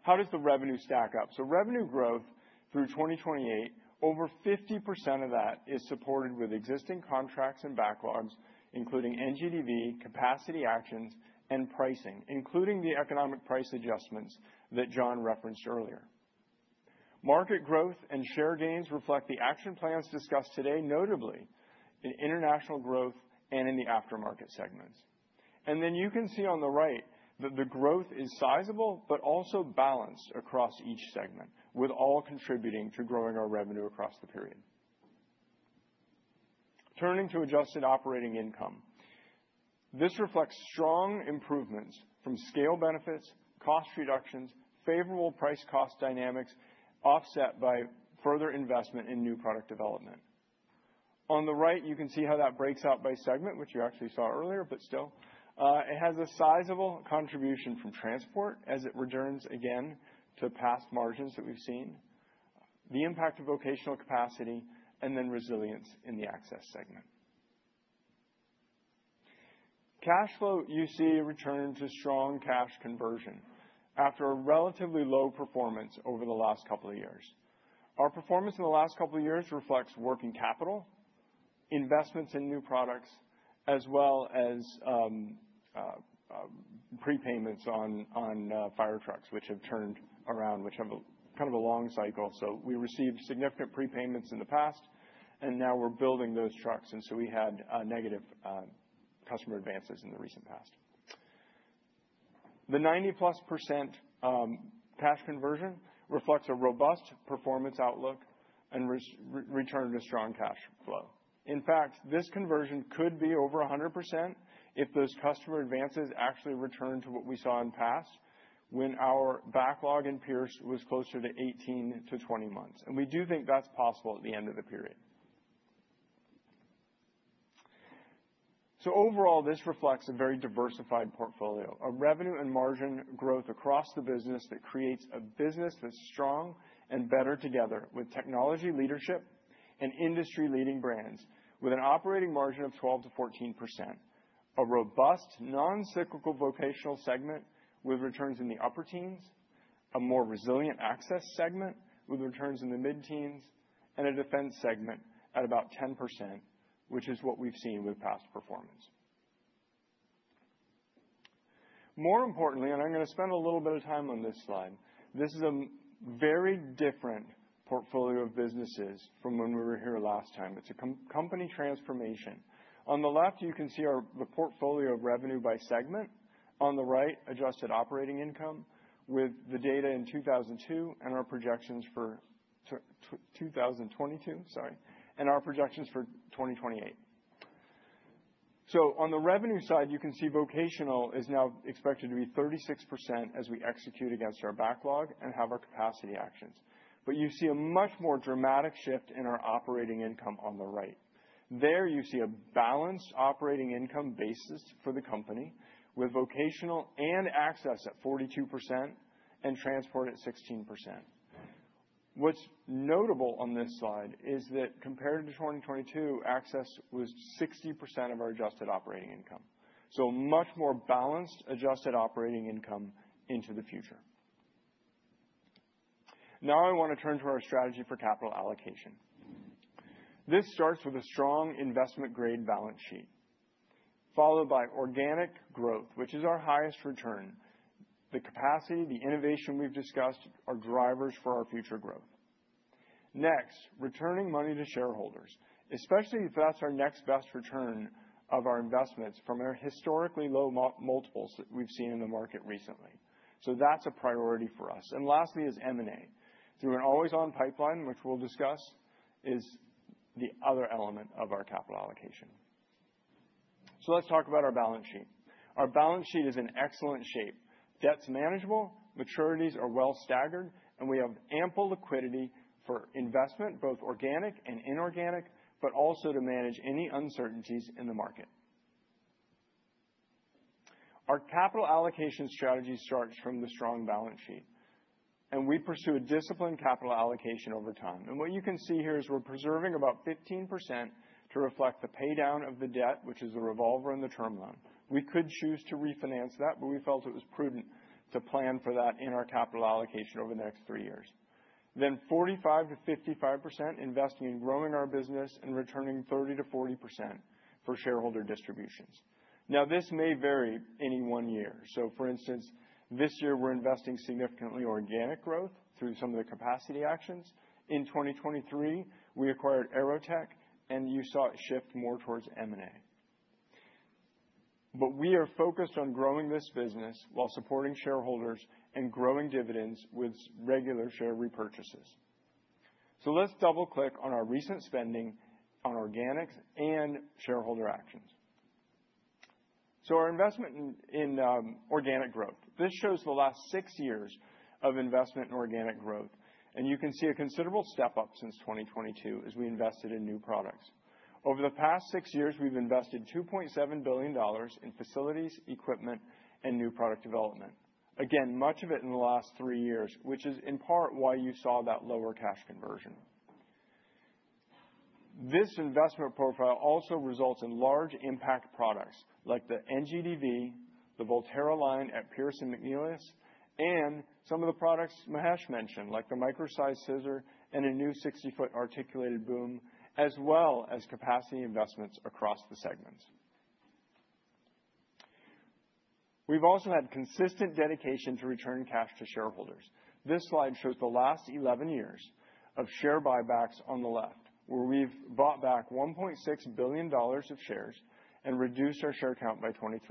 How does the revenue stack up? Revenue growth through 2028, over 50% of that is supported with existing contracts and backlogs, including NGDV, capacity actions, and pricing, including the economic price adjustments that John referenced earlier. Market growth and share gains reflect the action plans discussed today, notably in international growth and in the aftermarket segments. You can see on the right that the growth is sizable but also balanced across each segment, with all contributing to growing our revenue across the period. Turning to adjusted operating income, this reflects strong improvements from scale benefits, cost reductions, favorable price-cost dynamics offset by further investment in new product development. On the right, you can see how that breaks out by segment, which you actually saw earlier, but still. It has a sizable contribution from transport as it returns again to past margins that we've seen, the impact of vocational capacity, and then resilience in the access segment. Cash flow, you see a return to strong cash conversion after a relatively low performance over the last couple of years. Our performance in the last couple of years reflects working capital, investments in new products, as well as prepayments on fire trucks, which have turned around, which have a kind of a long cycle. We received significant prepayments in the past, and now we're building those trucks. We had negative customer advances in the recent past. The 90+% cash conversion reflects a robust performance outlook and return to strong cash flow. In fact, this conversion could be over 100% if those customer advances actually returned to what we saw in the past when our backlog in Pierce was closer to 18-20 months. We do think that's possible at the end of the period. Overall, this reflects a very diversified portfolio, a revenue and margin growth across the business that creates a business that's strong and better together with technology leadership and industry-leading brands, with an operating margin of 12%-14%, a robust non-cyclical vocational segment with returns in the upper teens, a more resilient access segment with returns in the mid-teens, and a defense segment at about 10%, which is what we've seen with past performance. More importantly, and I'm going to spend a little bit of time on this slide, this is a very different portfolio of businesses from when we were here last time. It's a company transformation. On the left, you can see the portfolio of revenue by segment. On the right, adjusted operating income with the data in 2002 and our projections for 2022, sorry, and our projections for 2028. On the revenue side, you can see vocational is now expected to be 36% as we execute against our backlog and have our capacity actions. You see a much more dramatic shift in our operating income on the right. There you see a balanced operating income basis for the company with vocational and access at 42% and transport at 16%. What's notable on this slide is that compared to 2022, access was 60% of our adjusted operating income. Much more balanced adjusted operating income into the future. Now I want to turn to our strategy for capital allocation. This starts with a strong investment-grade balance sheet, followed by organic growth, which is our highest return. The capacity, the innovation we've discussed are drivers for our future growth. Next, returning money to shareholders, especially if that's our next best return of our investments from our historically low multiples that we've seen in the market recently. That is a priority for us. Lastly is M&A. Through an always-on pipeline, which we'll discuss, is the other element of our capital allocation. Let's talk about our balance sheet. Our balance sheet is in excellent shape. Debt's manageable, maturities are well staggered, and we have ample liquidity for investment, both organic and inorganic, but also to manage any uncertainties in the market. Our capital allocation strategy starts from the strong balance sheet, and we pursue a disciplined capital allocation over time. What you can see here is we're preserving about 15% to reflect the paydown of the debt, which is the revolver and the term loan. We could choose to refinance that, but we felt it was prudent to plan for that in our capital allocation over the next three years. Forty-five to 55% is investing in growing our business and returning 30%-40% for shareholder distributions. This may vary any one year. For instance, this year we're investing significantly in organic growth through some of the capacity actions. In 2023, we acquired AeroTech, and you saw it shift more towards M&A. We are focused on growing this business while supporting shareholders and growing dividends with regular share repurchases. Let's double-click on our recent spending on organics and shareholder actions. Our investment in organic growth, this shows the last six years of investment in organic growth. You can see a considerable step up since 2022 as we invested in new products. Over the past six years, we've invested $2.7 billion in facilities, equipment, and new product development. Again, much of it in the last three years, which is in part why you saw that lower cash conversion. This investment profile also results in large impact products like the NGDV, the Volterra line at Pierce and McNeilus, and some of the products Mahesh mentioned, like the micro scissor and a new 60-foot articulated boom, as well as capacity investments across the segments. We've also had consistent dedication to return cash to shareholders. This slide shows the last 11 years of share buybacks on the left, where we've bought back $1.6 billion of shares and reduced our share count by 23%.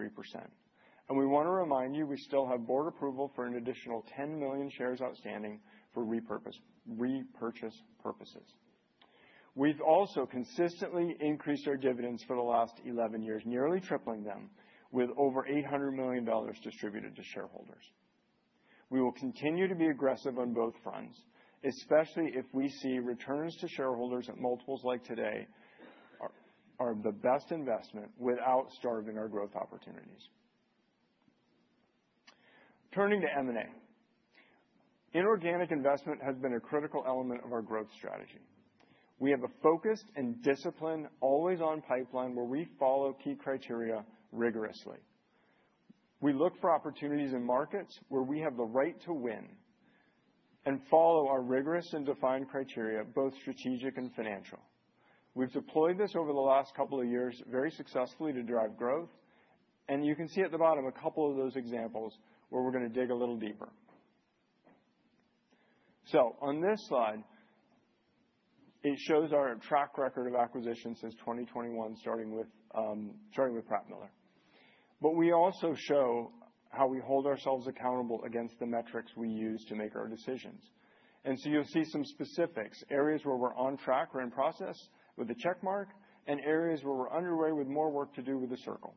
We want to remind you we still have board approval for an additional 10 million shares outstanding for repurchase purposes. We've also consistently increased our dividends for the last 11 years, nearly tripling them with over $800 million distributed to shareholders. We will continue to be aggressive on both fronts, especially if we see returns to shareholders at multiples like today are the best investment without starving our growth opportunities. Turning to M&A, inorganic investment has been a critical element of our growth strategy. We have a focused and disciplined, always-on pipeline where we follow key criteria rigorously. We look for opportunities in markets where we have the right to win and follow our rigorous and defined criteria, both strategic and financial. We've deployed this over the last couple of years very successfully to drive growth. You can see at the bottom a couple of those examples where we're going to dig a little deeper. On this slide, it shows our track record of acquisitions since 2021, starting with Pratt Miller. We also show how we hold ourselves accountable against the metrics we use to make our decisions. You'll see some specifics, areas where we're on track or in process with the check mark and areas where we're underway with more work to do with the circle.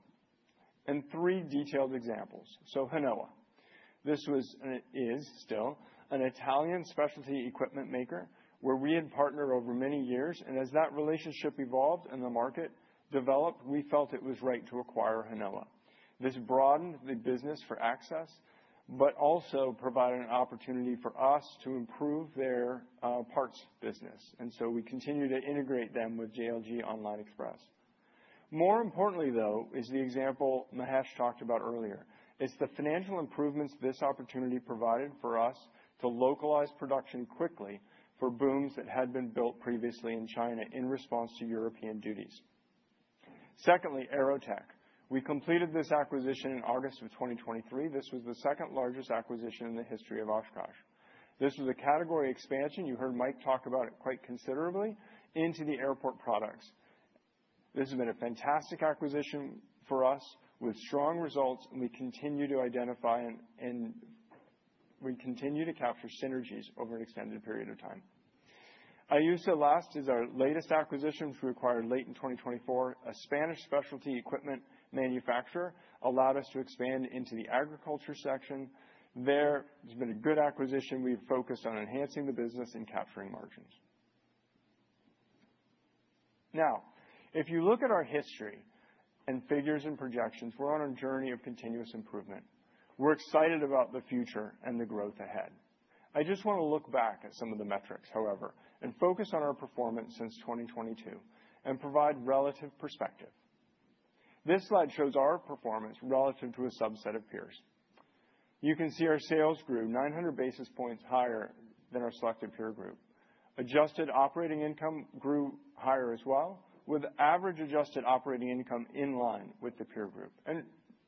Three detailed examples. Hinowa, this was and is still an Italian specialty equipment maker where we had partnered over many years. As that relationship evolved and the market developed, we felt it was right to acquire Hinowa. This broadened the business for access, but also provided an opportunity for us to improve their parts business. We continue to integrate them with JLG Online Express. More importantly, though, is the example Mahesh talked about earlier. It is the financial improvements this opportunity provided for us to localize production quickly for booms that had been built previously in China in response to European duties. Secondly, AeroTech. We completed this acquisition in August of 2023. This was the second largest acquisition in the history of Oshkosh. This was a category expansion. You heard Mike talk about it quite considerably into the airport products. This has been a fantastic acquisition for us with strong results, and we continue to identify and we continue to capture synergies over an extended period of time. AUSA is our latest acquisition, which we acquired late in 2024. A Spanish specialty equipment manufacturer allowed us to expand into the agriculture section. There has been a good acquisition. We've focused on enhancing the business and capturing margins. Now, if you look at our history and figures and projections, we're on a journey of continuous improvement. We're excited about the future and the growth ahead. I just want to look back at some of the metrics, however, and focus on our performance since 2022 and provide relative perspective. This slide shows our performance relative to a subset of peers. You can see our sales grew 900 basis points higher than our selected peer group. Adjusted operating income grew higher as well, with average adjusted operating income in line with the peer group.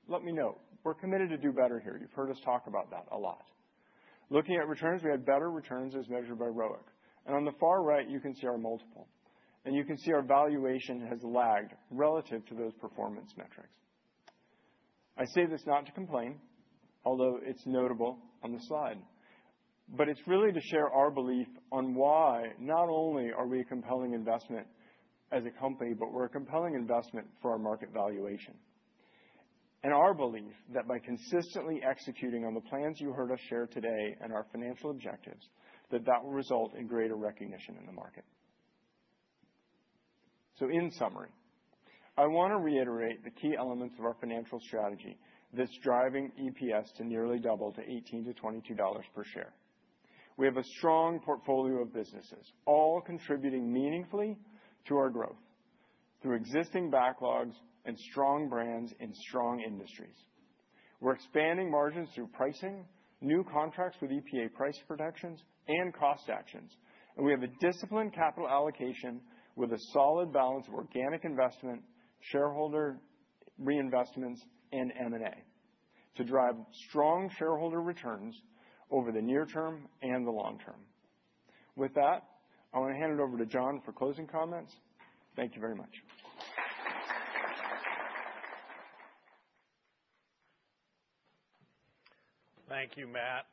Let me note, we're committed to do better here. You've heard us talk about that a lot. Looking at returns, we had better returns as measured by ROIC. On the far right, you can see our multiple. You can see our valuation has lagged relative to those performance metrics. I say this not to complain, although it's notable on the slide, but it's really to share our belief on why not only are we a compelling investment as a company, but we're a compelling investment for our market valuation. Our belief is that by consistently executing on the plans you heard us share today and our financial objectives, that will result in greater recognition in the market. In summary, I want to reiterate the key elements of our financial strategy that's driving EPS to nearly double to $18-$22 per share. We have a strong portfolio of businesses, all contributing meaningfully to our growth through existing backlogs and strong brands in strong industries. We are expanding margins through pricing, new contracts with EPA price protections, and cost actions. We have a disciplined capital allocation with a solid balance of organic investment, shareholder reinvestments, and M&A to drive strong shareholder returns over the near term and the long term. With that, I want to hand it over to John for closing comments. Thank you very much. Thank you, Matt.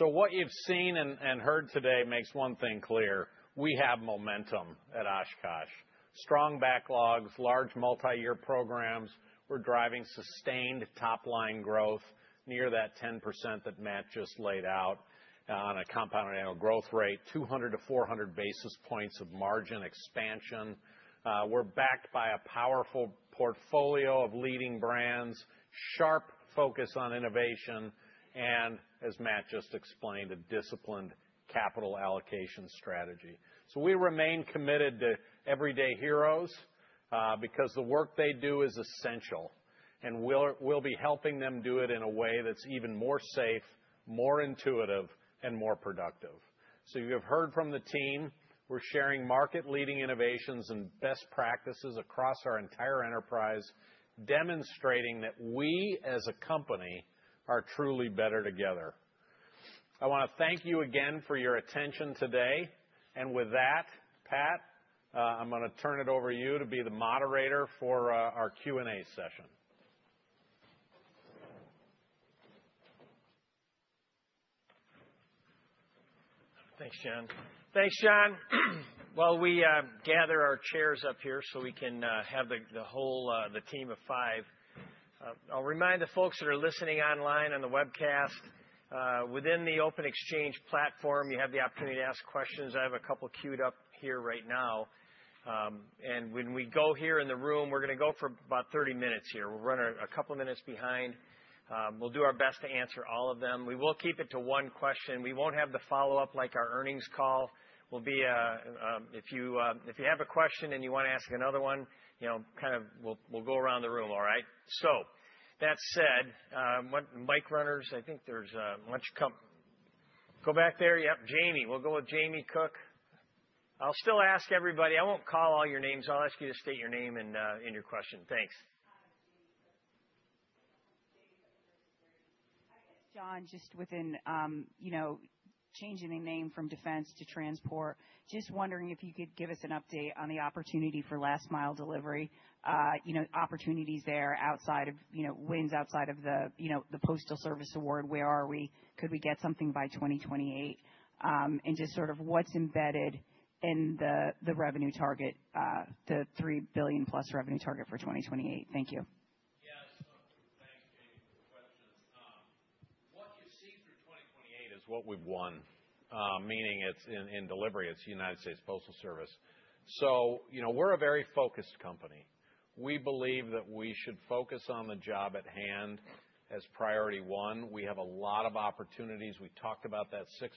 What you have seen and heard today makes one thing clear. We have momentum at Oshkosh. Strong backlogs, large multi-year programs. We are driving sustained top-line growth near that 10% that Matt just laid out on a compound annual growth rate, 200 to 400 basis points of margin expansion. We are backed by a powerful portfolio of leading brands, sharp focus on innovation, and, as Matt just explained, a disciplined capital allocation strategy. We remain committed to everyday heroes because the work they do is essential, and we will be helping them do it in a way that is even more safe, more intuitive, and more productive. You have heard from the team. We are sharing market-leading innovations and best practices across our entire enterprise, demonstrating that we as a company are truly better together. I want to thank you again for your attention today. Pat, I'm going to turn it over to you to be the moderator for our Q&A session. Thanks, John. Thanks, John. While we gather our chairs up here so we can have the whole team of five, I'll remind the folks that are listening online on the webcast, within the Open-Xchange platform, you have the opportunity to ask questions. I have a couple queued up here right now. When we go here in the room, we're going to go for about 30 minutes here. We'll run a couple of minutes behind. We'll do our best to answer all of them. We will keep it to one question. We won't have the follow-up like our earnings call. If you have a question and you want to ask another one, kind of we'll go around the room, all right? That said, mic runners, I think there's a bunch of you back there. Yep, Jamie. We'll go with Jamie Cook. I'll still ask everybody. I won't call all your names. I'll ask you to state your name and your question. Thanks. John, just within changing the name from defense to transport, just wondering if you could give us an update on the opportunity for last-mile delivery opportunities there outside of wins outside of the Postal Service Award. Where are we? Could we get something by 2028? And just sort of what's embedded in the revenue target, the $3 billion-plus revenue target for 2028? Thank you. is what we've won, meaning it's in delivery. It's United States Postal Service. We are a very focused company. We believe that we should focus on the job at hand as priority one. We have a lot of opportunities. We talked about that 6%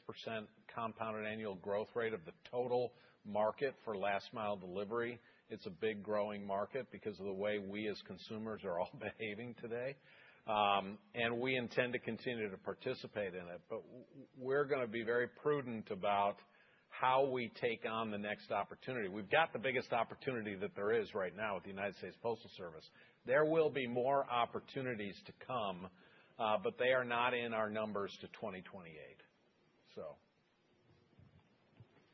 compounded annual growth rate of the total market for last-mile delivery. It's a big growing market because of the way we as consumers are all behaving today. We intend to continue to participate in it. We are going to be very prudent about how we take on the next opportunity. We've got the biggest opportunity that there is right now with the United States Postal Service. There will be more opportunities to come, but they are not in our numbers to 2028.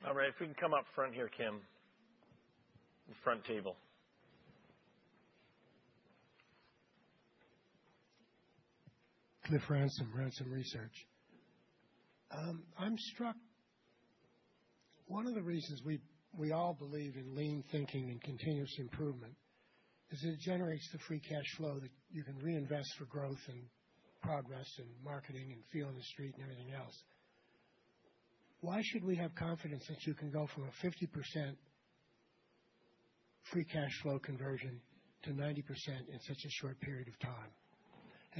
All right, if we can come up front here, Kim, the front table. I'm struck. One of the reasons we all believe in lean thinking and continuous improvement is that it generates the free cash flow that you can reinvest for growth and progress and marketing and feel in the street and everything else. Why should we have confidence that you can go from a 50% free cash flow conversion to 90% in such a short period of time?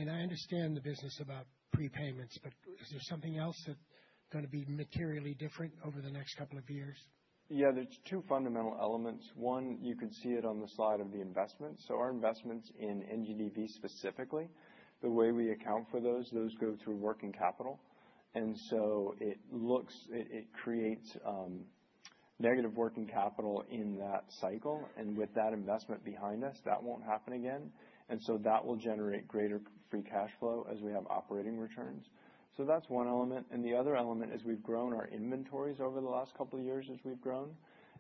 I understand the business about prepayments, but is there something else that's going to be materially different over the next couple of years? Yeah, there's two fundamental elements. One, you could see it on the side of the investment. Our investments in NGDV specifically, the way we account for those, those go through working capital. It creates negative working capital in that cycle. With that investment behind us, that won't happen again. That will generate greater free cash flow as we have operating returns. That's one element. The other element is we've grown our inventories over the last couple of years as we've grown.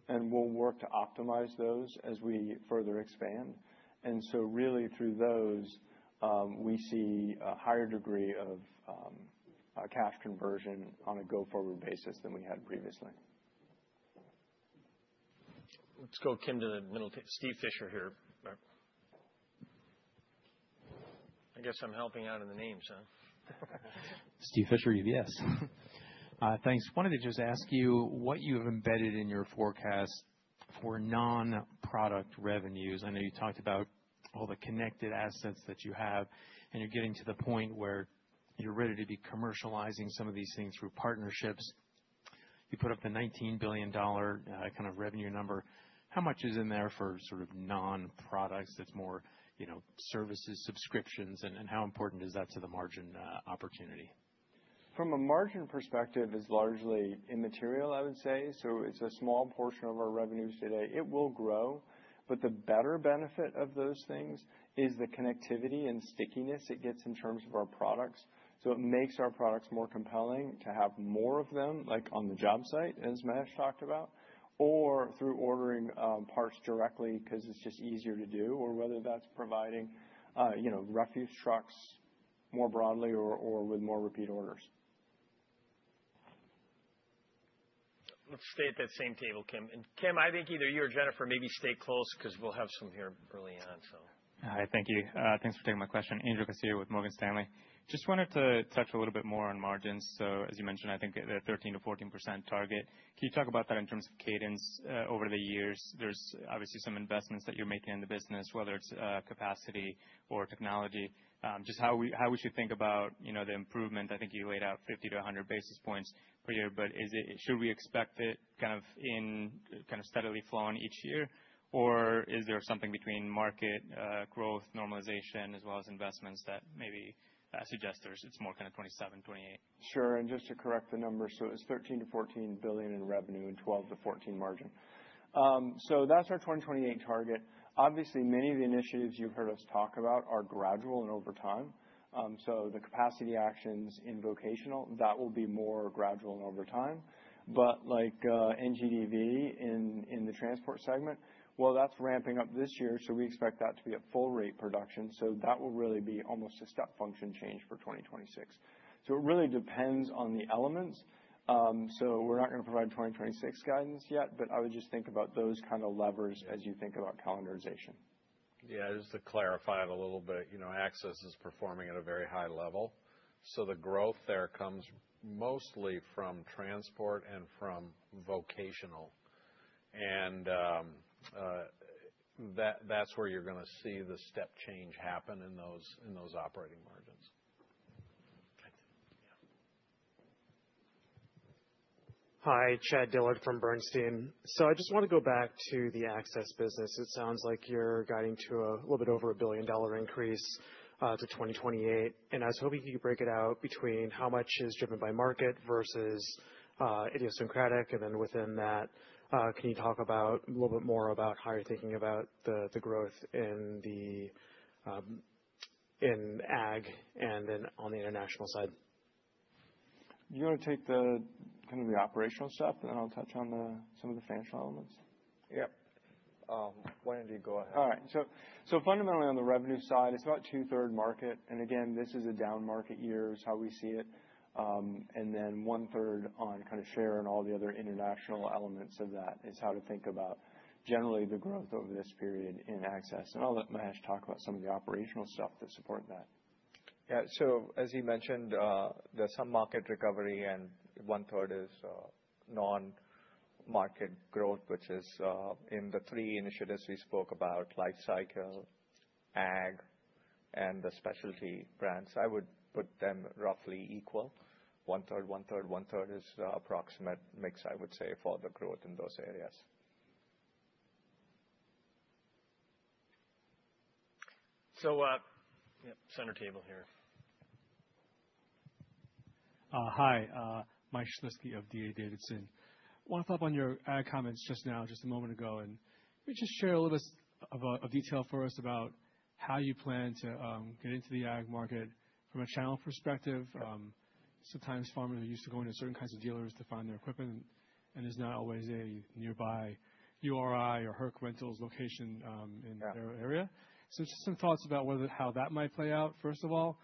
We'll work to optimize those as we further expand. Really through those, we see a higher degree of cash conversion on a go-forward basis than we had previously. Let's go, Kim, to the middle table. Steve Fisher here. I guess I'm helping out in the names, huh? Thanks. Wanted to just ask you what you have embedded in your forecast for non-product revenues. I know you talked about all the connected assets that you have, and you're getting to the point where you're ready to be commercializing some of these things through partnerships. You put up the $19 billion kind of revenue number. How much is in there for sort of non-products? It's more services, subscriptions. How important is that to the margin opportunity? From a margin perspective, it's largely immaterial, I would say. It's a small portion of our revenues today. It will grow. The better benefit of those things is the connectivity and stickiness it gets in terms of our products. It makes our products more compelling to have more of them, like on the job site, as Mahesh talked about, or through ordering parts directly because it's just easier to do, or whether that's providing refuse trucks more broadly or with more repeat orders. Let's stay at that same table, Kim. Kim, I think either you or Jennifer maybe stay close because we'll have some here early on. Hi, thank you. Thanks for taking my question. Andrew Garcia with Morgan Stanley. Just wanted to touch a little bit more on margins. As you mentioned, I think the 13%-14% target. Can you talk about that in terms of cadence over the years? There are obviously some investments that you're making in the business, whether it's capacity or technology. Just how we should think about the improvement. I think you laid out 50-100 basis points per year, but should we expect it kind of steadily flowing each year? Or is there something between market growth, normalization, as well as investments that maybe suggests it's more kind of 2027, 2028? Sure. And just to correct the number, so it's $13 billion-$14 billion in revenue and 12%-14% margin. So that's our 2028 target. Obviously, many of the initiatives you've heard us talk about are gradual and over time. So the capacity actions in vocational, that will be more gradual and over time. Like NGDV in the transport segment, that's ramping up this year, so we expect that to be at full rate production. That will really be almost a step function change for 2026. It really depends on the elements. We're not going to provide 2026 guidance yet, but I would just think about those kind of levers as you think about calendarization. Yeah, just to clarify it a little bit, access is performing at a very high level. So the growth there comes mostly from transport and from vocational. And that's where you're going to see the step change happen in those operating margins. Hi, Chad Dillard from Bernstein. I just want to go back to the access business. It sounds like you're guiding to a little bit over a billion-dollar increase to 2028. I was hoping you could break it out between how much is driven by market versus idiosyncratic. Within that, can you talk a little bit more about how you're thinking about the growth in ag and then on the international side? Do you want to take kind of the operational stuff, and then I'll touch on some of the financial elements? Yep. Why don't you go ahead? All right. Fundamentally, on the revenue side, it's about two-thirds market. Again, this is a down market year is how we see it. Then one-third on kind of share and all the other international elements of that is how to think about generally the growth over this period in access. I'll let Mahesh talk about some of the operational stuff that support that. Yeah. As he mentioned, there is some market recovery, and one-third is non-market growth, which is in the three initiatives we spoke about: life cycle, ag, and the specialty brands. I would put them roughly equal. One-third, one-third, one-third is approximate mix, I would say, for the growth in those areas. Center table here. Hi, Mike Schlitzky of DA Davidson. Want to follow up on your ag comments just now, just a moment ago. Maybe just share a little bit of detail for us about how you plan to get into the ag market from a channel perspective. Sometimes farmers are used to going to certain kinds of dealers to find their equipment, and there's not always a nearby URI or Herc Rentals location in their area. Just some thoughts about how that might play out, first of all.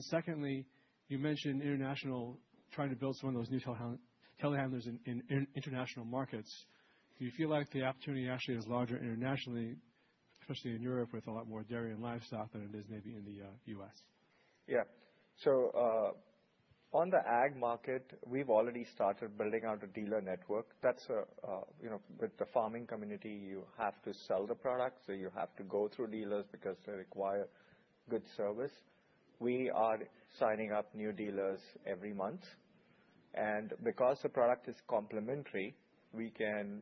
Secondly, you mentioned international, trying to build some of those new telehandlers in international markets. Do you feel like the opportunity actually is larger internationally, especially in Europe with a lot more dairy and livestock than it is maybe in the U.S.? Yeah. On the ag market, we've already started building out a dealer network. With the farming community, you have to sell the product. You have to go through dealers because they require good service. We are signing up new dealers every month. Because the product is complementary, we can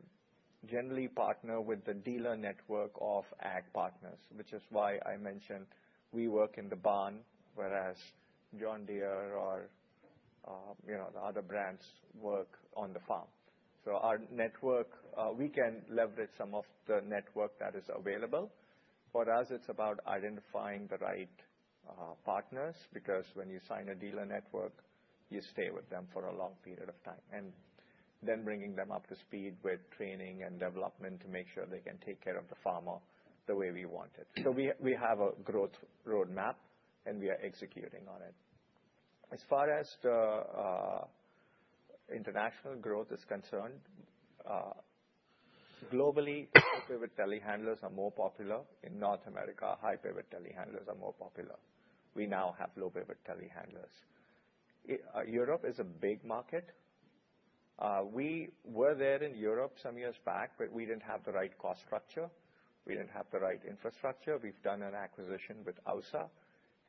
generally partner with the dealer network of ag partners, which is why I mentioned we work in the barn, whereas John Deere or the other brands work on the farm. Our network, we can leverage some of the network that is available. For us, it's about identifying the right partners because when you sign a dealer network, you stay with them for a long period of time. Bringing them up to speed with training and development to make sure they can take care of the farmer the way we want it. We have a growth roadmap, and we are executing on it. As far as international growth is concerned, globally, high-pivot telehandlers are more popular. In North America, high-pivot telehandlers are more popular. We now have low-pivot telehandlers. Europe is a big market. We were there in Europe some years back, but we did not have the right cost structure. We did not have the right infrastructure. We have done an acquisition with AUSA,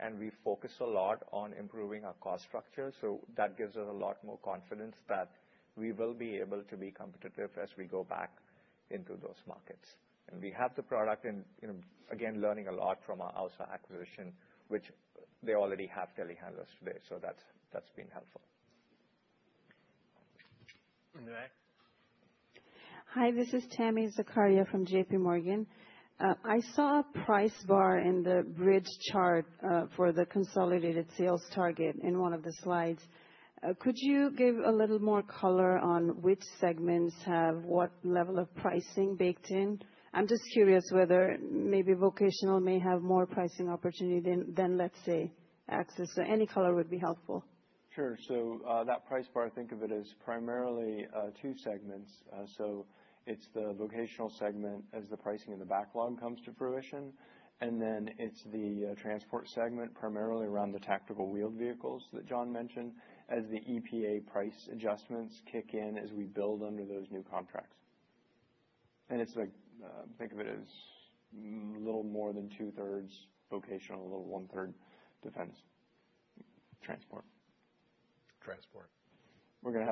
and we focus a lot on improving our cost structure. That gives us a lot more confidence that we will be able to be competitive as we go back into those markets. We have the product and, again, learning a lot from our AUSA acquisition, which already has telehandlers today. That has been helpful. Hi, this is Tami Zakaria from JPMorgan. I saw a price bar in the Bridge chart for the consolidated sales target in one of the slides. Could you give a little more color on which segments have what level of pricing baked in? I'm just curious whether maybe vocational may have more pricing opportunity than, let's say, access. Any color would be helpful. Sure. That price bar, I think of it as primarily two segments. It is the vocational segment as the pricing in the backlog comes to fruition. It is the transport segment, primarily around the tactical wheeled vehicles that John mentioned, as the EPA price adjustments kick in as we build under those new contracts. I think of it as a little more than two-thirds vocational, a little one-third defense transport. Transport. We're going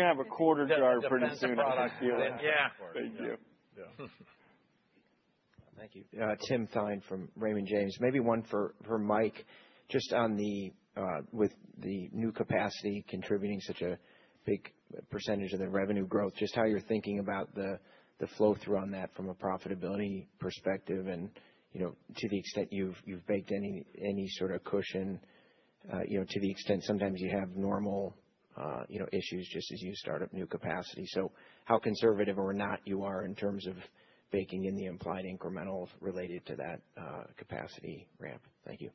to have a quarter drive pretty soon. Yeah. Thank you. Thank you. Tim Thein from Raymond James. Maybe one for Mike, just on the new capacity contributing such a big percentage of the revenue growth, just how you're thinking about the flow through on that from a profitability perspective and to the extent you've baked any sort of cushion to the extent sometimes you have normal issues just as you start up new capacity. How conservative or not you are in terms of baking in the implied incremental related to that capacity ramp. Thank you.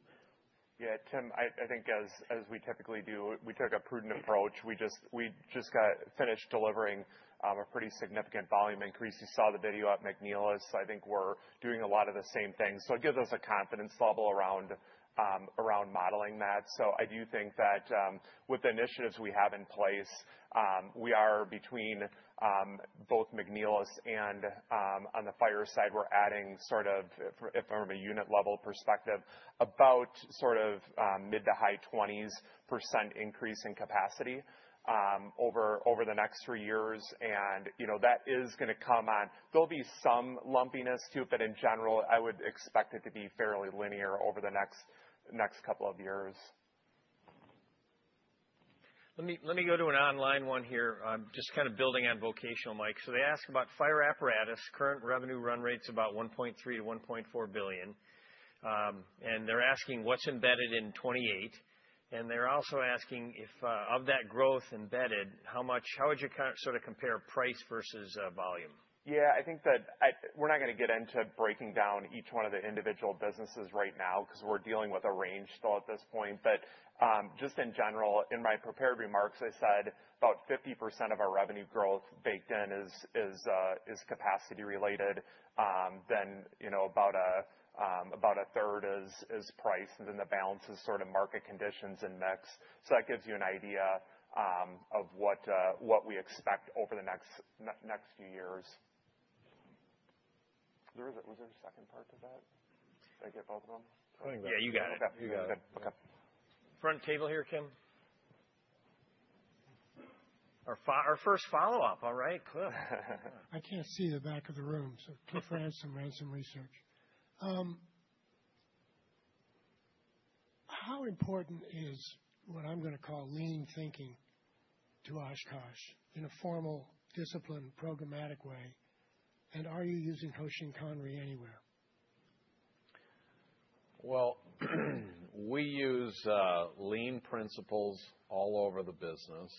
Yeah, Tim, I think as we typically do, we took a prudent approach. We just got finished delivering a pretty significant volume increase. You saw the video at McNeilus. I think we're doing a lot of the same things. It gives us a confidence level around modeling that. I do think that with the initiatives we have in place, we are between both McNeilus and on the fire side, we're adding, sort of, if from a unit-level perspective, about mid to high 20s % increase in capacity over the next three years. That is going to come on. There'll be some lumpiness to it, but in general, I would expect it to be fairly linear over the next couple of years. Let me go to an online one here. I'm just kind of building on vocational, Mike. They ask about fire apparatus. Current revenue run rate's about $1.3 billion to $1.4 billion. They're asking what's embedded in 2028. They're also asking if of that growth embedded, how would you sort of compare price versus volume? Yeah, I think that we're not going to get into breaking down each one of the individual businesses right now because we're dealing with a range still at this point. Just in general, in my prepared remarks, I said about 50% of our revenue growth baked in is capacity related. Then about a third is price. The balance is sort of market conditions and mix. That gives you an idea of what we expect over the next few years. Was there a second part to that? Did I get both of them? Yeah, you got it. Okay. Front table here, Kim. Our first follow-up, all right? I can't see the back of the room, so please, ransom research. How important is what I'm going to call lean thinking to Oshkosh in a formal discipline, programmatic way? And are you using Hoshin Kanri anywhere? We use lean principles all over the business.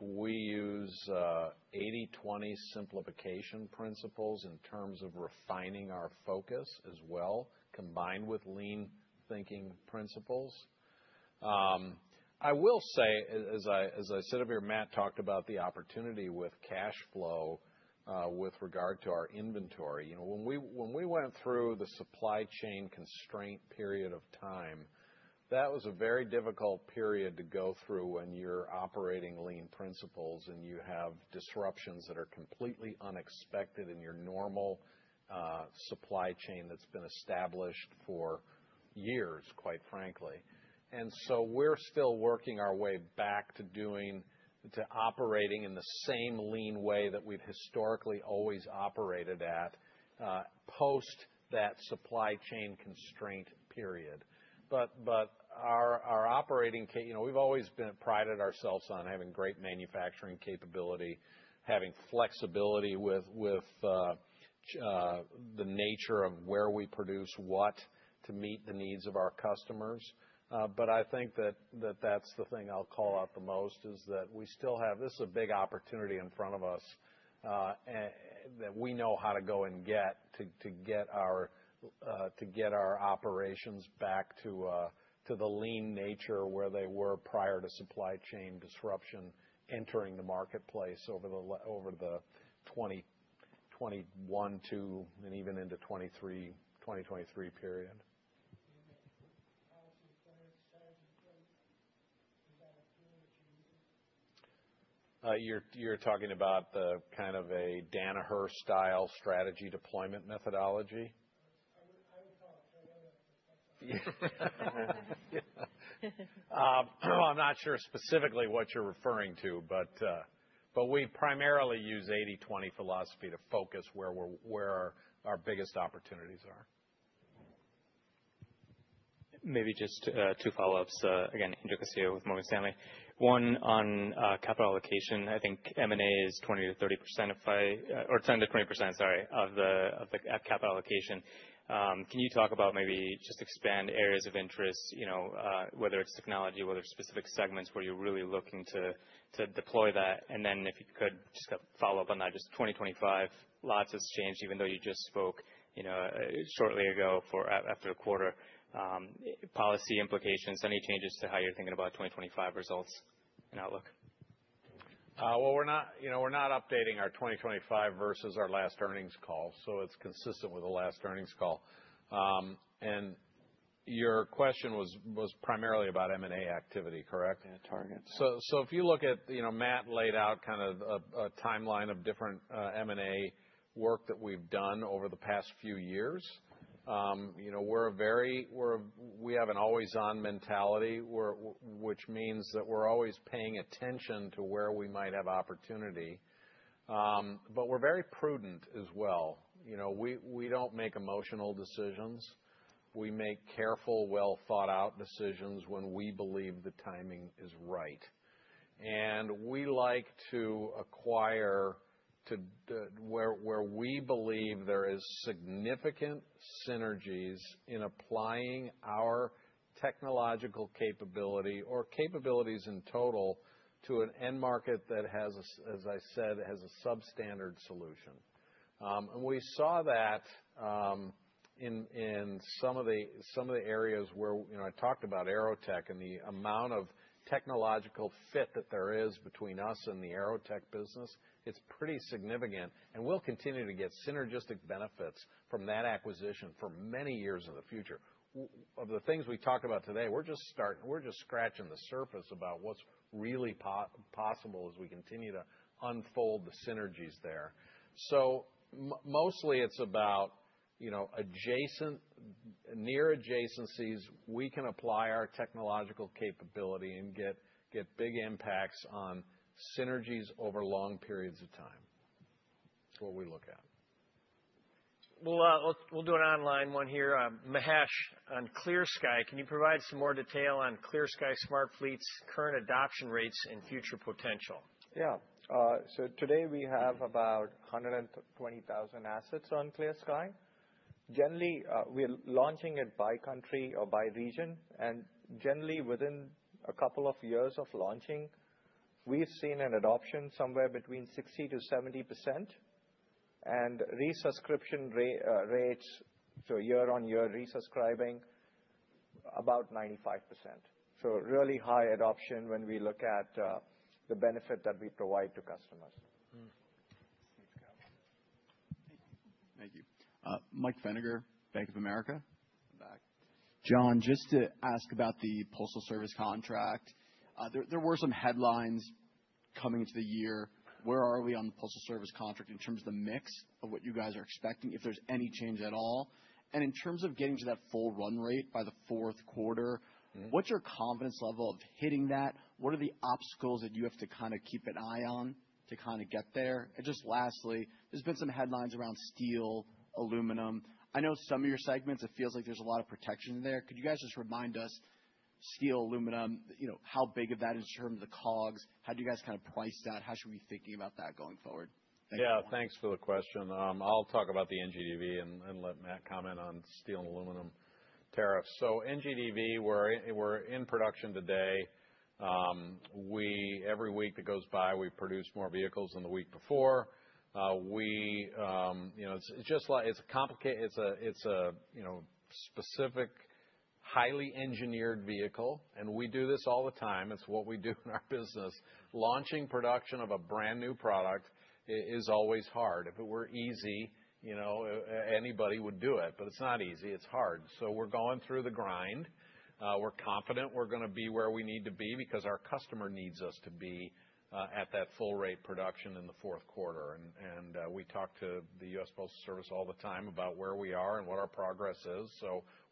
We use 80/20 simplification principles in terms of refining our focus as well, combined with lean thinking principles. I will say, as I sit up here, Matt talked about the opportunity with cash flow with regard to our inventory. When we went through the supply chain constraint period of time, that was a very difficult period to go through when you're operating lean principles and you have disruptions that are completely unexpected in your normal supply chain that's been established for years, quite frankly. We are still working our way back to operating in the same lean way that we've historically always operated at post that supply chain constraint period. Our operating case, we've always prided ourselves on having great manufacturing capability, having flexibility with the nature of where we produce what to meet the needs of our customers. I think that that's the thing I'll call out the most is that we still have, this is a big opportunity in front of us that we know how to go and get to get our operations back to the lean nature where they were prior to supply chain disruption entering the marketplace over the 2021 to and even into 2023 period. You're talking about the kind of a Danaher style strategy deployment methodology? I'm not sure specifically what you're referring to, but we primarily use 80/20 philosophy to focus where our biggest opportunities are. Maybe just two follow-ups. Again, Andrew Garcia with Morgan Stanley. One on capital allocation. I think M&A is 10-20% of the capital allocation. Can you talk about maybe just expand areas of interest, whether it's technology, whether it's specific segments where you're really looking to deploy that? If you could just follow up on that, just 2025, lots has changed, even though you just spoke shortly ago after a quarter. Policy implications, any changes to how you're thinking about 2025 results and outlook? We're not updating our 2025 versus our last earnings call. It is consistent with the last earnings call. Your question was primarily about M&A activity, correct? Yeah, target. If you look at Matt laid out kind of a timeline of different M&A work that we've done over the past few years, we're a very we have an always-on mentality, which means that we're always paying attention to where we might have opportunity. We are very prudent as well. We don't make emotional decisions. We make careful, well-thought-out decisions when we believe the timing is right. We like to acquire where we believe there are significant synergies in applying our technological capability or capabilities in total to an end market that has, as I said, has a substandard solution. We saw that in some of the areas where I talked about AeroTech and the amount of technological fit that there is between us and the AeroTech business, it's pretty significant. We'll continue to get synergistic benefits from that acquisition for many years in the future. Of the things we talked about today, we're just scratching the surface about what's really possible as we continue to unfold the synergies there. Mostly it's about near adjacencies. We can apply our technological capability and get big impacts on synergies over long periods of time. That's what we look at. We'll do an online one here. Mahesh on ClearSky, can you provide some more detail on ClearSky Smart Fleet's current adoption rates and future potential? Yeah. Today we have about 120,000 assets on ClearSky. Generally, we're launching it by country or by region. Generally, within a couple of years of launching, we've seen an adoption somewhere between 60-70%. Resubscription rates, so year-on-year resubscribing, are about 95%. Really high adoption when we look at the benefit that we provide to customers. Thank you. Thank you. Mike Feniger, Bank of America. John, just to ask about the Postal Service contract. There were some headlines coming into the year. Where are we on the Postal Service contract in terms of the mix of what you guys are expecting, if there's any change at all? In terms of getting to that full run rate by the fourth quarter, what's your confidence level of hitting that? What are the obstacles that you have to kind of keep an eye on to kind of get there? Just lastly, there's been some headlines around steel, aluminum. I know some of your segments, it feels like there's a lot of protection there. Could you guys just remind us, steel, aluminum, how big of that is in terms of the COGS? How do you guys kind of price that? How should we be thinking about that going forward? Yeah, thanks for the question. I'll talk about the NGDV and let Matt comment on steel and aluminum tariffs. NGDV, we're in production today. Every week that goes by, we produce more vehicles than the week before. It's a specific, highly engineered vehicle. We do this all the time. It's what we do in our business. Launching production of a brand new product is always hard. If it were easy, anybody would do it. It's not easy. It's hard. We're going through the grind. We're confident we're going to be where we need to be because our customer needs us to be at that full rate production in the fourth quarter. We talk to the U.S. Postal Service all the time about where we are and what our progress is.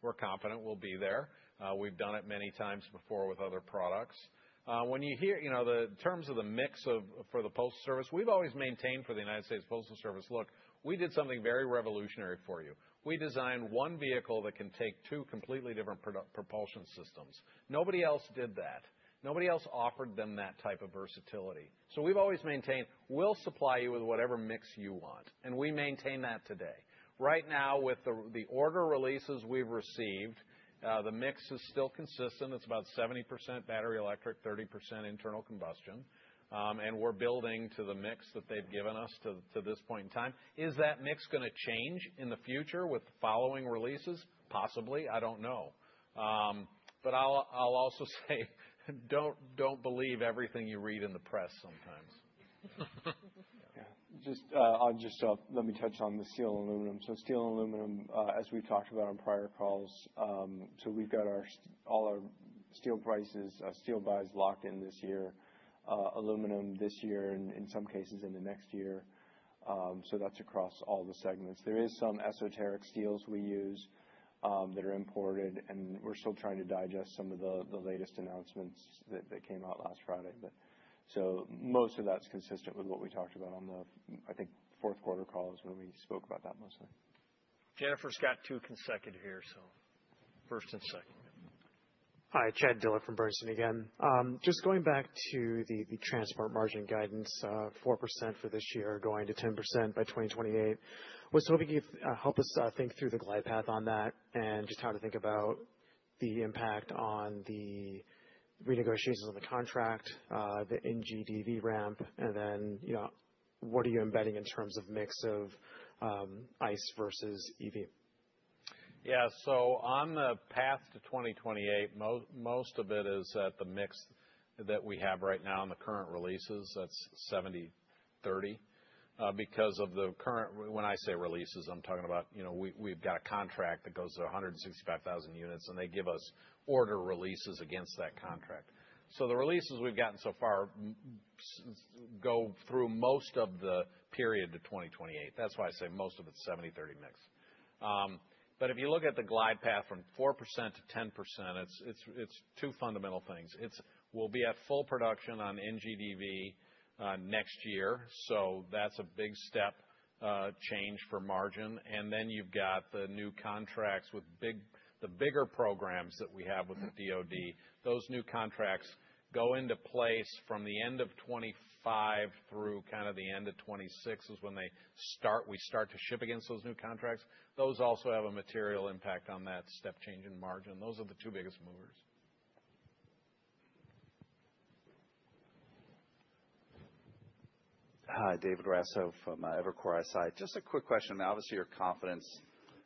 We're confident we'll be there. We've done it many times before with other products. When you hear the terms of the mix for the Postal Service, we've always maintained for the U.S. Postal Service, "Look, we did something very revolutionary for you. We designed one vehicle that can take two completely different propulsion systems. Nobody else did that. Nobody else offered them that type of versatility." We have always maintained, "We'll supply you with whatever mix you want." We maintain that today. Right now, with the order releases we've received, the mix is still consistent. It's about 70% battery electric, 30% internal combustion. We're building to the mix that they've given us to this point in time. Is that mix going to change in the future with the following releases? Possibly. I don't know. I'll also say, "Don't believe everything you read in the press sometimes. Just let me touch on the steel and aluminum. Steel and aluminum, as we've talked about on prior calls, we've got all our steel prices, steel buys locked in this year, aluminum this year, and in some cases in the next year. That's across all the segments. There are some esoteric steels we use that are imported. We're still trying to digest some of the latest announcements that came out last Friday. Most of that's consistent with what we talked about on the, I think, fourth quarter calls when we spoke about that mostly. Gentlemen got two consecutive here, so first and second. Hi, Chad Dillard from Bernstein again. Just going back to the transport margin guidance, 4% for this year going to 10% by 2028. I was hoping you could help us think through the glide path on that and just how to think about the impact on the renegotiations on the contract, the NGDV ramp, and then what are you embedding in terms of mix of ICE versus EV? Yeah. On the path to 2028, most of it is at the mix that we have right now on the current releases. That's 70/30 because of the current, when I say releases, I'm talking about we've got a contract that goes to 165,000 units, and they give us order releases against that contract. The releases we've gotten so far go through most of the period to 2028. That's why I say most of it's 70/30 mix. If you look at the glide path from 4% to 10%, it's two fundamental things. We'll be at full production on NGDV next year. That's a big step change for margin. Then you've got the new contracts with the bigger programs that we have with the DoD. Those new contracts go into place from the end of 2025 through kind of the end of 2026 is when we start to ship against those new contracts. Those also have a material impact on that step change in margin. Those are the two biggest movers. Hi, David Raso from Evercore ISI. Just a quick question. Obviously, your confidence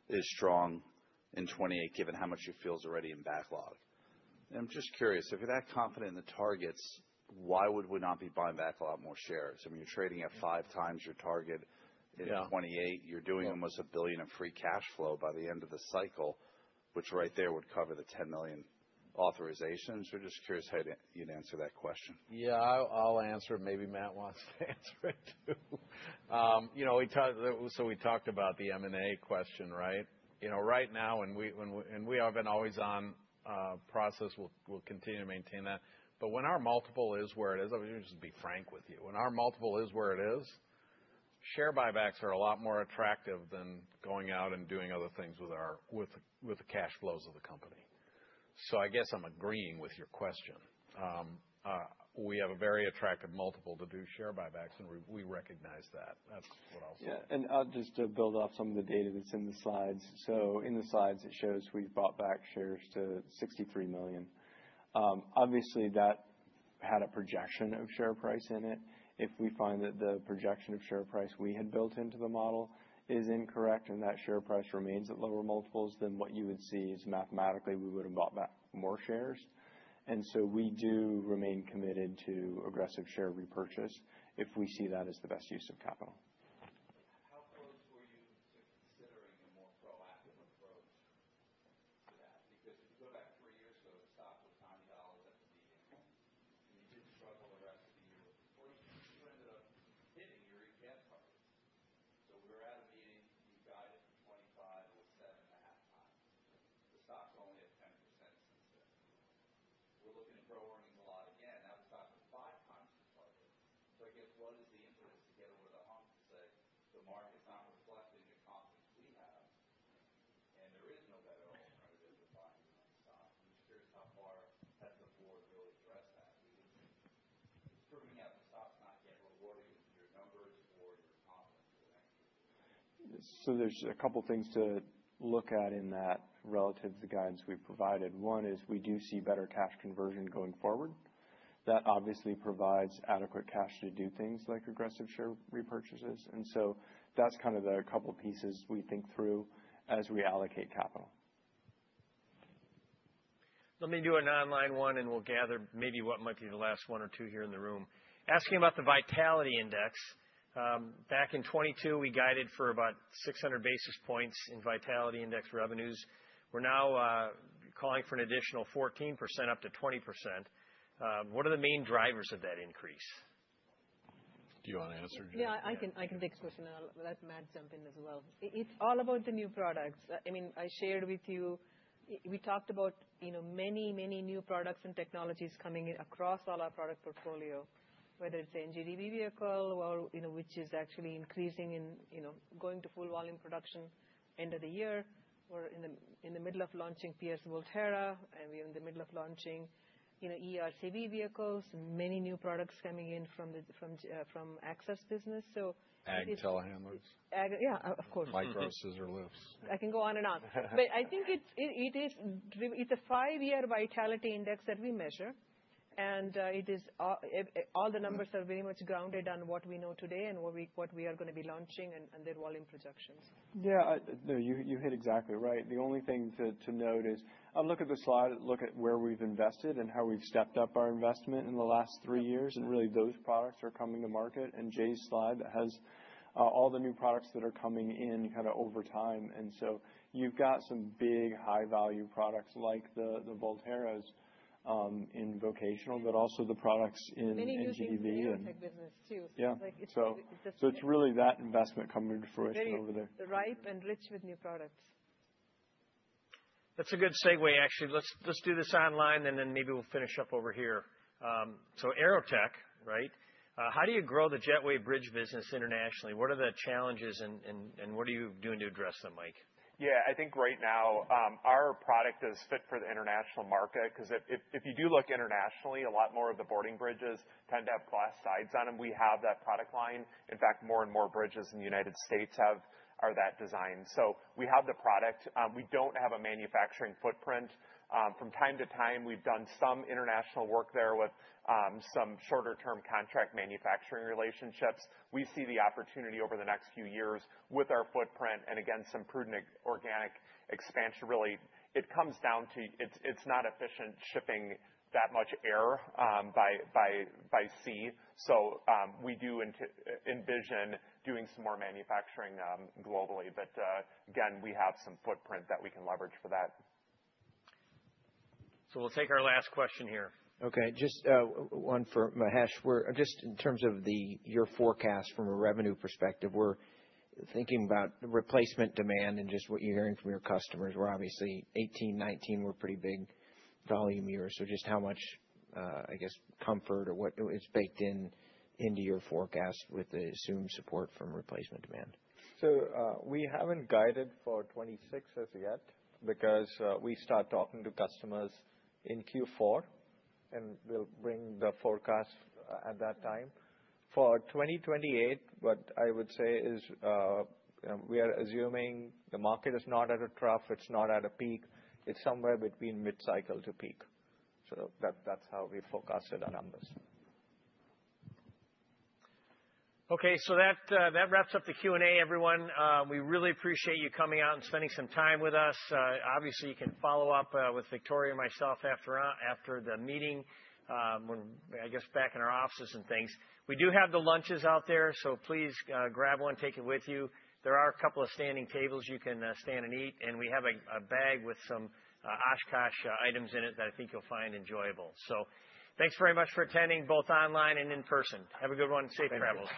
is strong in 2028 given how much you feel is already in backlog. I'm just curious, if you're that confident in the targets, why would we not be buying back a lot more shares? I mean, you're trading at five times your target in 2028. You're doing almost $1 billion in free cash flow by the end of the cycle, which right there would cover the $10 million authorizations. We're just curious how you'd answer that question. Yeah, I'll answer. Maybe Matt wants to answer it too. We talked about the M&A question, right? Right now, and we have been always on process, we'll continue to maintain that. When our multiple is where it is, I was going to just be frank with you. When our multiple is where it is, share buybacks are a lot more attractive than going out and doing other things with the cash flows of the company. I guess I'm agreeing with your question. We have a very attractive multiple to do share buybacks, and we recognize that. That's what I'll say. Yeah. I'll just build off some of the data that's in the slides. In the slides, it shows we've bought back shares to $63 million. Obviously, that had a projection of share price in it. If we find that the projection of share price we had built into the model is incorrect and that share price remains at lower multiples, then what you would see is mathematically we would have bought back more shares. We do remain committed to aggressive share repurchase if we see that as the best use of capital. We were at a meeting, you guided for 25, it was 7.5 times. The stock's only at 10% since then. We're looking at pro earnings a lot again. Now the stock's at five times the target. I guess what is the impetus to get over the hump to say the market's not reflecting the confidence we have, and there is no better alternative to buying the stock? I'm just curious how far has the board really addressed that? It's proving that the stock's not yet rewarding your numbers or your confidence with anchors. There is a couple of things to look at in that relative to the guidance we have provided. One is we do see better cash conversion going forward. That obviously provides adequate cash to do things like aggressive share repurchases. That is kind of the couple of pieces we think through as we allocate capital. Let me do an online one, and we'll gather maybe what might be the last one or two here in the room. Asking about the Vitality Index. Back in 2022, we guided for about 600 basis points in Vitality Index revenues. We're now calling for an additional 14% up to 20%. What are the main drivers of that increase? Do you want to answer, John? Yeah, I can take this question. Let Matt jump in as well. It's all about the new products. I mean, I shared with you, we talked about many, many new products and technologies coming across all our product portfolio, whether it's an NGDV vehicle, which is actually increasing and going to full volume production end of the year. We're in the middle of launching Pierce Volterra, and we're in the middle of launching eRCV vehicles, many new products coming in from Access business. Ag telehandlers. Yeah, of course. Micros or loops. I can go on and on. I think it's a five-year Vitality Index that we measure. All the numbers are very much grounded on what we know today and what we are going to be launching and their volume projections. Yeah. No, you hit exactly right. The only thing to note is look at the slide, look at where we've invested and how we've stepped up our investment in the last three years. Really, those products are coming to market. Jay's slide has all the new products that are coming in kind of over time. You have some big high-value products like the Volterras in vocational, but also the products in NGDV. Many new things in the AeroTech business too. Yeah. It's really that investment coming forth over there. Very ripe and rich with new products. That's a good segue, actually. Let's do this online, and then maybe we'll finish up over here. So AeroTech, right? How do you grow the Jetway Bridge business internationally? What are the challenges, and what are you doing to address them, Mike? Yeah. I think right now, our product is fit for the international market because if you do look internationally, a lot more of the boarding bridges tend to have glass sides on them. We have that product line. In fact, more and more bridges in the United States are that designed. We have the product. We do not have a manufacturing footprint. From time to time, we have done some international work there with some shorter-term contract manufacturing relationships. We see the opportunity over the next few years with our footprint and, again, some prudent organic expansion. Really, it comes down to it is not efficient shipping that much air by sea. We do envision doing some more manufacturing globally. Again, we have some footprint that we can leverage for that. We'll take our last question here. Okay. Just one for Mahesh. Just in terms of your forecast from a revenue perspective, we're thinking about replacement demand and just what you're hearing from your customers. We're obviously 2018, 2019 were pretty big volume years. Just how much, I guess, comfort or what is baked into your forecast with the assumed support from replacement demand? We haven't guided for 2026 as yet because we start talking to customers in Q4, and we'll bring the forecast at that time. For 2028, what I would say is we are assuming the market is not at a trough. It's not at a peak. It's somewhere between mid-cycle to peak. So that's how we forecasted our numbers. Okay. So that wraps up the Q&A, everyone. We really appreciate you coming out and spending some time with us. Obviously, you can follow up with Victoria and myself after the meeting, I guess, back in our offices and things. We do have the lunches out there, so please grab one, take it with you. There are a couple of standing tables you can stand and eat. And we have a bag with some Oshkosh items in it that I think you'll find enjoyable. So thanks very much for attending, both online and in person. Have a good one and safe travels.